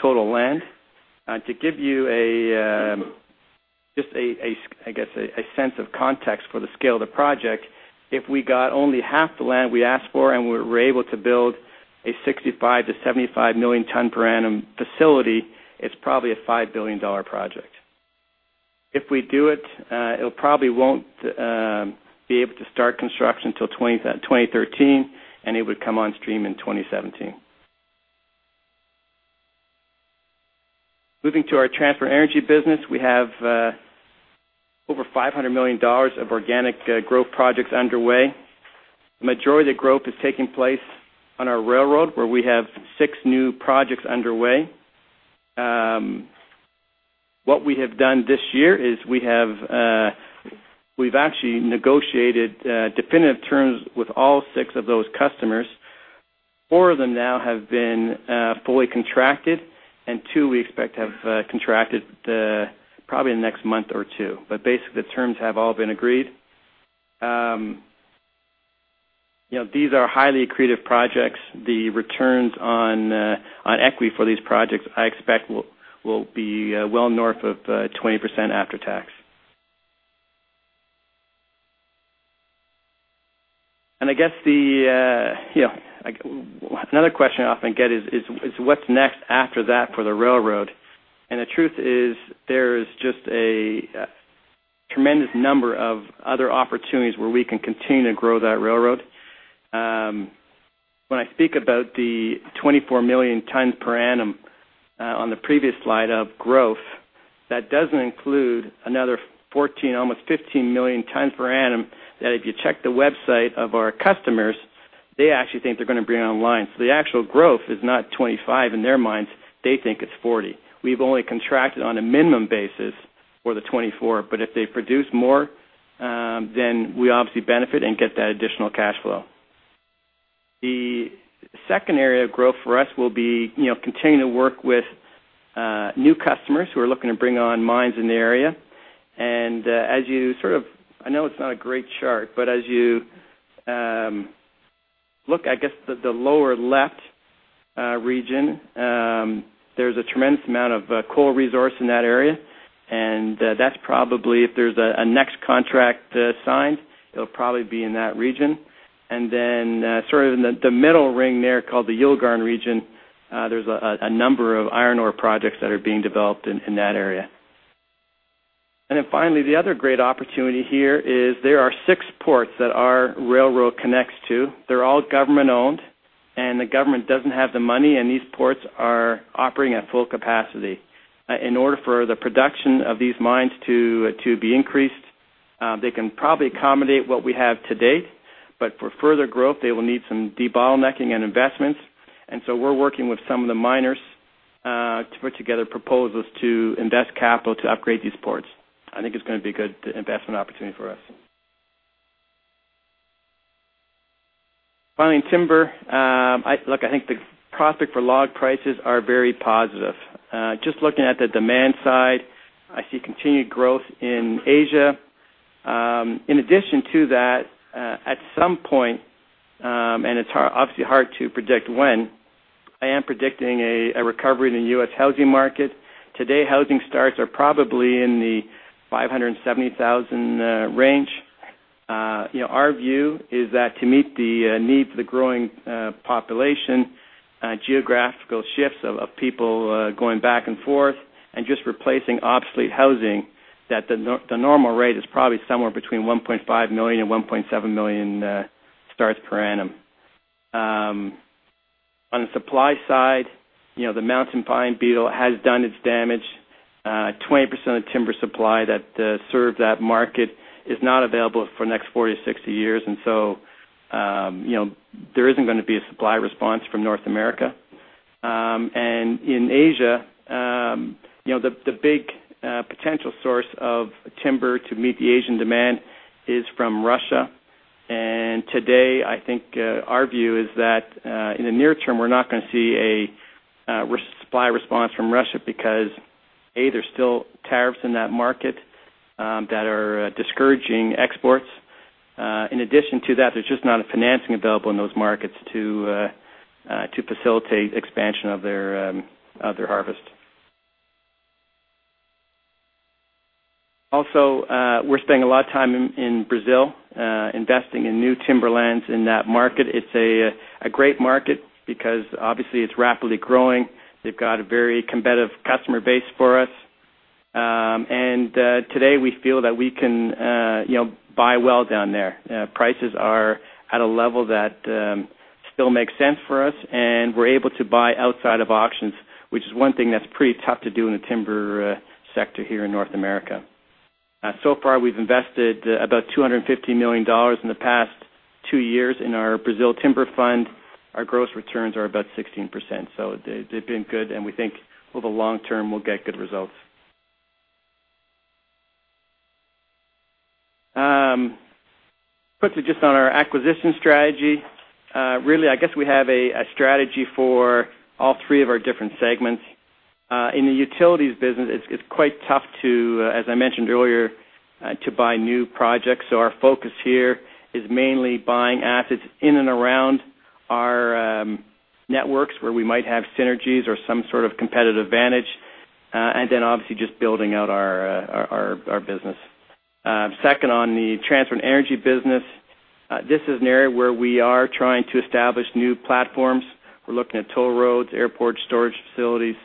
total land. To give you just a sense of context for the scale of the project, if we got only half the land we asked for and we were able to build a 65 million-75 million ton per annum facility, it's probably a $5 billion project. If we do it, it probably won't be able to start construction until 2013. It would come on stream in 2017. Moving to our transport energy business, we have over $500 million of organic growth projects underway. The majority of the growth is taking place on our railroad where we have six new projects underway. What we have done this year is we've actually negotiated definitive terms with all six of those customers. Four of them now have been fully contracted, and two we expect to have contracted probably in the next month or two. Basically, the terms have all been agreed. These are highly accretive projects. The returns on equity for these projects I expect will be well north of 20% after tax. Another question I often get is what's next after that for the railroad. The truth is there is just a tremendous number of other opportunities where we can continue to grow that railroad. When I speak about the 24 million tons per annum on the previous slide of growth, that doesn't include another 14 million, almost 15 million tons per annum that if you check the website of our customers, they actually think they're going to bring online. The actual growth is not 25 in their minds. They think it's 40. We've only contracted on a minimum basis for the 24. If they produce more, then we obviously benefit and get that additional cash flow. The second area of growth for us will be continuing to work with new customers who are looking to bring on mines in the area. As you sort of, I know it's not a great chart, but as you look, I guess the lower left region, there's a tremendous amount of coal resource in that area. That's probably, if there's a next contract signed, it'll probably be in that region. In the middle ring there called the Yule Garden region, there's a number of iron ore projects that are being developed in that area. The other great opportunity here is there are six ports that our railroad connects to. They're all government-owned. The government doesn't have the money, and these ports are operating at full capacity. In order for the production of these mines to be increased, they can probably accommodate what we have to date. For further growth, they will need some de-bottlenecking and investments. We're working with some of the miners to put together proposals to invest capital to upgrade these ports. I think it's going to be a good investment opportunity for us. Finally, in timber, I think the prospects for log prices are very positive. Just looking at the demand side, I see continued growth in Asia. In addition to that, at some point, and it's obviously hard to predict when, I am predicting a recovery in the U.S. housing market. Today, housing starts are probably in the $570,000 range. Our view is that to meet the needs of the growing population, geographical shifts of people going back and forth, and just replacing obsolete housing, the normal rate is probably somewhere between $1.5 million and $1.7 million starts per annum. On the supply side, the mountain pine beetle has done its damage. 20% of the timber supply that serves that market is not available for the next 4-6 years. There isn't going to be a supply response from North America. In Asia, the big potential source of timber to meet the Asian demand is from Russia. Today, I think our view is that in the near term, we're not going to see a supply response from Russia because, A, there's still tariffs in that market that are discouraging exports. In addition to that, there's just not financing available in those markets to facilitate expansion of their harvest. Also, we're spending a lot of time in Brazil investing in new timberlands in that market. It's a great market because obviously, it's rapidly growing. They've got a very competitive customer base for us. Today, we feel that we can buy well down there. Prices are at a level that still makes sense for us, and we're able to buy outside of auctions, which is one thing that's pretty tough to do in the timber sector here in North America. So far, we've invested about $250 million in the past two years in our Brazil timber fund. Our gross returns are about 16%. They've been good, and we think over the long term, we'll get good results. Quickly, just on our acquisition strategy, we have a strategy for all three of our different segments. In the utilities business, it's quite tough to, as I mentioned earlier, buy new projects. Our focus here is mainly buying assets in and around our networks where we might have synergies or some sort of competitive advantage, and obviously just building out our business. Second, on the transport and energy business, this is an area where we are trying to establish new platforms. We're looking at toll roads, airports, storage facilities,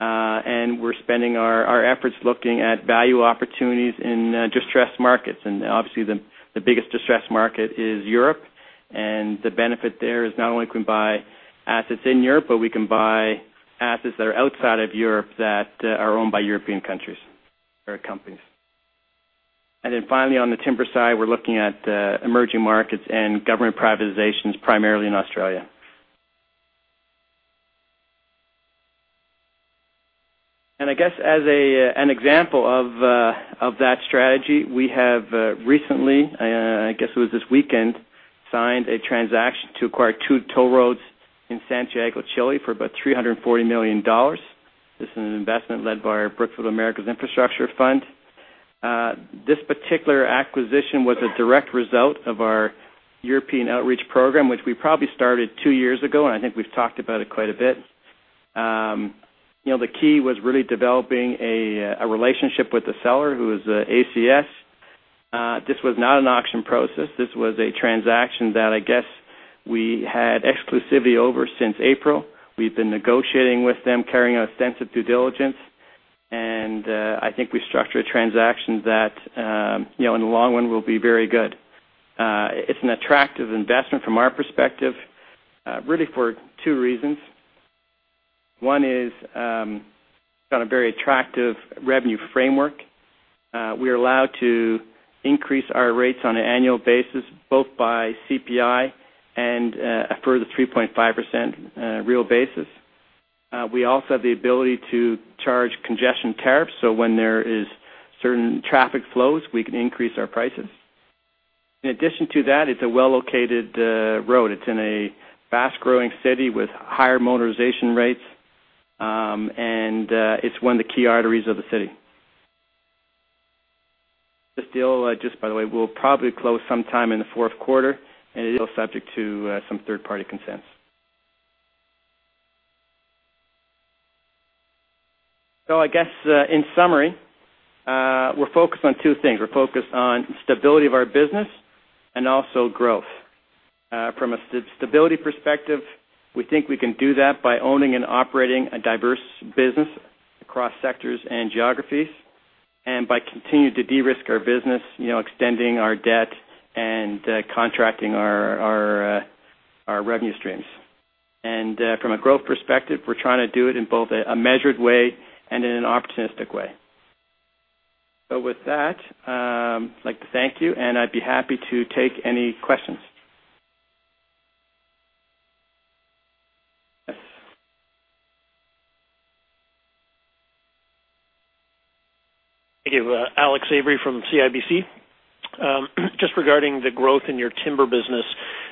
and we're spending our efforts looking at value opportunities in distressed markets. Obviously, the biggest distressed market is Europe. The benefit there is not only can we buy assets in Europe, but we can buy assets that are outside of Europe that are owned by European countries or companies. Finally, on the timber side, we're looking at emerging markets and government privatizations, primarily in Australia. As an example of that strategy, we have recently, this weekend, signed a transaction to acquire two toll roads in Santiago, Chile, for about $340 million. This is an investment led by our Brookfield America's Infrastructure Fund. This particular acquisition was a direct result of our European outreach program, which we probably started two years ago. I think we've talked about it quite a bit. The key was really developing a relationship with the seller, who is ACS. This was not an auction process. This was a transaction that we had exclusivity over since April. We've been negotiating with them, carrying out extensive due diligence, and I think we structured a transaction that in the long run will be very good. It's an attractive investment from our perspective for two reasons. One is on a very attractive revenue framework. We're allowed to increase our rates on an annual basis, both by CPI and a further 3.5% real basis. We also have the ability to charge congestion tariffs. When there are certain traffic flows, we can increase our prices. In addition to that, it's a well-located road. It's in a fast-growing city with higher motorization rates, and it's one of the key arteries of the city. This deal, by the way, will probably close sometime in the fourth quarter. It is still subject to some third-party consents. In summary, we're focused on two things. We're focused on the stability of our business and also growth. From a stability perspective, we think we can do that by owning and operating a diverse business across sectors and geographies and by continuing to de-risk our business, extending our debt, and contracting our revenue streams. From a growth perspective, we're trying to do it in both a measured way and in an opportunistic way. I'd like to thank you, and I'd be happy to take any questions. Thank you. Alex Avery from CIBC. Just regarding the growth in your timber business,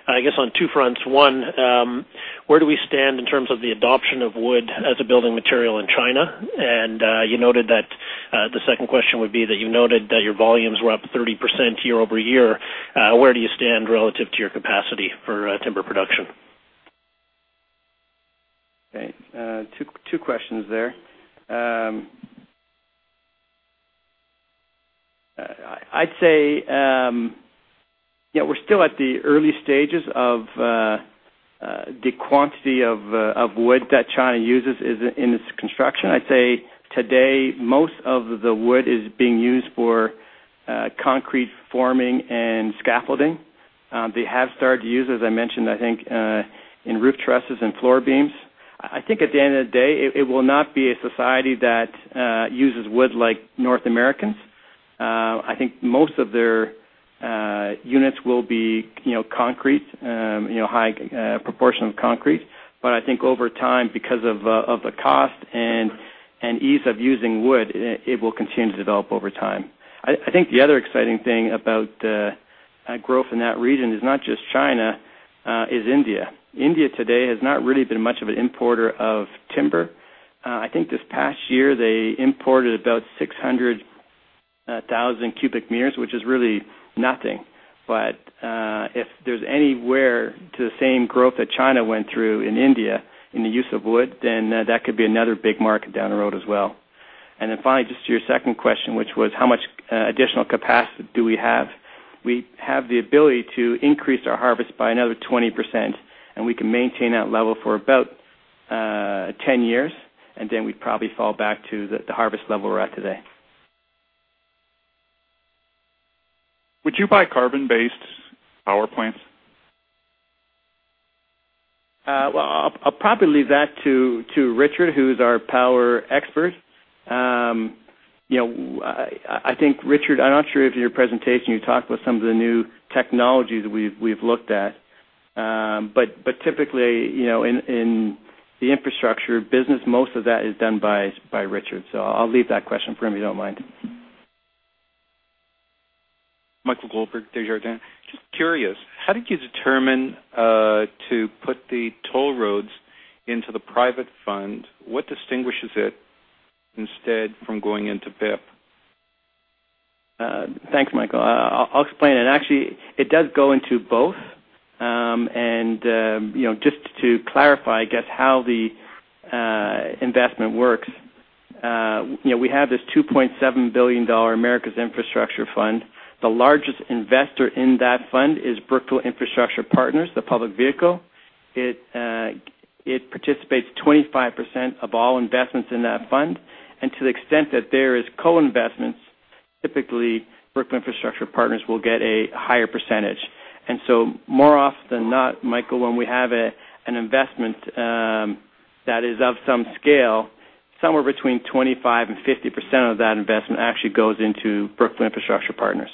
I guess on two fronts. One, where do we stand in terms of the adoption of wood as a building material in China? The second question would be, you noted that your volumes were up 30% year-over-year. Where do you stand relative to your capacity for timber production? Right. Two questions there. I'd say, yeah, we're still at the early stages of the quantity of wood that China uses in its construction. I'd say today, most of the wood is being used for concrete forming and scaffolding. They have started to use, as I mentioned, I think in roof trusses and floor beams. I think at the end of the day, it will not be a society that uses wood like North Americans. I think most of their units will be concrete, a high proportion of concrete. I think over time, because of the cost and ease of using wood, it will continue to develop over time. The other exciting thing about the growth in that region is not just China, it is India. India today has not really been much of an importer of timber. I think this past year, they imported about 600,000 cubic meters, which is really nothing. If there's anywhere to the same growth that China went through in India in the use of wood, then that could be another big market down the road as well. Finally, just to your second question, which was how much additional capacity do we have, we have the ability to increase our harvest by another 20%. We can maintain that level for about 10 years, and then we'd probably fall back to the harvest level we're at today. Would you buy carbon-based power plants? I'll probably leave that to Richard, who is our power expert. I think Richard, I'm not sure if in your presentation you talked about some of the new technologies we've looked at. Typically, in the infrastructure business, most of that is done by Richard. I'll leave that question for him if you don't mind. Michael Goldberg, Desjardins. Just curious, how did you determine to put the toll roads into the private fund? What distinguishes it instead from going into BIP? Thanks, Michael. I'll explain. It does go into both. Just to clarify, I guess how the investment works, we have this $2.7 billion Americas Infrastructure Fund. The largest investor in that fund is Brookfield Infrastructure Partners, the public vehicle. It participates 25% of all investments in that fund. To the extent that there are co-investments, typically, Brookfield Infrastructure Partners will get a higher percentage. More often than not, Michael, when we have an investment that is of some scale, somewhere between 25% and 50% of that investment actually goes into Brookfield Infrastructure Partners.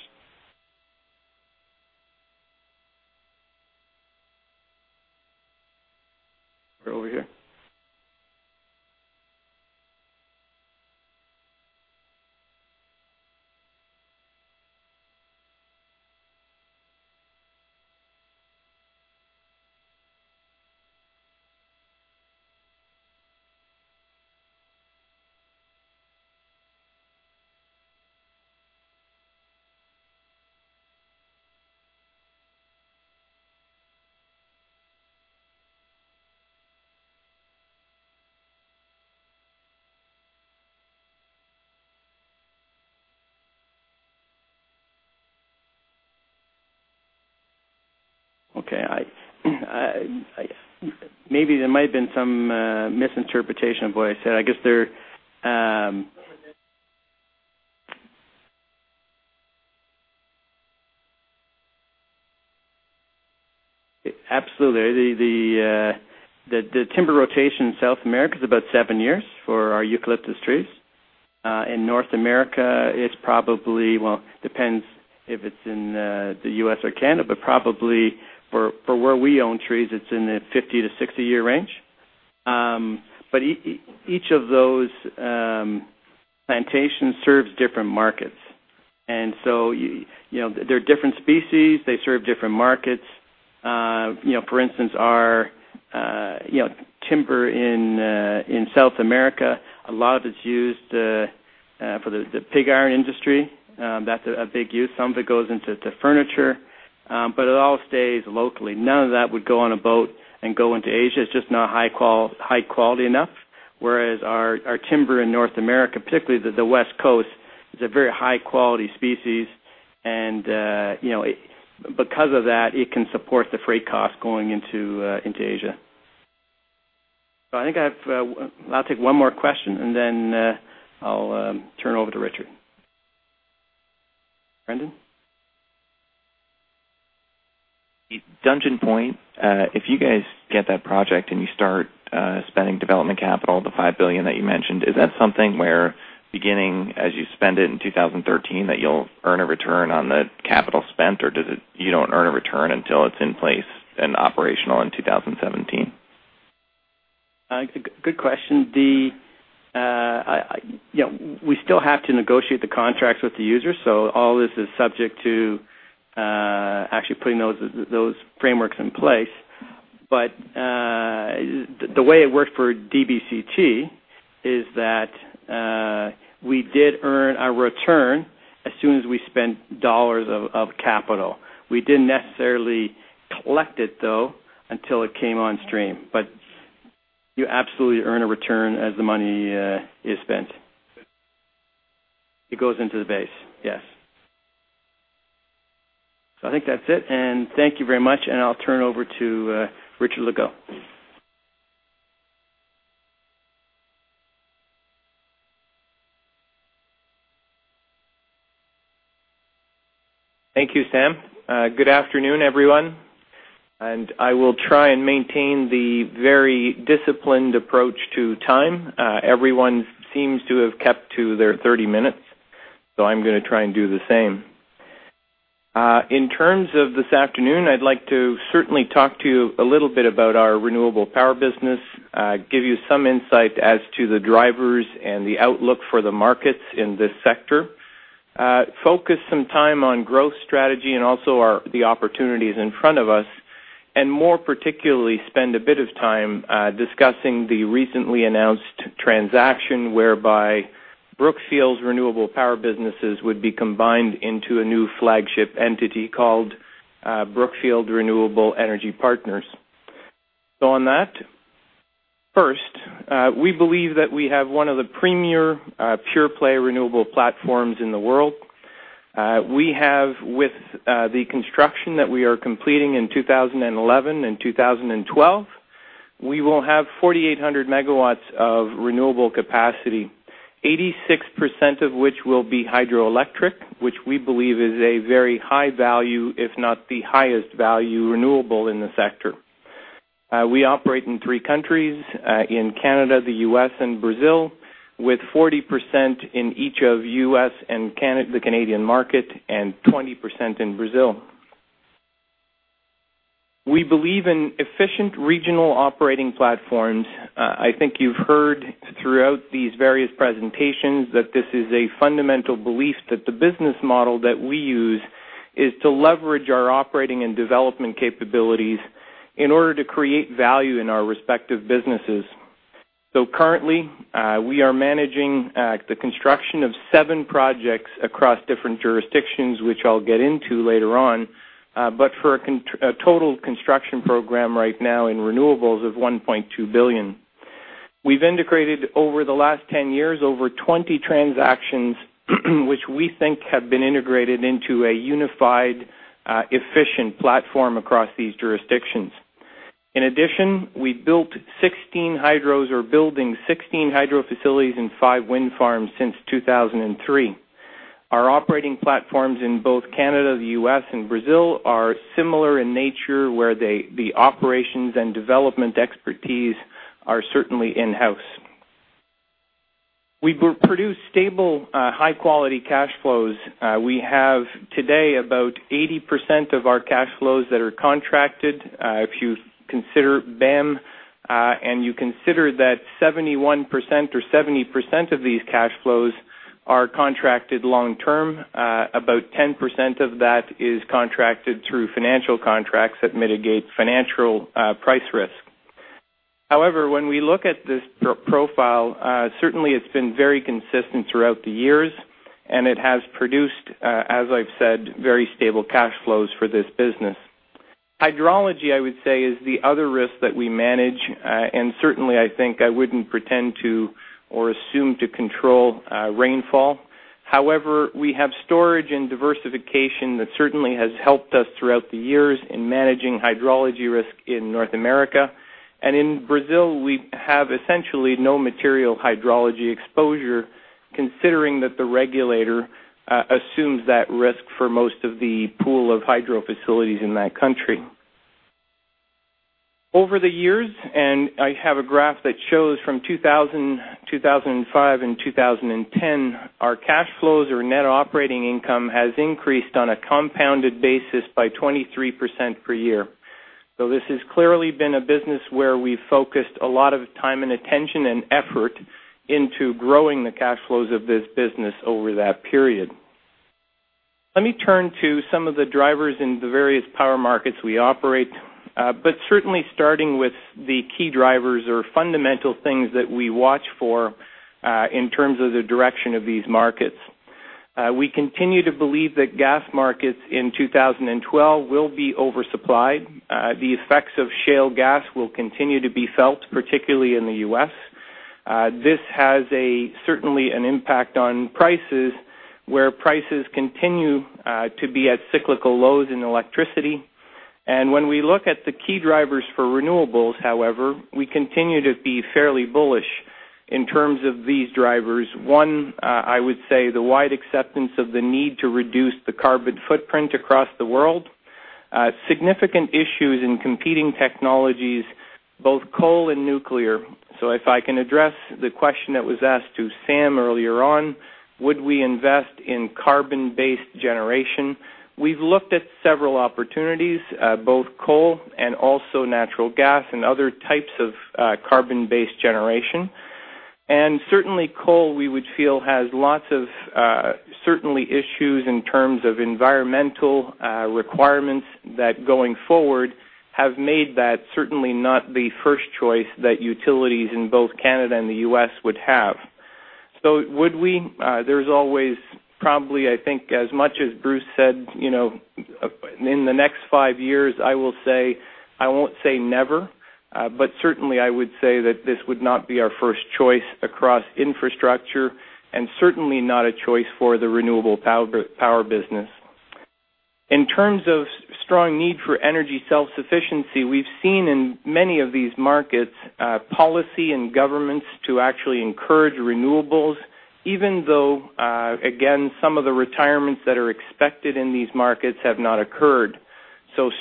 We're over here. Okay. Maybe there might have been some misinterpretation of what I said. I guess there, absolutely, the timber rotation in South America is about seven years for our eucalyptus trees. In North America, it's probably, it depends if it's in the U.S. or Canada. Probably for where we own trees, it's in the 50-60 year range. Each of those plantations serves different markets, so there are different species. They serve different markets. For instance, our timber in South America, a lot of it is used for the pig iron industry. That's a big use. Some of it goes into furniture, but it all stays locally. None of that would go on a boat and go into Asia. It's just not high-quality enough. Whereas our timber in North America, particularly the West Coast, is a very high-quality species, and because of that, it can support the freight costs going into Asia. I think I'll take one more question, and then I'll turn it over to Richard. Brendan? [Dungeon Point], if you guys get that project and you start spending development capital, the $5 billion that you mentioned, is that something where beginning as you spend it in 2013, that you'll earn a return on the capital spent? Or do you not earn a return until it's in place and operational in 2017? Good question. We still have to negotiate the contracts with the users. All this is subject to actually putting those frameworks in place. The way it worked for DBCT is that we did earn a return as soon as we spent dollars of capital. We didn't necessarily collect it, though, until it came on stream. You absolutely earn a return as the money is spent. It goes into the base, yes. I think that's it. Thank you very much. I'll turn it over to Richard Legault. Thank you, Sam. Good afternoon, everyone. I will try and maintain the very disciplined approach to time. Everyone seems to have kept to their 30 minutes. I'm going to try and do the same. In terms of this afternoon, I'd like to certainly talk to you a little bit about our renewable power business, give you some insight as to the drivers and the outlook for the markets in this sector, focus some time on growth strategy and also the opportunities in front of us, and more particularly spend a bit of time discussing the recently announced transaction whereby Brookfield's renewable power businesses would be combined into a new flagship entity called Brookfield Renewable Energy Partners. On that, first, we believe that we have one of the premier pure-play renewable platforms in the world. With the construction that we are completing in 2011 and 2012, we will have 4,800 MW of renewable capacity, 86% of which will be hydroelectric, which we believe is a very high value, if not the highest value renewable in the sector. We operate in three countries: in Canada, the U.S., and Brazil, with 40% in each of the U.S. and the Canadian market and 20% in Brazil. We believe in efficient regional operating platforms. I think you've heard throughout these various presentations that this is a fundamental belief that the business model that we use is to leverage our operating and development capabilities in order to create value in our respective businesses. Currently, we are managing the construction of seven projects across different jurisdictions, which I'll get into later on, but for a total construction program right now in renewables of $1.2 billion. We've integrated over the last 10 years over 20 transactions, which we think have been integrated into a unified, efficient platform across these jurisdictions. In addition, we built 16 hydros or are building 16 hydro facilities and five wind farms since 2003. Our operating platforms in both Canada, the U.S., and Brazil are similar in nature, where the operations and development expertise are certainly in-house. We produce stable, high-quality cash flows. We have today about 80% of our cash flows that are contracted. If you consider BEM and you consider that 71% or 70% of these cash flows are contracted long term, about 10% of that is contracted through financial contracts that mitigate financial price risk. However, when we look at this profile, certainly, it's been very consistent throughout the years. It has produced, as I've said, very stable cash flows for this business. Hydrology, I would say, is the other risk that we manage. I think I wouldn't pretend to or assume to control rainfall. However, we have storage and diversification that certainly has helped us throughout the years in managing hydrology risk in North America. In Brazil, we have essentially no material hydrology exposure, considering that the regulator assumes that risk for most of the pool of hydro facilities in that country. Over the years, and I have a graph that shows from 2000, 2005, and 2010, our cash flows or net operating income has increased on a compounded basis by 23% per year. This has clearly been a business where we've focused a lot of time and attention and effort into growing the cash flows of this business over that period. Let me turn to some of the drivers in the various power markets we operate. Certainly, starting with the key drivers or fundamental things that we watch for in terms of the direction of these markets. We continue to believe that gas markets in 2012 will be oversupplied. The effects of shale gas will continue to be felt, particularly in the U.S. This has an impact on prices, where prices continue to be at cyclical lows in electricity. When we look at the key drivers for renewables, however, we continue to be fairly bullish in terms of these drivers. One, I would say, the wide acceptance of the need to reduce the carbon footprint across the world. Significant issues in competing technologies, both coal and nuclear. If I can address the question that was asked to Sam earlier on, would we invest in carbon-based generation? We've looked at several opportunities, both coal and also natural gas and other types of carbon-based generation. Coal, we would feel, has lots of issues in terms of environmental requirements that going forward have made that not the first choice that utilities in both Canada and the U.S. would have. Would we? There's always probably, I think, as much as Bruce said, you know, in the next five years, I will say I won't say never. I would say that this would not be our first choice across infrastructure and certainly not a choice for the renewable power business. In terms of strong need for energy self-sufficiency, we've seen in many of these markets policy and governments to actually encourage renewables, even though, again, some of the retirements that are expected in these markets have not occurred.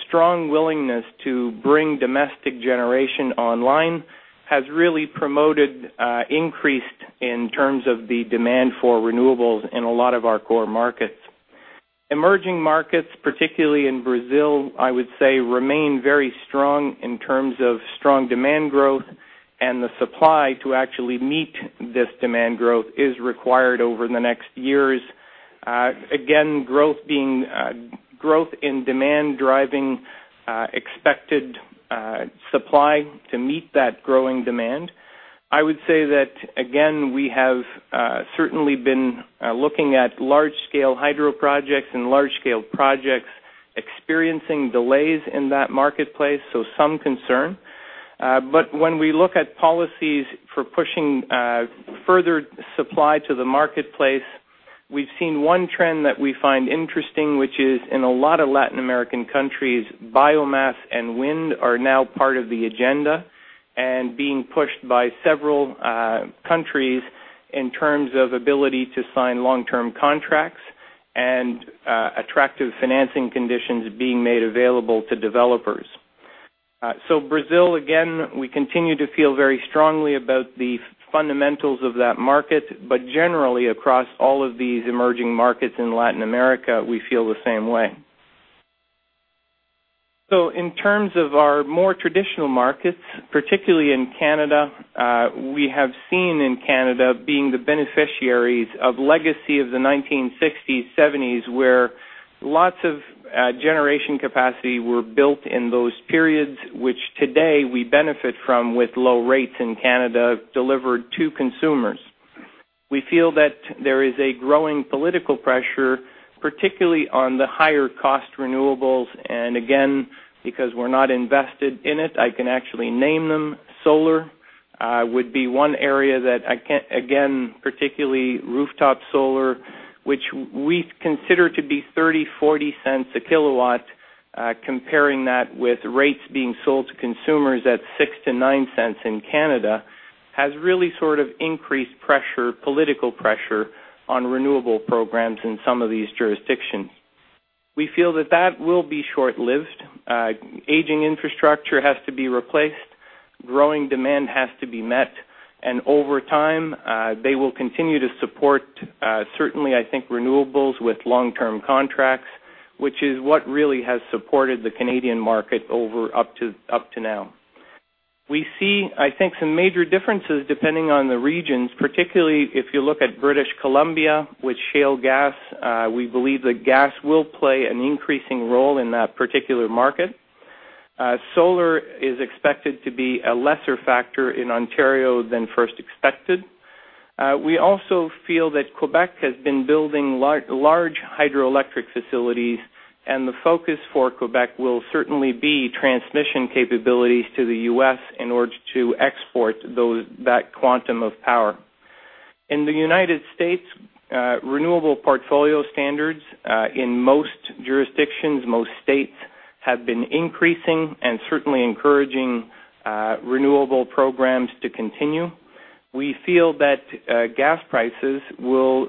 Strong willingness to bring domestic generation online has really promoted increase in terms of the demand for renewables in a lot of our core markets. Emerging markets, particularly in Brazil, I would say, remain very strong in terms of strong demand growth. The supply to actually meet this demand growth is required over the next years. Again, growth in demand driving expected supply to meet that growing demand. I would say that, again, we have certainly been looking at large-scale hydro projects and large-scale projects experiencing delays in that marketplace. Some concern. When we look at policies for pushing further supply to the marketplace, we've seen one trend that we find interesting, which is in a lot of Latin American countries, biomass and wind are now part of the agenda and being pushed by several countries in terms of ability to sign long-term contracts and attractive financing conditions being made available to developers. Brazil, again, we continue to feel very strongly about the fundamentals of that market. Generally, across all of these emerging markets in Latin America, we feel the same way. In terms of our more traditional markets, particularly in Canada, we have seen in Canada being the beneficiaries of the legacy of the 1960s, 1970s, where lots of generation capacity were built in those periods, which today we benefit from with low rates in Canada delivered to consumers. We feel that there is a growing political pressure, particularly on the higher-cost renewables. Again, because we're not invested in it, I can actually name them. Solar would be one area that I can't, again, particularly rooftop solar, which we consider to be $0.30, $0.40 a kilowatt. Comparing that with rates being sold to consumers at $0.06-$0.09 in Canada has really sort of increased pressure, political pressure on renewable programs in some of these jurisdictions. We feel that that will be short-lived. Aging infrastructure has to be replaced. Growing demand has to be met. Over time, they will continue to support, certainly, I think, renewables with long-term contracts, which is what really has supported the Canadian market up to now. We see, I think, some major differences depending on the regions, particularly if you look at British Columbia with shale gas. We believe that gas will play an increasing role in that particular market. Solar is expected to be a lesser factor in Ontario than first expected. We also feel that Quebec has been building large hydroelectric facilities. The focus for Quebec will certainly be transmission capabilities to the U.S. in order to export that quantum of power. In the United States, renewable portfolio standards in most jurisdictions, most states have been increasing and certainly encouraging renewable programs to continue. We feel that gas prices will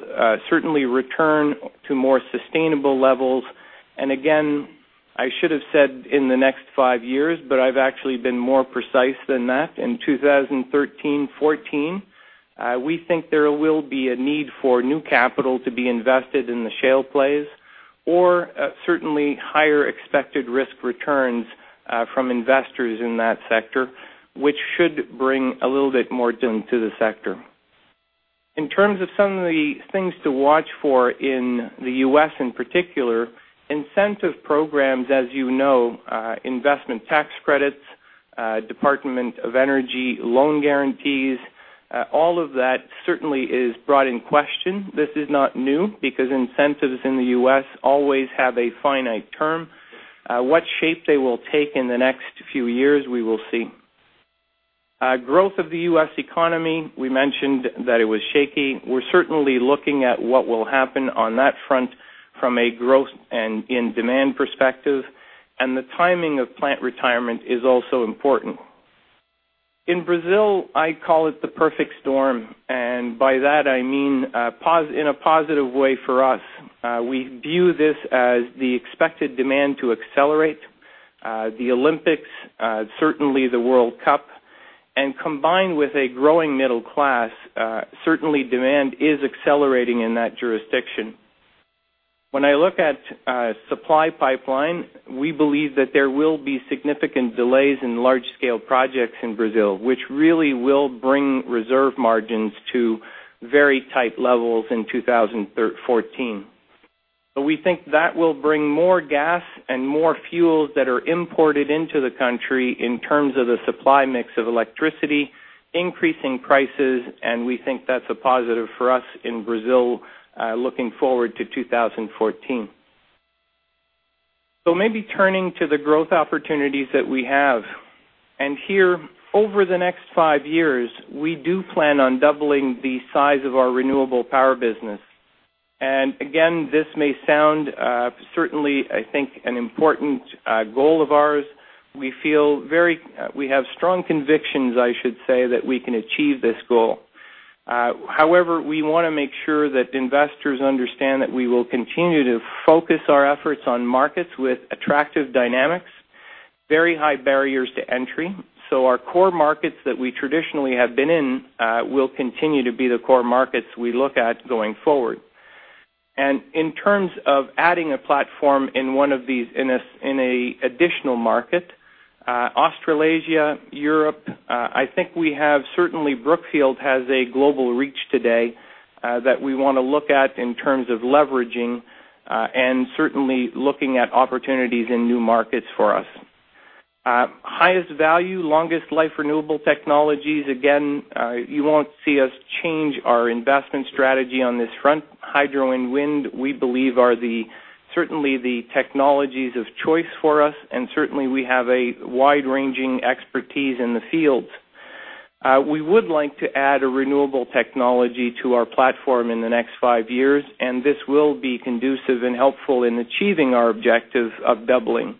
certainly return to more sustainable levels. I should have said in the next five years, but I've actually been more precise than that. In 2013, 2014, we think there will be a need for new capital to be invested in the shale plays or certainly higher expected risk returns from investors in that sector, which should bring a little bit more to the sector. In terms of some of the things to watch for in the U.S. in particular, incentive programs, as you know, investment tax credits, Department of Energy loan guarantees, all of that certainly is brought in question. This is not new because incentives in the U.S. always have a finite term. What shape they will take in the next few years, we will see. Growth of the U.S. economy, we mentioned that it was shaky. We're certainly looking at what will happen on that front from a growth and in-demand perspective. The timing of plant retirement is also important. In Brazil, I call it the perfect storm. By that, I mean in a positive way for us. We view this as the expected demand to accelerate, the Olympics, certainly the World Cup. Combined with a growing middle class, certainly demand is accelerating in that jurisdiction. When I look at the supply pipeline, we believe that there will be significant delays in large-scale projects in Brazil, which really will bring reserve margins to very tight levels in 2014. We think that will bring more gas and more fuels that are imported into the country in terms of the supply mix of electricity, increasing prices. We think that's a positive for us in Brazil looking forward to 2014. Maybe turning to the growth opportunities that we have. Here, over the next five years, we do plan on doubling the size of our renewable power business. This may sound certainly, I think, an important goal of ours. We feel very, we have strong convictions, I should say, that we can achieve this goal. However, we want to make sure that investors understand that we will continue to focus our efforts on markets with attractive dynamics, very high barriers to entry. Our core markets that we traditionally have been in will continue to be the core markets we look at going forward. In terms of adding a platform in one of these in an additional market, Australasia, Europe, I think we have certainly Brookfield has a global reach today that we want to look at in terms of leveraging and certainly looking at opportunities in new markets for us. Highest value, longest life renewable technologies. You won't see us change our investment strategy on this front. Hydro and wind, we believe, are certainly the technologies of choice for us. We have a wide-ranging expertise in the fields. We would like to add a renewable technology to our platform in the next five years. This will be conducive and helpful in achieving our objective of doubling.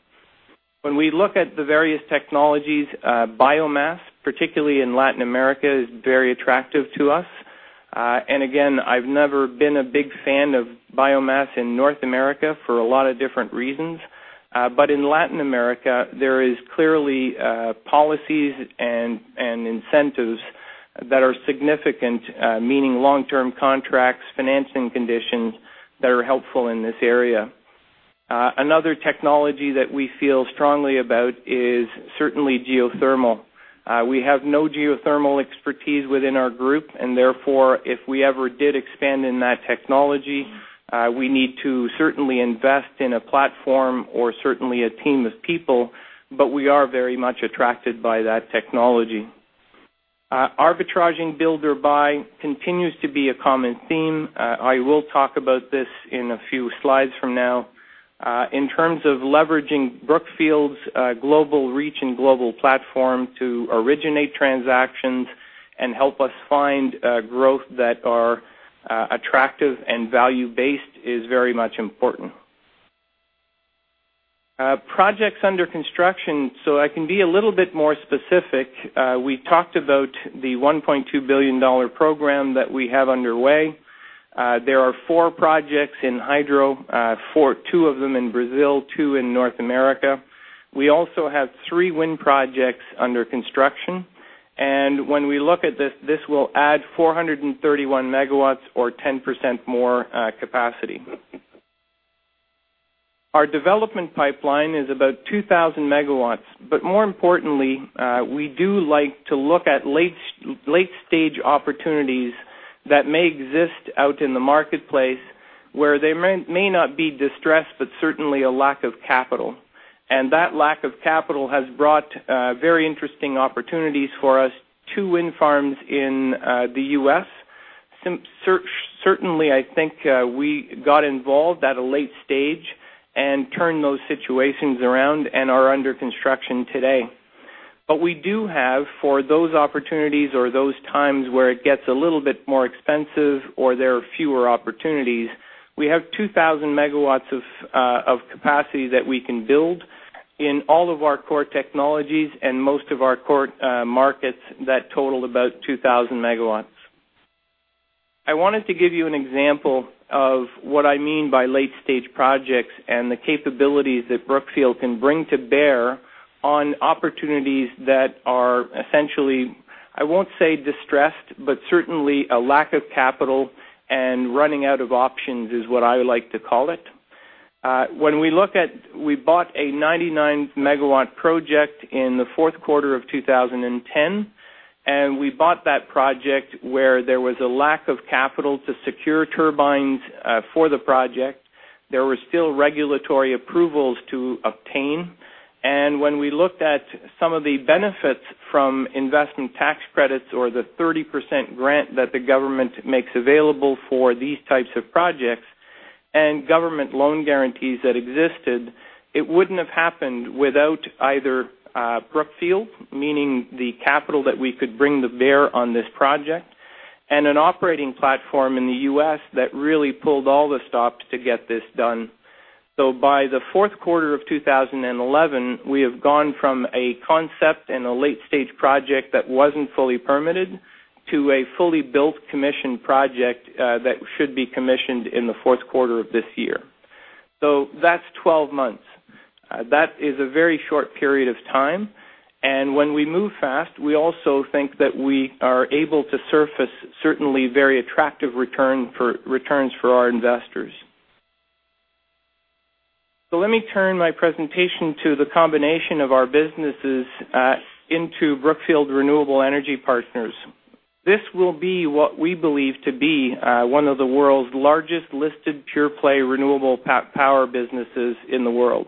When we look at the various technologies, biomass, particularly in Latin America, is very attractive to us. I've never been a big fan of biomass in North America for a lot of different reasons. In Latin America, there are clearly policies and incentives that are significant, meaning long-term contracts, financing conditions that are helpful in this area. Another technology that we feel strongly about is certainly geothermal. We have no geothermal expertise within our group. Therefore, if we ever did expand in that technology, we need to invest in a platform or a team of people. We are very much attracted by that technology. Arbitraging builder-buy continues to be a common theme. I will talk about this in a few slides from now. In terms of leveraging Brookfield's global reach and global platform to originate transactions and help us find growth that are attractive and value-based is very much important. Projects under construction. I can be a little bit more specific. We talked about the $1.2 billion program that we have underway. There are four projects in hydro, two of them in Brazil, two in North America. We also have three wind projects under construction. When we look at this, this will add 431 MW or 10% more capacity. Our development pipeline is about 2,000 MW. More importantly, we do like to look at late-stage opportunities that may exist out in the marketplace where they may not be distressed, but certainly a lack of capital. That lack of capital has brought very interesting opportunities for us, two wind farms in the U.S. I think we got involved at a late stage and turned those situations around and are under construction today. We do have, for those opportunities or those times where it gets a little bit more expensive or there are fewer opportunities, 2,000 MW of capacity that we can build in all of our core technologies and most of our core markets that total about 2,000 MW. I wanted to give you an example of what I mean by late-stage projects and the capabilities that Brookfield can bring to bear on opportunities that are essentially, I won't say distressed, but certainly a lack of capital and running out of options is what I would like to call it. We bought a 99 MW project in the fourth quarter of 2010. We bought that project where there was a lack of capital to secure turbines for the project. There were still regulatory approvals to obtain. When we looked at some of the benefits from investment tax credits or the 30% grant that the government makes available for these types of projects and government loan guarantees that existed, it wouldn't have happened without either Brookfield, meaning the capital that we could bring to bear on this project, and an operating platform in the U.S. that really pulled all the stops to get this done. By the fourth quarter of 2011, we have gone from a concept and a late-stage project that wasn't fully permitted to a fully built commissioned project that should be commissioned in the fourth quarter of this year. That's 12 months. That is a very short period of time. When we move fast, we also think that we are able to surface certainly very attractive returns for our investors. Let me turn my presentation to the combination of our businesses into Brookfield Renewable Energy Partners. This will be what we believe to be one of the world's largest listed pure-play renewable power businesses in the world.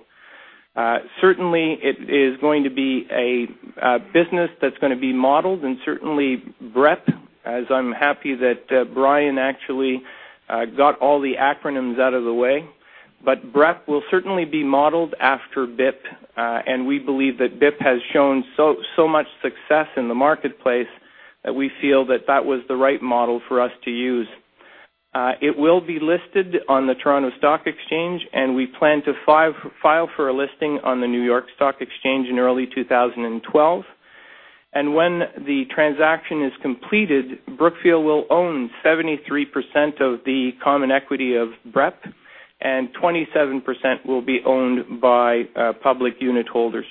It is going to be a business that's going to be modeled and certainly BREP, as I'm happy that Brian actually got all the acronyms out of the way. BREP will certainly be modeled after BIP. We believe that BIP has shown so much success in the marketplace that we feel that was the right model for us to use. It will be listed on the Toronto Stock Exchange. We plan to file for a listing on the New York Stock Exchange in early 2012. When the transaction is completed, Brookfield will own 73% of the common equity of BREP, and 27% will be owned by public unit holders.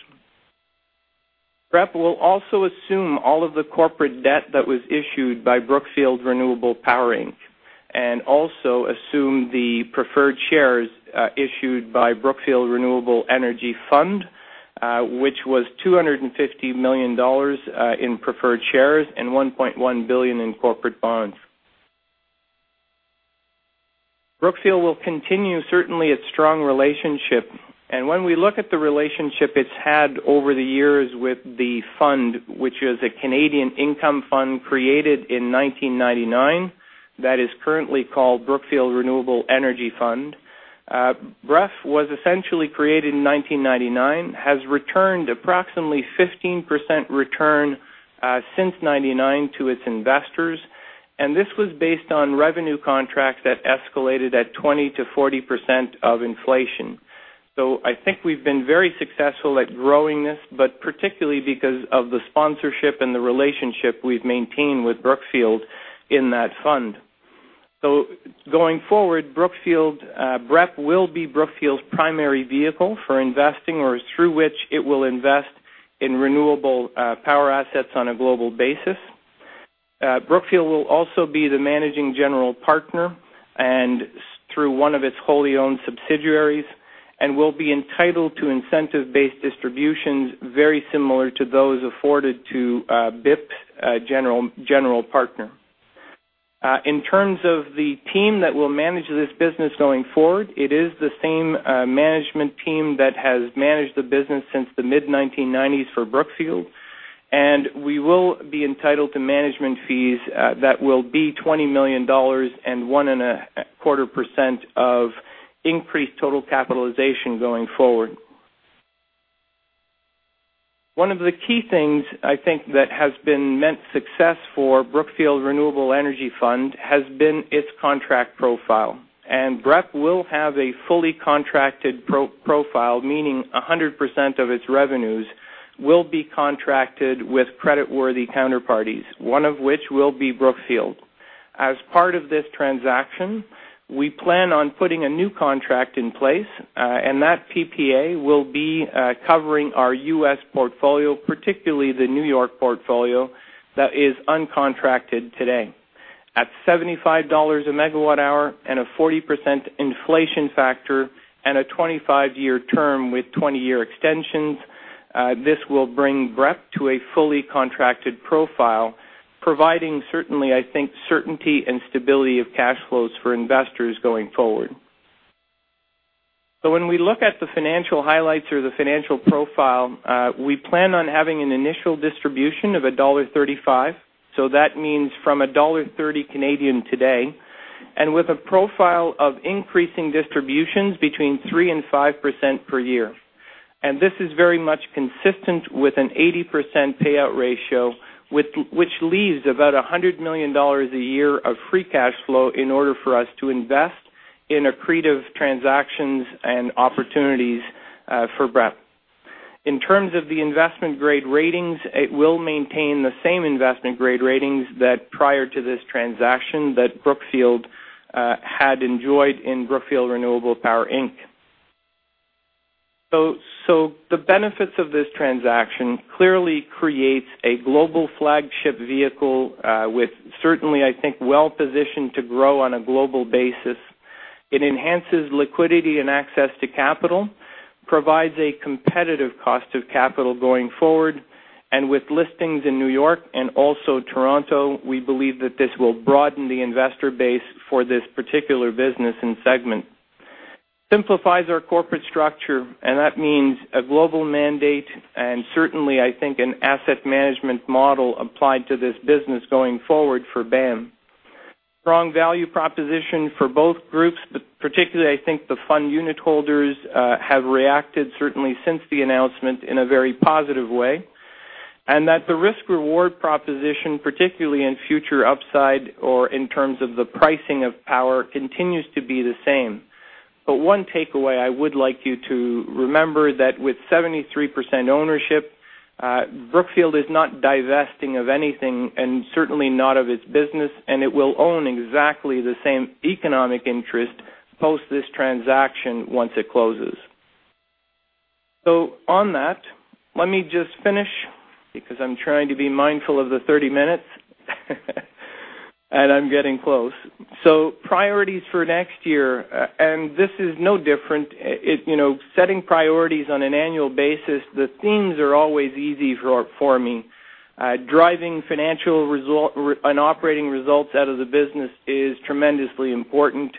BREP will also assume all of the corporate debt that was issued by Brookfield Renewable Power Inc. and also assume the preferred shares issued by Brookfield Renewable Energy Fund, which was $250 million in preferred shares and $1.1 billion in corporate bonds. Brookfield will continue certainly its strong relationship. When we look at the relationship it's had over the years with the fund, which is a Canadian income fund created in 1999 that is currently called Brookfield Renewable Energy Fund, BREP was essentially created in 1999, has returned approximately 15% return since 1999 to its investors. This was based on revenue contracts that escalated at 20%-40% of inflation. I think we've been very successful at growing this, particularly because of the sponsorship and the relationship we've maintained with Brookfield in that fund. Going forward, BREP will be Brookfield's primary vehicle for investing or through which it will invest in renewable power assets on a global basis. Brookfield will also be the managing general partner through one of its wholly owned subsidiaries and will be entitled to incentive-based distributions very similar to those afforded to BIP's general partner. In terms of the team that will manage this business going forward, it is the same management team that has managed the business since the mid-1990s for Brookfield. We will be entitled to management fees that will be $20 million and 25% of increased total capitalization going forward. One of the key things that has meant success for Brookfield Renewable Energy Fund has been its contract profile. BREP will have a fully contracted profile, meaning 100% of its revenues will be contracted with creditworthy counterparties, one of which will be Brookfield. As part of this transaction, we plan on putting a new contract in place. That PPA will be covering our U.S. portfolio, particularly the New York portfolio that is uncontracted today. At $75 a megawatt hour and a 40% inflation factor and a 25-year term with 20-year extensions, this will bring BREP to a fully contracted profile, providing certainty and stability of cash flows for investors going forward. When we look at the financial highlights or the financial profile, we plan on having an initial distribution of $1.35. That means from 1.30 Canadian dollars today and with a profile of increasing distributions between 3% and 5% per year. This is very much consistent with an 80% payout ratio, which leaves about $100 million a year of free cash flow in order for us to invest in accretive transactions and opportunities for BREP. In terms of the investment grade ratings, it will maintain the same investment grade ratings that prior to this transaction that Brookfield had enjoyed in Brookfield Renewable Power Inc. The benefits of this transaction clearly create a global flagship vehicle, well positioned to grow on a global basis. It enhances liquidity and access to capital, provides a competitive cost of capital going forward, and with listings in New York and also Toronto, we believe that this will broaden the investor base for this particular business and segment. It simplifies our corporate structure. That means a global mandate and an asset management model applied to this business going forward for BAM. Strong value proposition for both groups, but particularly the fund unit holders have reacted since the announcement in a very positive way. The risk-reward proposition, particularly in future upside or in terms of the pricing of power, continues to be the same. One takeaway I would like you to remember is that with 73% ownership, Brookfield is not divesting of anything and certainly not of its business. It will own exactly the same economic interest post this transaction once it closes. Let me just finish because I'm trying to be mindful of the 30 minutes, and I'm getting close. Priorities for next year, and this is no different. Setting priorities on an annual basis, the themes are always easy for me. Driving financial results and operating results out of the business is tremendously important.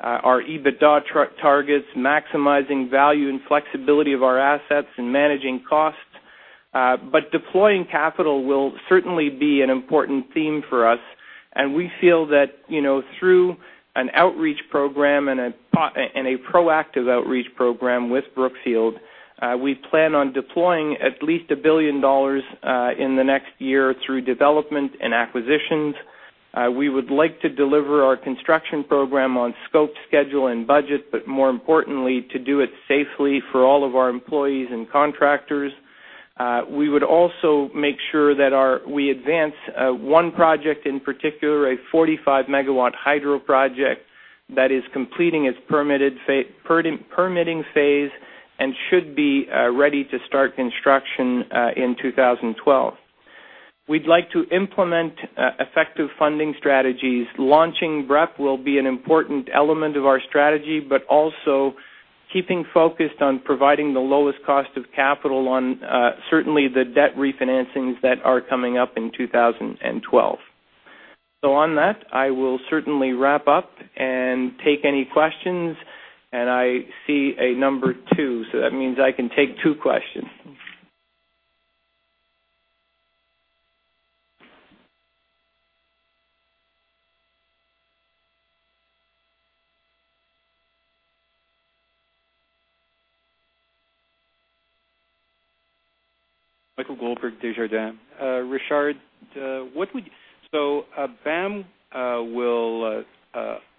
Our EBITDA targets, maximizing value and flexibility of our assets, and managing costs. Deploying capital will certainly be an important theme for us. We feel that through an outreach program and a proactive outreach program with Brookfield, we plan on deploying at least $1 billion in the next year through development and acquisitions. We would like to deliver our construction program on scope, schedule, and budget, but more importantly, to do it safely for all of our employees and contractors. We would also make sure that we advance one project in particular, a 45 MW hydro project that is completing its permitting phase and should be ready to start construction in 2012. We'd like to implement effective funding strategies. Launching BREP will be an important element of our strategy, but also keeping focused on providing the lowest cost of capital on certainly the debt refinancings that are coming up in 2012. On that, I will certainly wrap up and take any questions. I see a number two. That means I can take two questions. Michael Goldberg, Desjardins. Richard, so BAM will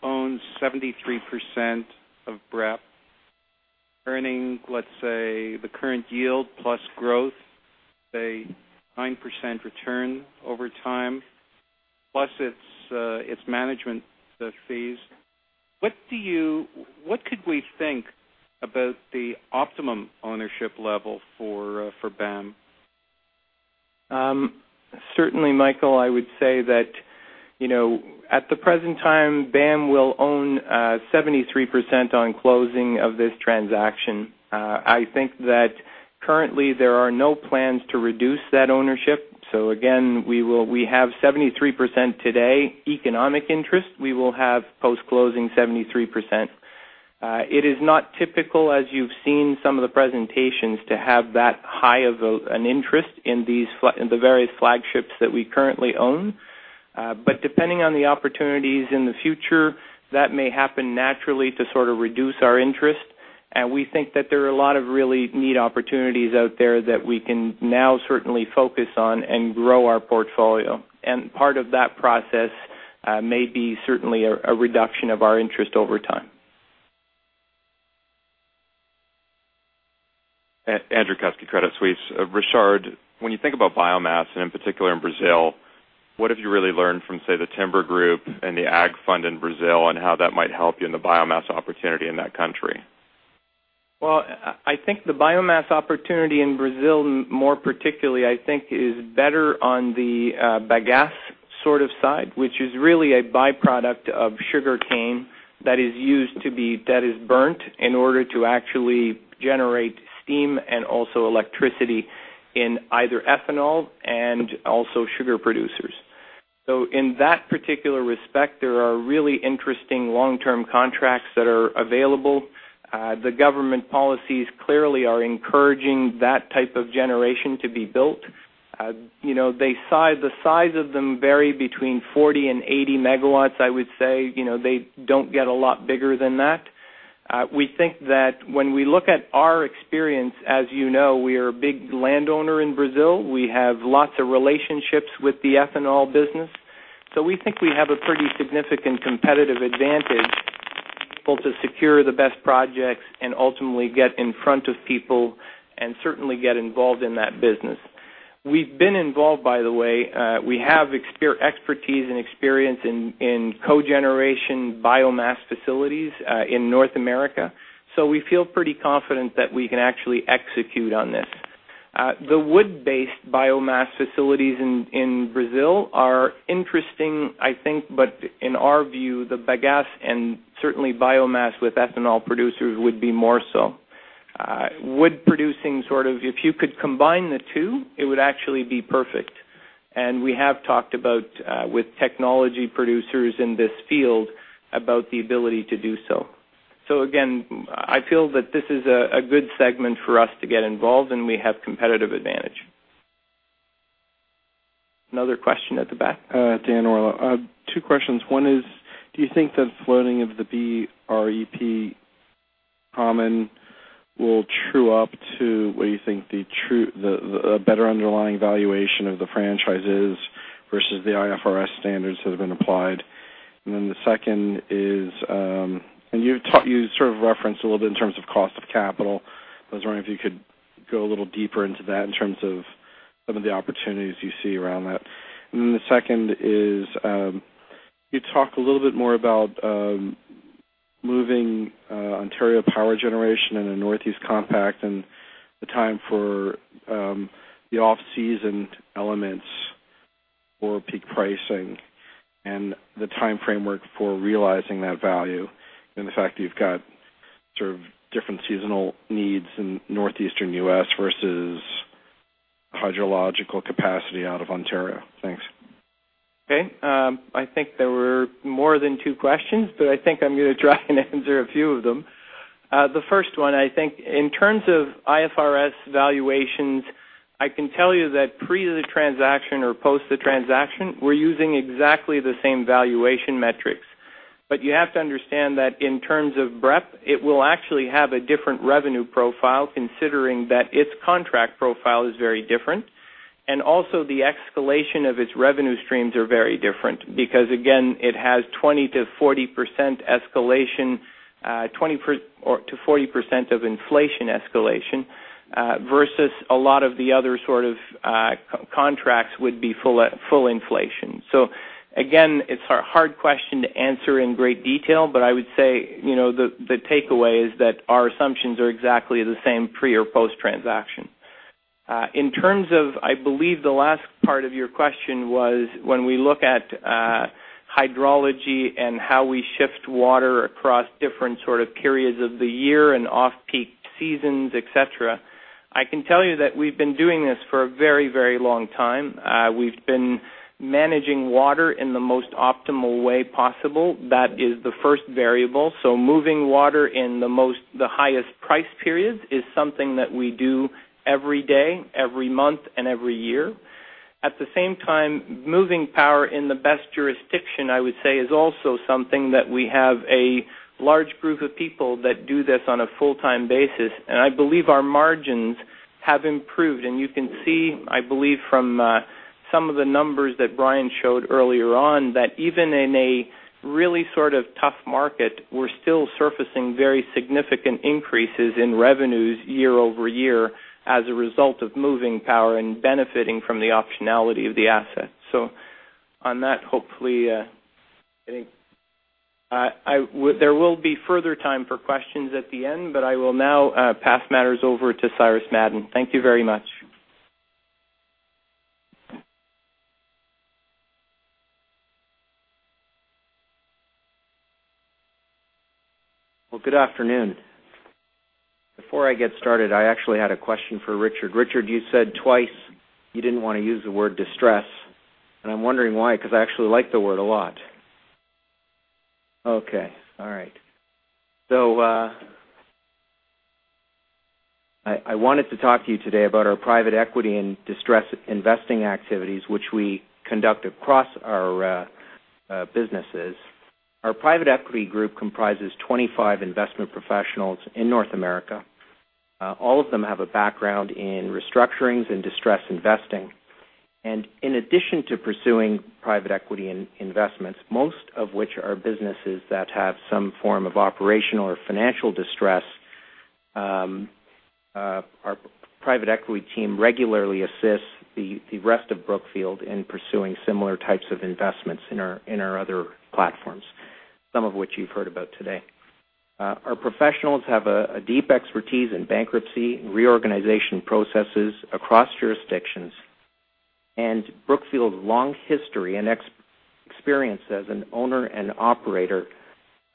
own 73% of BREP, earning, let's say, the current yield plus growth, a 9% return over time, plus its management fees. What do you—what could we think about the optimum ownership level for BAM? Certainly, Michael, I would say that at the present time, BAM will own 73% on closing of this transaction. I think that currently, there are no plans to reduce that ownership. We have 73% today economic interest. We will have post-closing 73%. It is not typical, as you've seen in some of the presentations, to have that high of an interest in the various flagships that we currently own. Depending on the opportunities in the future, that may happen naturally to sort of reduce our interest. We think that there are a lot of really neat opportunities out there that we can now certainly focus on and grow our portfolio. Part of that process may be certainly a reduction of our interest over time. Richard, when you think about biomass and in particular in Brazil, what have you really learned from, say, the timber group and the ag fund in Brazil and how that might help you in the biomass opportunity in that country? I think the biomass opportunity in Brazil, more particularly, is better on the bagasse sort of side, which is really a byproduct of sugar cane that is burnt in order to actually generate steam and also electricity in either ethanol and also sugar producers. In that particular respect, there are really interesting long-term contracts that are available. The government policies clearly are encouraging that type of generation to be built. The size of them vary between 40 and 80 MW, I would say. They don't get a lot bigger than that. We think that when we look at our experience, as you know, we are a big landowner in Brazil. We have lots of relationships with the ethanol business. We think we have a pretty significant competitive advantage to secure the best projects and ultimately get in front of people and certainly get involved in that business. We've been involved, by the way. We have expertise and experience in co-generation biomass facilities in North America. We feel pretty confident that we can actually execute on this. The wood-based biomass facilities in Brazil are interesting, I think. In our view, the bagasse and certainly biomass with ethanol producers would be more so. Wood producing sort of, if you could combine the two, it would actually be perfect. We have talked with technology producers in this field about the ability to do so. I feel that this is a good segment for us to get involved. We have a competitive advantage. Another question at the back. Two questions. One is, do you think the floating of the BREP common will true up to what do you think the better underlying valuation of the franchise is versus the IFRS standards that have been applied? The second is, and you sort of referenced a little bit in terms of cost of capital. I was wondering if you could go a little deeper into that in terms of some of the opportunities you see around that. The second is, you talk a little bit more about moving Ontario Power Generation in a Northeast compact and the time for the off-season elements or peak pricing and the time framework for realizing that value and the fact that you've got sort of different seasonal needs in the Northeastern U.S. versus hydrological capacity out of Ontario. Thanks. OK. I think there were more than two questions. I think I'm going to try and answer a few of them. The first one, I think in terms of IFRS valuations, I can tell you that pre-transaction or post-the-transaction, we're using exactly the same valuation metrics. You have to understand that in terms of BREP, it will actually have a different revenue profile considering that its contract profile is very different. Also, the escalation of its revenue streams is very different because, again, it has 20%-40% escalation, 20%-40% of inflation escalation versus a lot of the other sort of contracts would be full inflation. It's a hard question to answer in great detail. I would say the takeaway is that our assumptions are exactly the same pre or post-transaction. In terms of, I believe the last part of your question was when we look at hydrology and how we shift water across different sort of periods of the year and off-peak seasons, etc., I can tell you that we've been doing this for a very, very long time. We've been managing water in the most optimal way possible. That is the first variable. Moving water in the highest price periods is something that we do every day, every month, and every year. At the same time, moving power in the best jurisdiction, I would say, is also something that we have a large group of people that do this on a full-time basis. I believe our margins have improved. You can see, I believe, from some of the numbers that Brian showed earlier on that even in a really sort of tough market, we're still surfacing very significant increases in revenues year-over-year as a result of moving power and benefiting from the optionality of the asset. On that, hopefully, I think there will be further time for questions at the end. I will now pass matters over to Cyrus Madon. Thank you very much. Good afternoon. Before I get started, I actually had a question for Richard. Richard, you said twice you didn't want to use the word distress. I'm wondering why because I actually like the word a lot. OK. I wanted to talk to you today about our private equity and distress investing activities, which we conduct across our businesses. Our private equity group comprises 25 investment professionals in North America. All of them have a background in restructurings and distress investing. In addition to pursuing private equity investments, most of which are businesses that have some form of operational or financial distress, our private equity team regularly assists the rest of Brookfield in pursuing similar types of investments in our other platforms, some of which you've heard about today. Our professionals have a deep expertise in bankruptcy and reorganization processes across jurisdictions. Brookfield's long history and experience as an owner and operator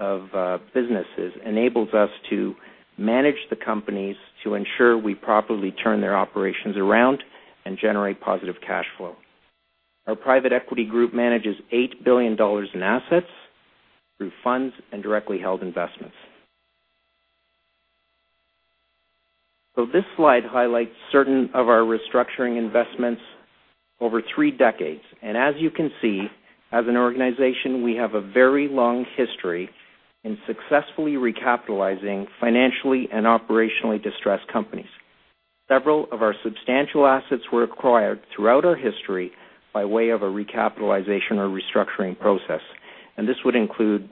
of businesses enables us to manage the companies to ensure we properly turn their operations around and generate positive cash flow. Our private equity group manages $8 billion in assets through funds and directly held investments. This slide highlights certain of our restructuring investments over three decades. As you can see, as an organization, we have a very long history in successfully recapitalizing financially and operationally distressed companies. Several of our substantial assets were acquired throughout our history by way of a recapitalization or restructuring process. This would include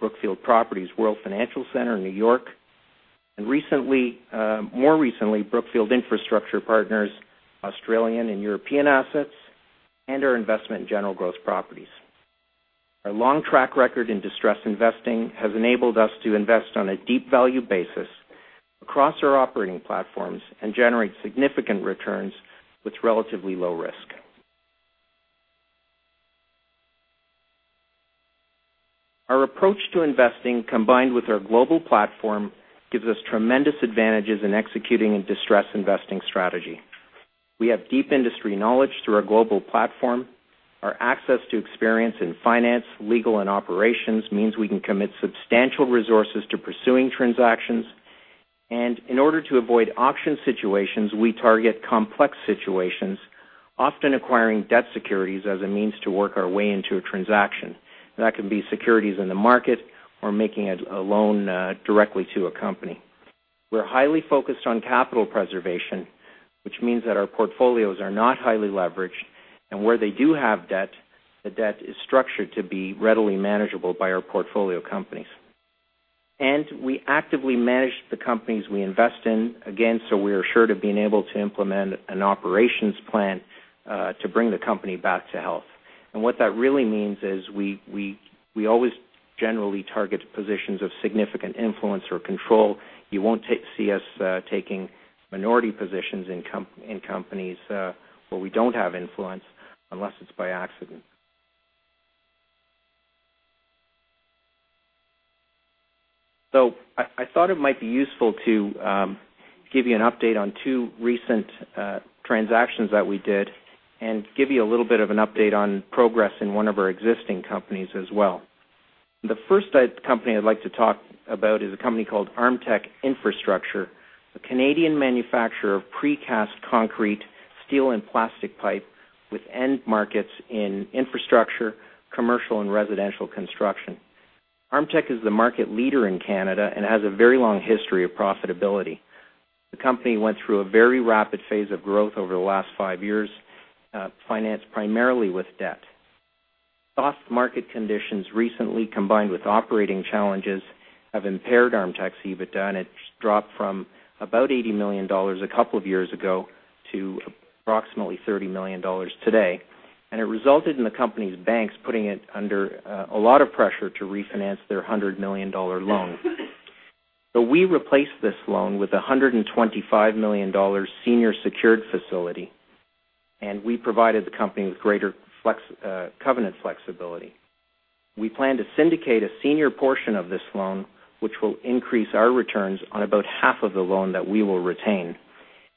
Brookfield Properties, World Financial Center, New York, and more recently, Brookfield Infrastructure Partners, Australian and European assets, and our investment in General Growth Properties. Our long track record in distress investing has enabled us to invest on a deep value basis across our operating platforms and generate significant returns with relatively low risk. Our approach to investing, combined with our global platform, gives us tremendous advantages in executing a distress investing strategy. We have deep industry knowledge through our global platform. Our access to experience in finance, legal, and operations means we can commit substantial resources to pursuing transactions. In order to avoid auction situations, we target complex situations, often acquiring debt securities as a means to work our way into a transaction. That could be securities in the market or making a loan directly to a company. We're highly focused on capital preservation, which means that our portfolios are not highly leveraged. Where they do have debt, the debt is structured to be readily manageable by our portfolio companies. We actively manage the companies we invest in, again, so we are sure to be able to implement an operations plan to bring the company back to health. What that really means is we always generally target positions of significant influence or control. You won't see us taking minority positions in companies where we don't have influence unless it's by accident. I thought it might be useful to give you an update on two recent transactions that we did and give you a little bit of an update on progress in one of our existing companies as well. The first company I'd like to talk about is a company called Armtec Infrastructure, a Canadian manufacturer of precast concrete, steel, and plastic pipe with end markets in infrastructure, commercial, and residential construction. Armtec is the market leader in Canada and has a very long history of profitability. The company went through a very rapid phase of growth over the last five years, financed primarily with debt. Off-market conditions recently combined with operating challenges have impaired Armtec's EBITDA. It dropped from about $80 million a couple of years ago to approximately $30 million today. It resulted in the company's banks putting it under a lot of pressure to refinance their $100 million loan. We replaced this loan with a $125 million senior secured facility, and we provided the company with greater covenant flexibility. We plan to syndicate a senior portion of this loan, which will increase our returns on about half of the loan that we will retain.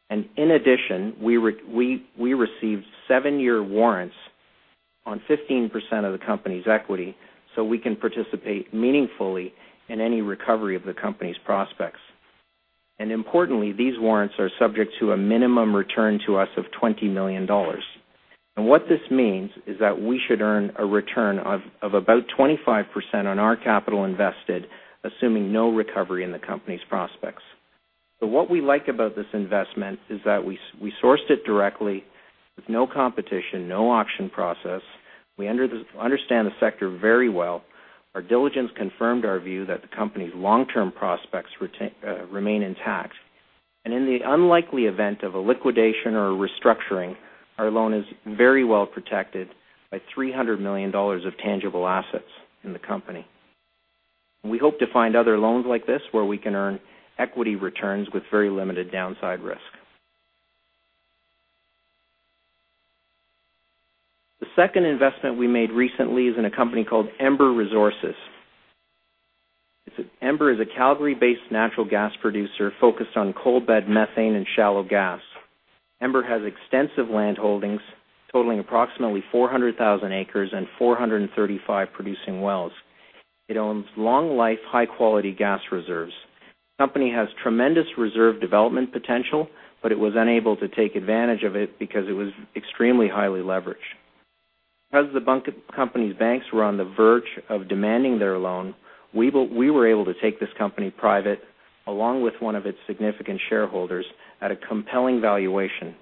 In addition, we received seven-year warrants on 15% of the company's equity so we can participate meaningfully in any recovery of the company's prospects. Importantly, these warrants are subject to a minimum return to us of $20 million. What this means is that we should earn a return of about 25% on our capital invested, assuming no recovery in the company's prospects. What we like about this investment is that we sourced it directly with no competition, no auction process. We understand the sector very well. Our diligence confirmed our view that the company's long-term prospects remain intact. In the unlikely event of a liquidation or restructuring, our loan is very well protected by $300 million of tangible assets in the company. We hope to find other loans like this where we can earn equity returns with very limited downside risk. The second investment we made recently is in a company called Ember Resources. Ember is a Calgary-based natural gas producer focused on coal-bed methane and shallow gas. Ember has extensive land holdings totaling approximately 400,000 acres and 435 producing wells. It owns long-life, high-quality gas reserves. The company has tremendous reserve development potential. It was unable to take advantage of it because it was extremely highly leveraged. Because the company's banks were on the verge of demanding their loan, we were able to take this company private along with one of its significant shareholders. A compelling valuation.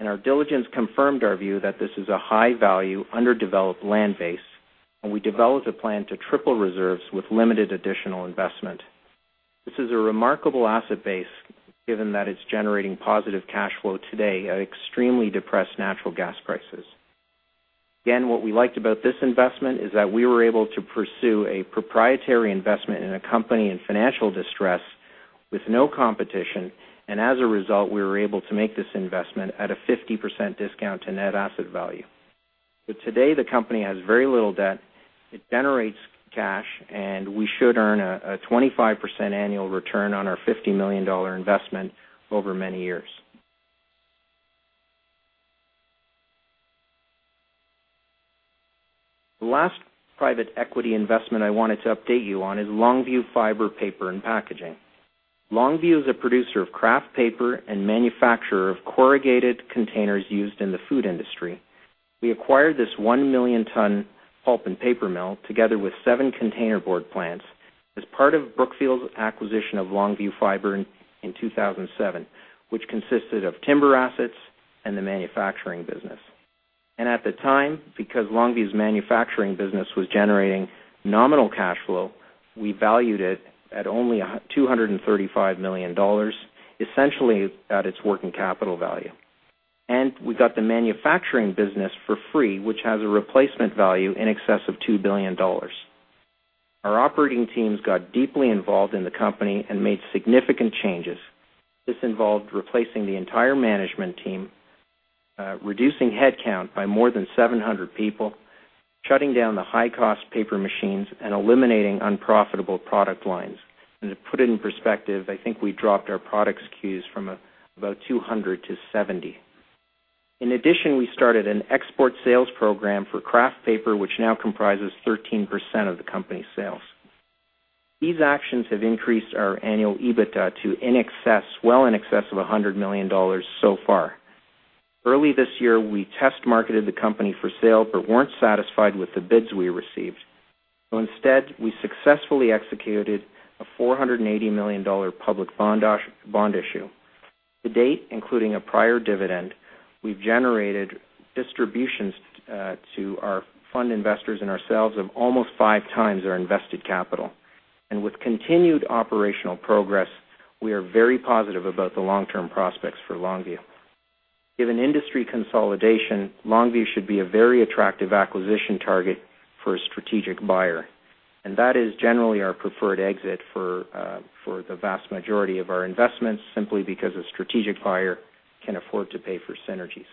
Our diligence confirmed our view that this is a high-value, underdeveloped land base, and we developed a plan to triple reserves with limited additional investment. This is a remarkable asset base, given that it's generating positive cash flow today at extremely depressed natural gas prices. What we liked about this investment is that we were able to pursue a proprietary investment in a company in financial distress with no competition, and as a result, we were able to make this investment at a 50% discount to net asset value. Today, the company has very little debt, it generates cash, and we should earn a 25% annual return on our $50 million investment over many years. The last private equity investment I wanted to update you on is Longview Fibre Paper and Packaging. Longview is a producer of craft paper and manufacturer of corrugated containers used in the food industry. We acquired this 1 million-ton pulp and paper mill together with seven containerboard plants as part of Brookfield's acquisition of Longview Fibre in 2007, which consisted of timber assets and the manufacturing business. At the time, because Longview's manufacturing business was generating nominal cash flow, we valued it at only $235 million, essentially at its working capital value. We got the manufacturing business for free, which has a replacement value in excess of $2 billion. Our operating teams got deeply involved in the company and made significant changes. This involved replacing the entire management team, reducing headcount by more than 700 people, shutting down the high-cost paper machines, and eliminating unprofitable product lines. To put it in perspective, I think we dropped our product SKUs from about 200 to 70. In addition, we started an export sales program for craft paper, which now comprises 13% of the company's sales. These actions have increased our annual EBITDA to well in excess of $100 million so far. Early this year, we test-marketed the company for sale but weren't satisfied with the bids we received. Instead, we successfully executed a $480 million public bond issue. To date, including a prior dividend, we've generated distributions to our fund investors and ourselves of almost 5x our invested capital. With continued operational progress, we are very positive about the long-term prospects for Longview. Given industry consolidation, Longview should be a very attractive acquisition target for a strategic buyer. That is generally our preferred exit for the vast majority of our investments, simply because a strategic buyer can afford to pay for synergies.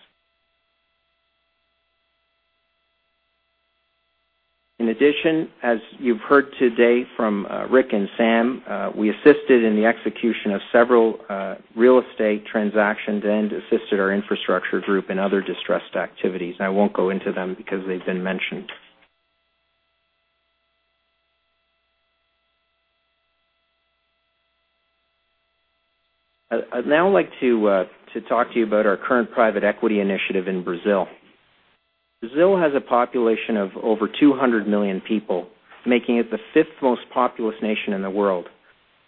In addition, as you've heard today from Ric and Sam, we assisted in the execution of several real estate transactions and assisted our infrastructure group in other distressed activities. I won't go into them because they've been mentioned. I'd now like to talk to you about our current private equity initiative in Brazil. Brazil has a population of over 200 million people, making it the fifth most populous nation in the world.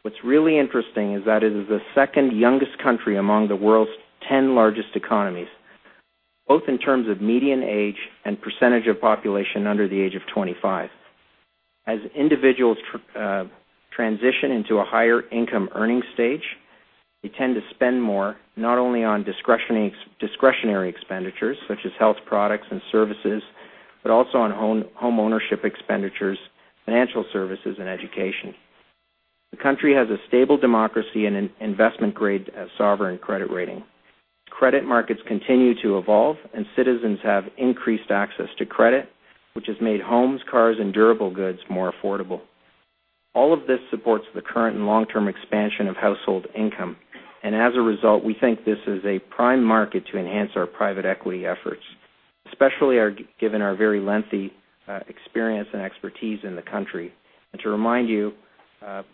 What's really interesting is that it is the second youngest country among the world's 10 largest economies, both in terms of median age and percentage of population under the age of 25. As individuals transition into a higher-income earning stage, they tend to spend more not only on discretionary expenditures, such as health products and services, but also on home ownership expenditures, financial services, and education. The country has a stable democracy and an investment-grade sovereign credit rating. Credit markets continue to evolve, and citizens have increased access to credit, which has made homes, cars, and durable goods more affordable. All of this supports the current and long-term expansion of household income. As a result, we think this is a prime market to enhance our private equity efforts, especially given our very lengthy experience and expertise in the country. To remind you,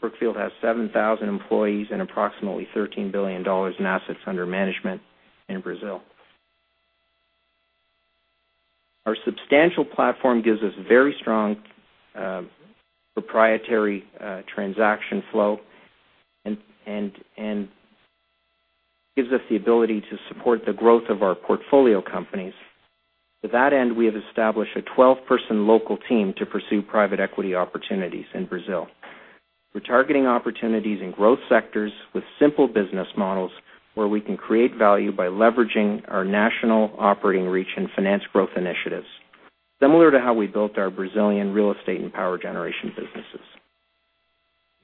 Brookfield has 7,000 employees and approximately $13 billion in assets under management in Brazil. Our substantial platform gives us very strong proprietary transaction flow and gives us the ability to support the growth of our portfolio companies. To that end, we have established a 12-person local team to pursue private equity opportunities in Brazil. We're targeting opportunities in growth sectors with simple business models where we can create value by leveraging our national operating reach and finance growth initiatives, similar to how we built our Brazilian real estate and power generation businesses.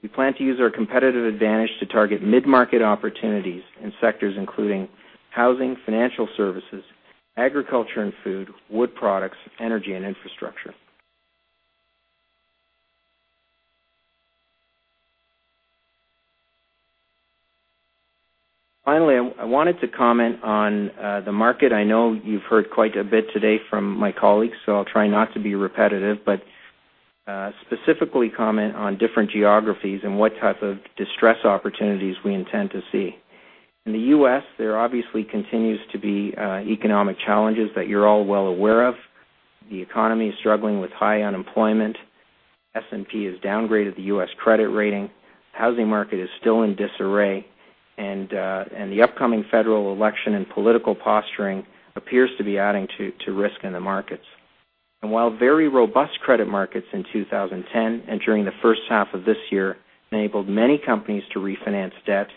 We plan to use our competitive advantage to target mid-market opportunities in sectors including housing, financial services, agriculture and food, wood products, energy, and infrastructure. Finally, I wanted to comment on the market. I know you've heard quite a bit today from my colleagues, so I'll try not to be repetitive, but specifically comment on different geographies and what type of distress opportunities we intend to see. In the U.S., there obviously continue to be economic challenges that you're all well aware of. The economy is struggling with high unemployment. The S&P has downgraded the U.S. credit rating. The housing market is still in disarray. The upcoming federal election and political posturing appears to be adding to risk in the markets. While very robust credit markets in 2010 and during the first half of this year enabled many companies to refinance debt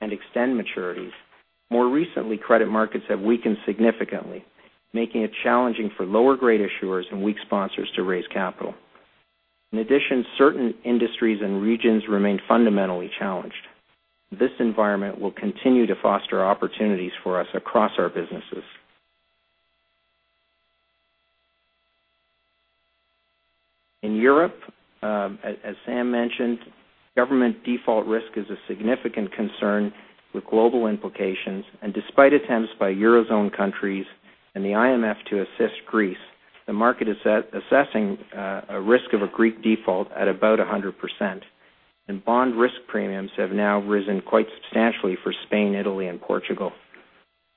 and extend maturities, more recently, credit markets have weakened significantly, making it challenging for lower-grade issuers and weak sponsors to raise capital. In addition, certain industries and regions remain fundamentally challenged. This environment will continue to foster opportunities for us across our businesses. In Europe, as Sam mentioned, government default risk is a significant concern with global implications. Despite attempts by eurozone countries and the IMF to assist Greece, the market is assessing a risk of a Greek default at about 100%. Bond risk premiums have now risen quite substantially for Spain, Italy, and Portugal.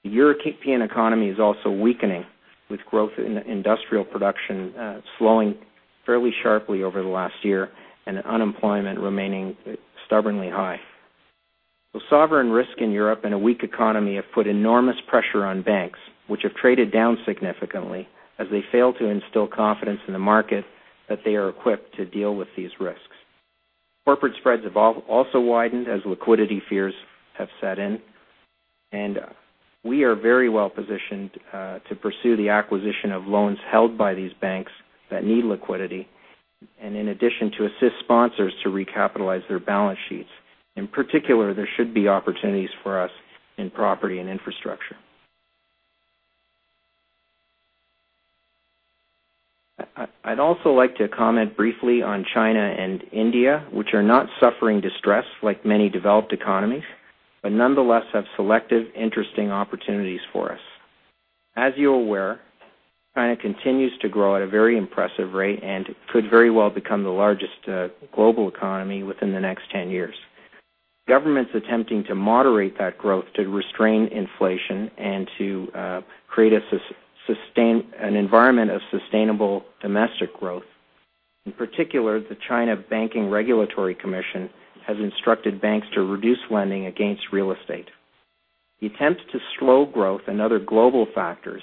The European economy is also weakening, with growth in industrial production slowing fairly sharply over the last year and unemployment remaining stubbornly high. The sovereign risk in Europe and a weak economy have put enormous pressure on banks, which have traded down significantly as they fail to instill confidence in the market that they are equipped to deal with these risks. Corporate spreads have also widened as liquidity fears have set in. We are very well positioned to pursue the acquisition of loans held by these banks that need liquidity, and in addition, to assist sponsors to recapitalize their balance sheets. In particular, there should be opportunities for us in property and infrastructure. I'd also like to comment briefly on China and India, which are not suffering distress like many developed economies, but nonetheless have selective, interesting opportunities for us. As you're aware, China continues to grow at a very impressive rate and could very well become the largest global economy within the next 10 years. Governments are attempting to moderate that growth to restrain inflation and to create an environment of sustainable domestic growth. In particular, the China Banking Regulatory Commission has instructed banks to reduce lending against real estate. The attempts to slow growth and other global factors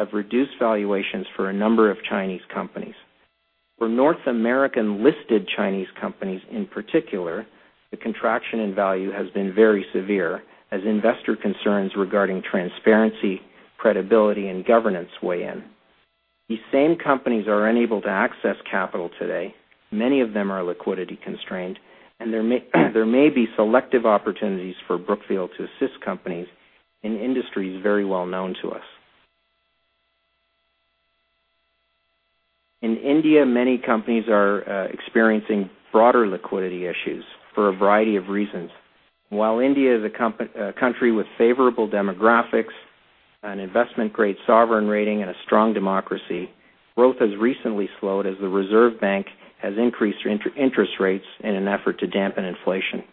have reduced valuations for a number of Chinese companies. For North American listed Chinese companies, in particular, the contraction in value has been very severe as investor concerns regarding transparency, credibility, and governance weigh in. These same companies are unable to access capital today. Many of them are liquidity constrained. There may be selective opportunities for Brookfield to assist companies in industries very well known to us. In India, many companies are experiencing broader liquidity issues for a variety of reasons. While India is a country with favorable demographics, an investment-grade sovereign rating, and a strong democracy, growth has recently slowed as the Reserve Bank has increased interest rates in an effort to dampen inflation.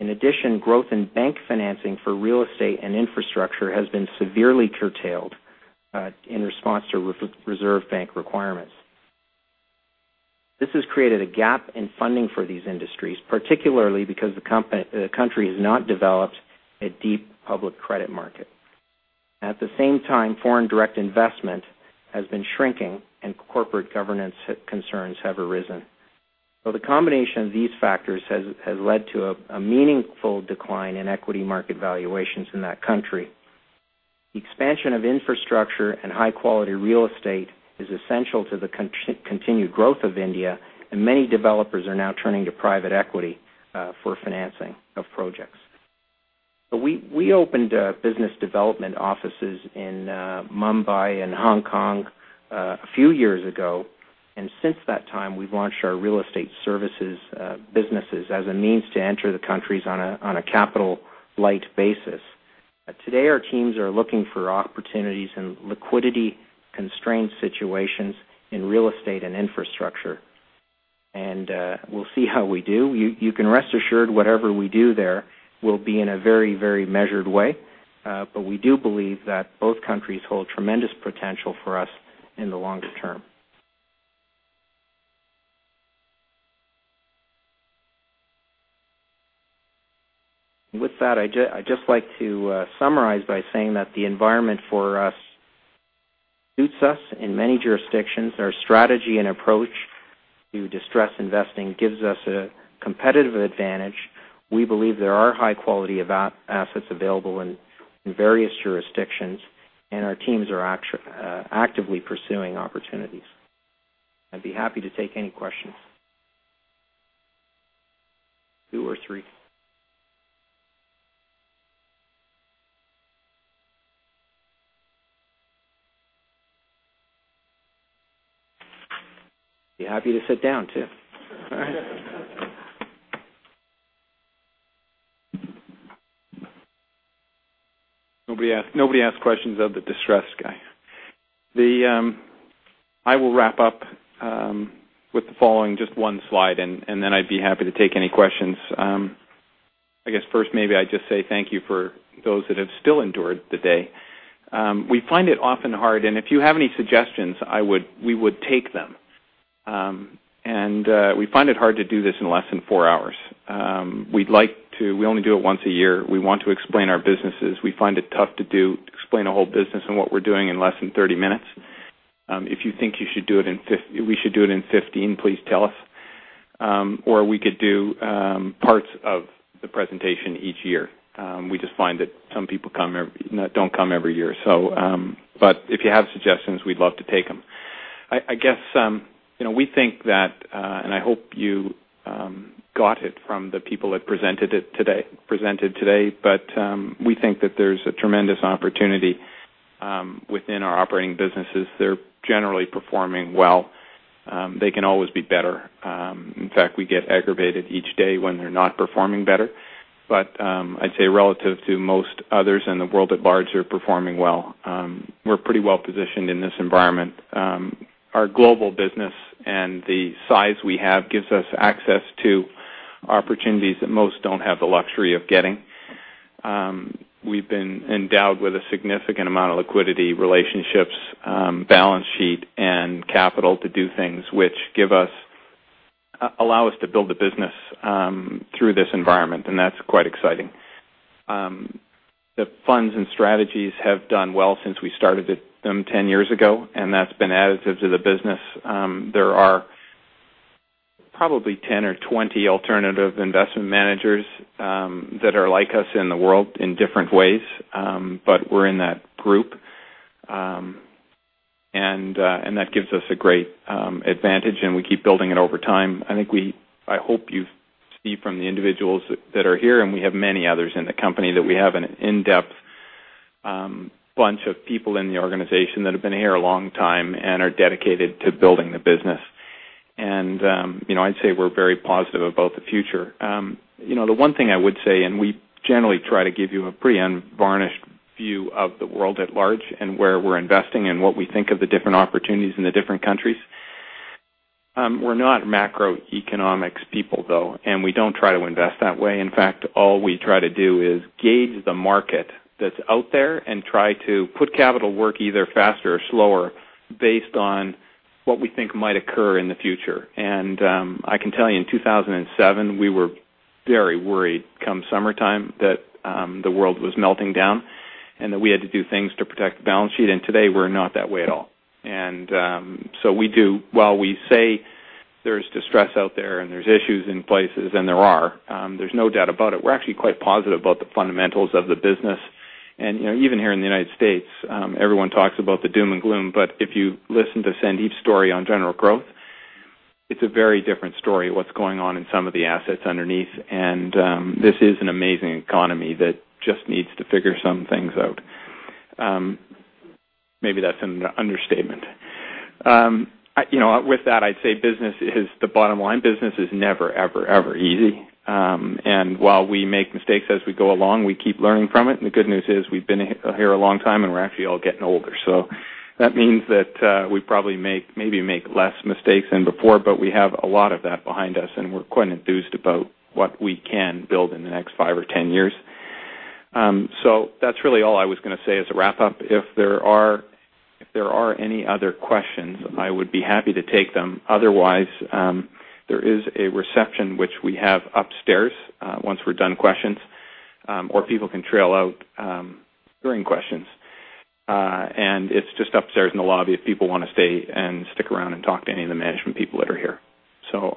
In addition, growth in bank financing for real estate and infrastructure has been severely curtailed in response to Reserve Bank requirements. This has created a gap in funding for these industries, particularly because the country has not developed a deep public credit market. At the same time, foreign direct investment has been shrinking, and corporate governance concerns have arisen. The combination of these factors has led to a meaningful decline in equity market valuations in that country. The expansion of infrastructure and high-quality real estate is essential to the continued growth of India, and many developers are now turning to private equity for financing of projects. We opened business development offices in Mumbai and Hong Kong a few years ago. Since that time, we've launched our real estate services businesses as a means to enter the countries on a capital light basis. Today, our teams are looking for opportunities in liquidity-constrained situations in real estate and infrastructure. We'll see how we do. You can rest assured whatever we do there will be in a very, very measured way. We do believe that both countries hold tremendous potential for us in the long term. With that, I'd just like to summarize by saying that the environment for us suits us in many jurisdictions. Our strategy and approach to distressed investing gives us a competitive advantage. We believe there are high-quality assets available in various jurisdictions, and our teams are actively pursuing opportunities. I'd be happy to take any questions, two or three. Be happy to sit down too. All right. Nobody asked questions of the distressed guy. I will wrap up with the following, just one slide, and then I'd be happy to take any questions. I guess first, maybe I'd just say thank you for those that have still endured the day. We find it often hard, and if you have any suggestions, we would take them. We find it hard to do this in less than four hours. We'd like to, we only do it once a year. We want to explain our businesses. We find it tough to explain a whole business and what we're doing in less than 30 minutes. If you think you should do it in 15, please tell us. We could do parts of the presentation each year. We just find that some people don't come every year. If you have suggestions, we'd love to take them. I guess we think that, and I hope you got it from the people that presented it today, but we think that there's a tremendous opportunity within our operating businesses. They're generally performing well. They can always be better. In fact, we get aggravated each day when they're not performing better. I'd say relative to most others in the world at large, they're performing well. We're pretty well positioned in this environment. Our global business and the size we have gives us access to opportunities that most don't have the luxury of getting. We've been endowed with a significant amount of liquidity, relationships, balance sheet, and capital to do things which allow us to build a business through this environment. That's quite exciting. The funds and strategies have done well since we started them 10 years ago, and that's been additive to the business. There are probably 10 or 20 alternative investment managers that are like us in the world in different ways, but we're in that group. That gives us a great advantage, and we keep building it over time. I hope you see from the individuals that are here, and we have many others in the company, that we have an in-depth bunch of people in the organization that have been here a long time and are dedicated to building the business. I'd say we're very positive about the future. The one thing I would say, and we generally try to give you a pre-varnished view of the world at large and where we're investing and what we think of the different opportunities in the different countries. We're not macroeconomics people, though, and we don't try to invest that way. In fact, all we try to do is gauge the market that's out there and try to put capital to work either faster or slower based on what we think might occur in the future. I can tell you, in 2007, we were very worried come summertime that the world was melting down and that we had to do things to protect the balance sheet. Today, we're not that way at all. While we say there's distress out there and there's issues in places, and there are, there's no doubt about it, we're actually quite positive about the fundamentals of the business. Even here in the United States, everyone talks about the doom and gloom, but if you listen to Sandeep's story on General Growth, it's a very different story what's going on in some of the assets underneath. This is an amazing economy that just needs to figure some things out. Maybe that's an understatement. With that, I'd say business is the bottom line. Business is never, ever, ever easy. While we make mistakes as we go along, we keep learning from it. The good news is we've been here a long time, and we're actually all getting older. That means that we probably maybe make less mistakes than before, but we have a lot of that behind us, and we're quite enthused about what we can build in the next 5 or 10 years. That's really all I was going to say as a wrap-up. If there are any other questions, I would be happy to take them. Otherwise, there is a reception which we have upstairs once we're done with questions, or people can trail out during questions. It's just upstairs in the lobby if people want to stay and stick around and talk to any of the management people that are here.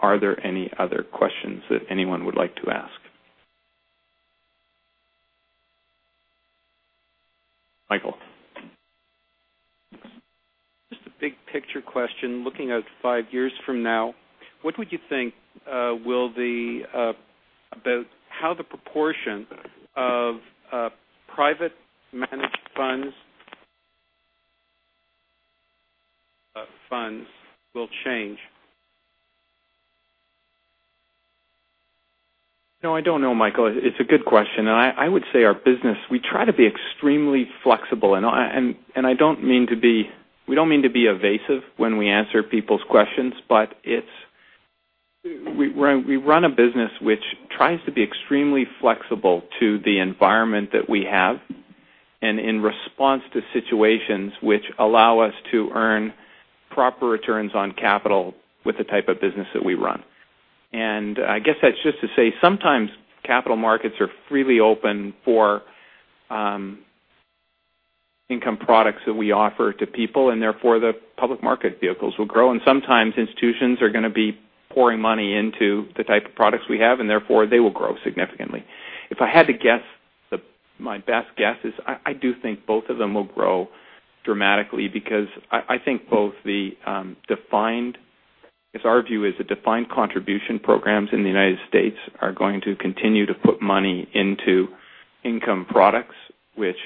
Are there any other questions that anyone would like to ask? Michael? Just a big-picture question. Looking out five years from now, what would you think about how the proportion of private managed funds will change? No, I don't know, Michael. It's a good question. I would say our business, we try to be extremely flexible. I don't mean to be, we don't mean to be evasive when we answer people's questions, but we run a business which tries to be extremely flexible to the environment that we have and in response to situations which allow us to earn proper returns on capital with the type of business that we run. I guess that's just to say sometimes capital markets are freely open for income products that we offer to people, and therefore the public market vehicles will grow. Sometimes institutions are going to be pouring money into the type of products we have, and therefore they will grow significantly. If I had to guess, my best guess is I do think both of them will grow dramatically because I think both the defined, as our view is, the defined contribution programs in the United States are going to continue to put money into income products which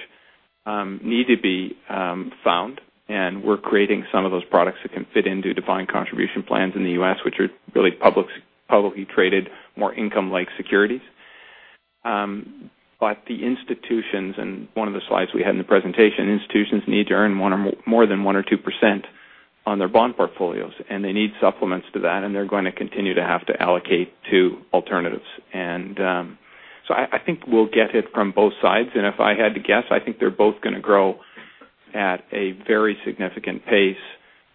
need to be found. We're creating some of those products that can fit into defined contribution plans in the U.S., which are really publicly traded, more income-like securities. The institutions, and one of the slides we had in the presentation, institutions need to earn more than 1% or 2% on their bond portfolios, and they need supplements to that, and they're going to continue to have to allocate to alternatives. I think we'll get it from both sides. If I had to guess, I think they're both going to grow at a very significant pace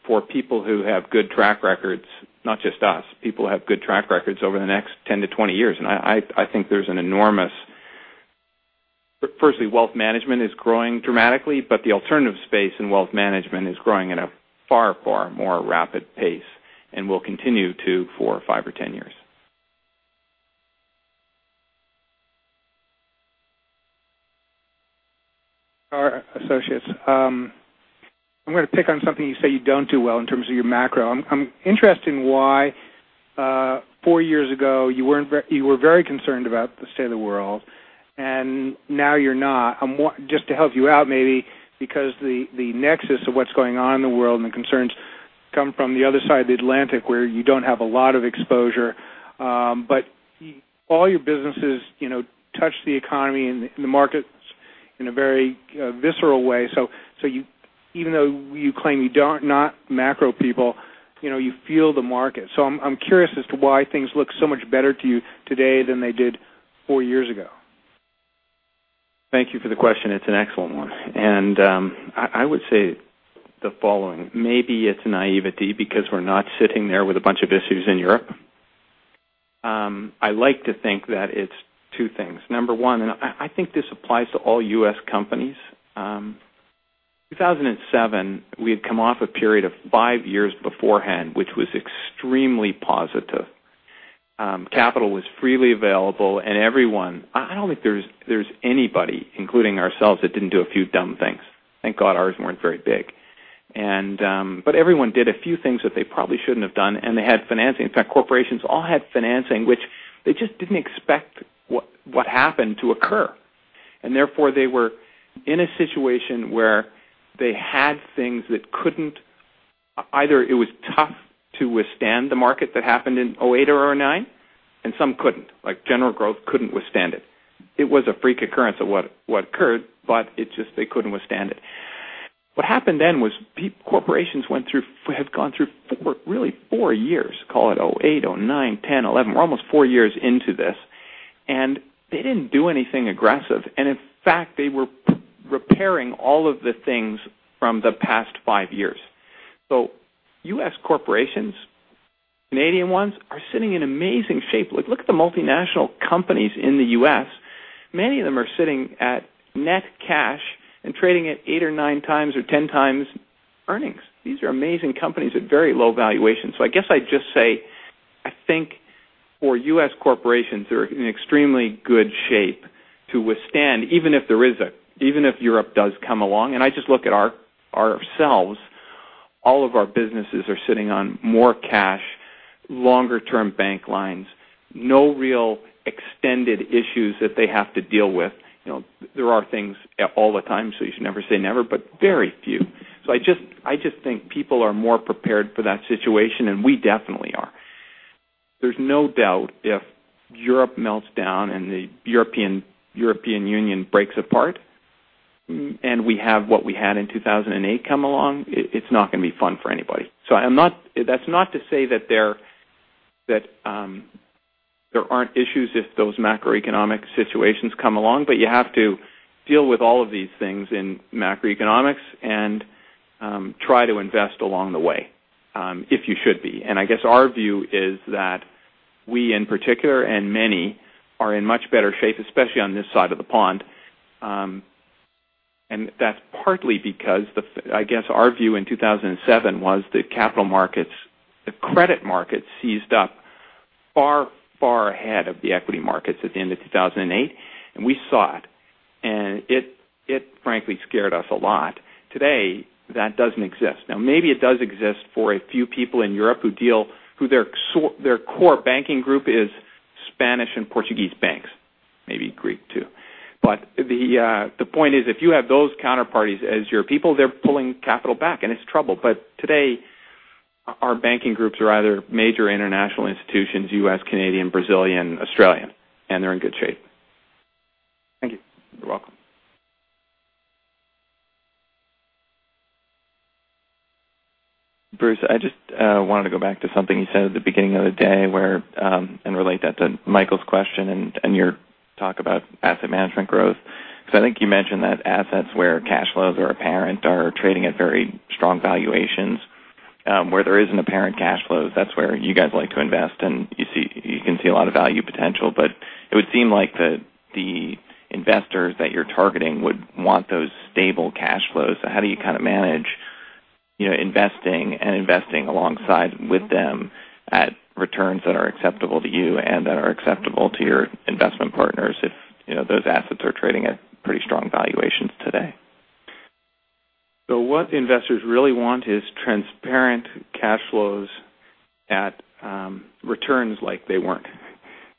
for people who have good track records, not just us, people who have good track records over the next 10-20 years. I think there's an enormous, firstly, wealth management is growing dramatically, but the alternative space in wealth management is growing at a far, far more rapid pace and will continue to 4, 5, or 10 years. [Our associates], I'm going to pick on something you say you don't do well in terms of your macro. I'm interested in why four years ago you were very concerned about the state of the world, and now you're not. Just to help you out, maybe because the nexus of what's going on in the world and the concerns come from the other side of the Atlantic where you don't have a lot of exposure. All your businesses touch the economy and the markets in a very visceral way. Even though you claim you're not macro people, you know you feel the market. I'm curious as to why things look so much better to you today than they did four years ago. Thank you for the question. It's an excellent one. I would say the following. Maybe it's a naivety because we're not sitting there with a bunch of issues in Europe. I like to think that it's two things. Number one, and I think this applies to all U.S. companies, in 2007, we had come off a period of five years beforehand, which was extremely positive. Capital was freely available, and everyone, I don't think there's anybody, including ourselves, that didn't do a few dumb things. Thank God ours weren't very big. Everyone did a few things that they probably shouldn't have done, and they had financing. In fact, corporations all had financing, which they just didn't expect what happened to occur. Therefore, they were in a situation where they had things that couldn't, either it was tough to withstand the market that happened in 2008 or 2009, and some couldn't. Like General Growth couldn't withstand it. It was a freak occurrence of what occurred, but it just, they couldn't withstand it. What happened then was corporations went through, had gone through really four years, call it 2008, 2009, 2010, 2011. We're almost four years into this. They didn't do anything aggressive. In fact, they were repairing all of the things from the past five years. U.S. corporations, Canadian ones, are sitting in amazing shape. Look at the multinational companies in the U.S. Many of them are sitting at net cash and trading at 8x or 9x or 10x earnings. These are amazing companies at very low valuation. I guess I'd just say, I think for U.S. corporations, they're in extremely good shape to withstand, even if there is a, even if Europe does come along. I just look at ourselves. All of our businesses are sitting on more cash, longer-term bank lines, no real extended issues that they have to deal with. There are things all the time, so you should never say never, but very few. I just think people are more prepared for that situation, and we definitely are. There's no doubt if Europe melts down and the European Union breaks apart and we have what we had in 2008 come along, it's not going to be fun for anybody. That's not to say that there aren't issues if those macroeconomic situations come along, but you have to deal with all of these things in macroeconomics and try to invest along the way if you should be. I guess our view is that we, in particular, and many, are in much better shape, especially on this side of the pond. That is partly because our view in 2007 was that capital markets, the credit markets seized up far, far ahead of the equity markets at the end of 2008. We saw it, and it frankly scared us a lot. Today, that does not exist. Maybe it does exist for a few people in Europe who deal, whose core banking group is Spanish and Portuguese banks, maybe Greek too. The point is, if you have those counterparties as your people, they are pulling capital back, and it is trouble. Today, our banking groups are either major international institutions, U.S., Canadian, Brazilian, or Australian. They are in good shape. Thank you. You're welcome. Bruce, I just wanted to go back to something you said at the beginning of the day and relate that to Michael's question and your talk about asset management growth. I think you mentioned that assets where cash flows are apparent are trading at very strong valuations. Where there isn't apparent cash flows, that's where you guys like to invest, and you can see a lot of value potential. It would seem like the investors that you're targeting would want those stable cash flows. How do you kind of manage investing and investing alongside with them at returns that are acceptable to you and that are acceptable to your investment partners if those assets are trading at pretty strong valuations today? What investors really want is transparent cash flows at returns like they weren't.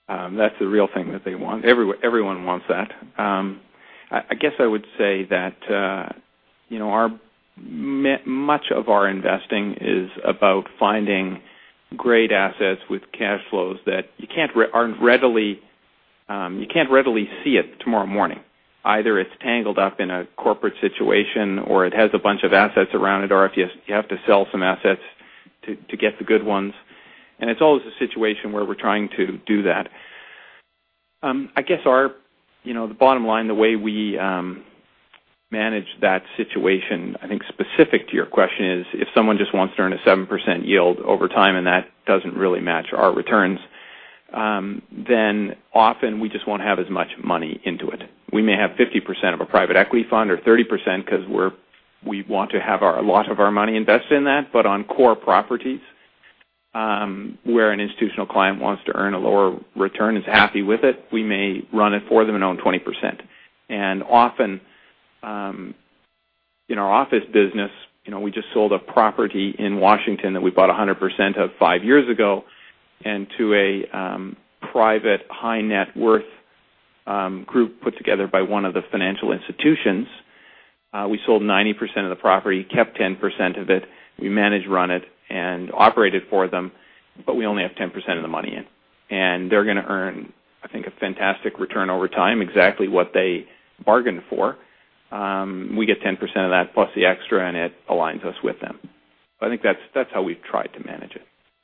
That's the real thing that they want. Everyone wants that. I guess I would say that much of our investing is about finding great assets with cash flows that you can't readily see tomorrow morning. Either it's tangled up in a corporate situation or it has a bunch of assets around it, or you have to sell some assets to get the good ones. It's always a situation where we're trying to do that. The bottom line, the way we manage that situation, I think specific to your question, is if someone just wants to earn a 7% yield over time and that doesn't really match our returns, then often we just won't have as much money into it. We may have 50% of a private equity fund or 30% because we want to have a lot of our money invested in that. On core properties, where an institutional client wants to earn a lower return and is happy with it, we may run it for them and own 20%. Often in our office business, we just sold a property in Washington that we bought 100% of five years ago. To a private high net worth group put together by one of the financial institutions, we sold 90% of the property, kept 10% of it, we managed to run it and operated it for them, but we only have 10% of the money in. They're going to earn, I think, a fantastic return over time, exactly what they bargained for. We get 10% of that plus the extra, and it aligns us with them. I think that's how we've tried to manage it.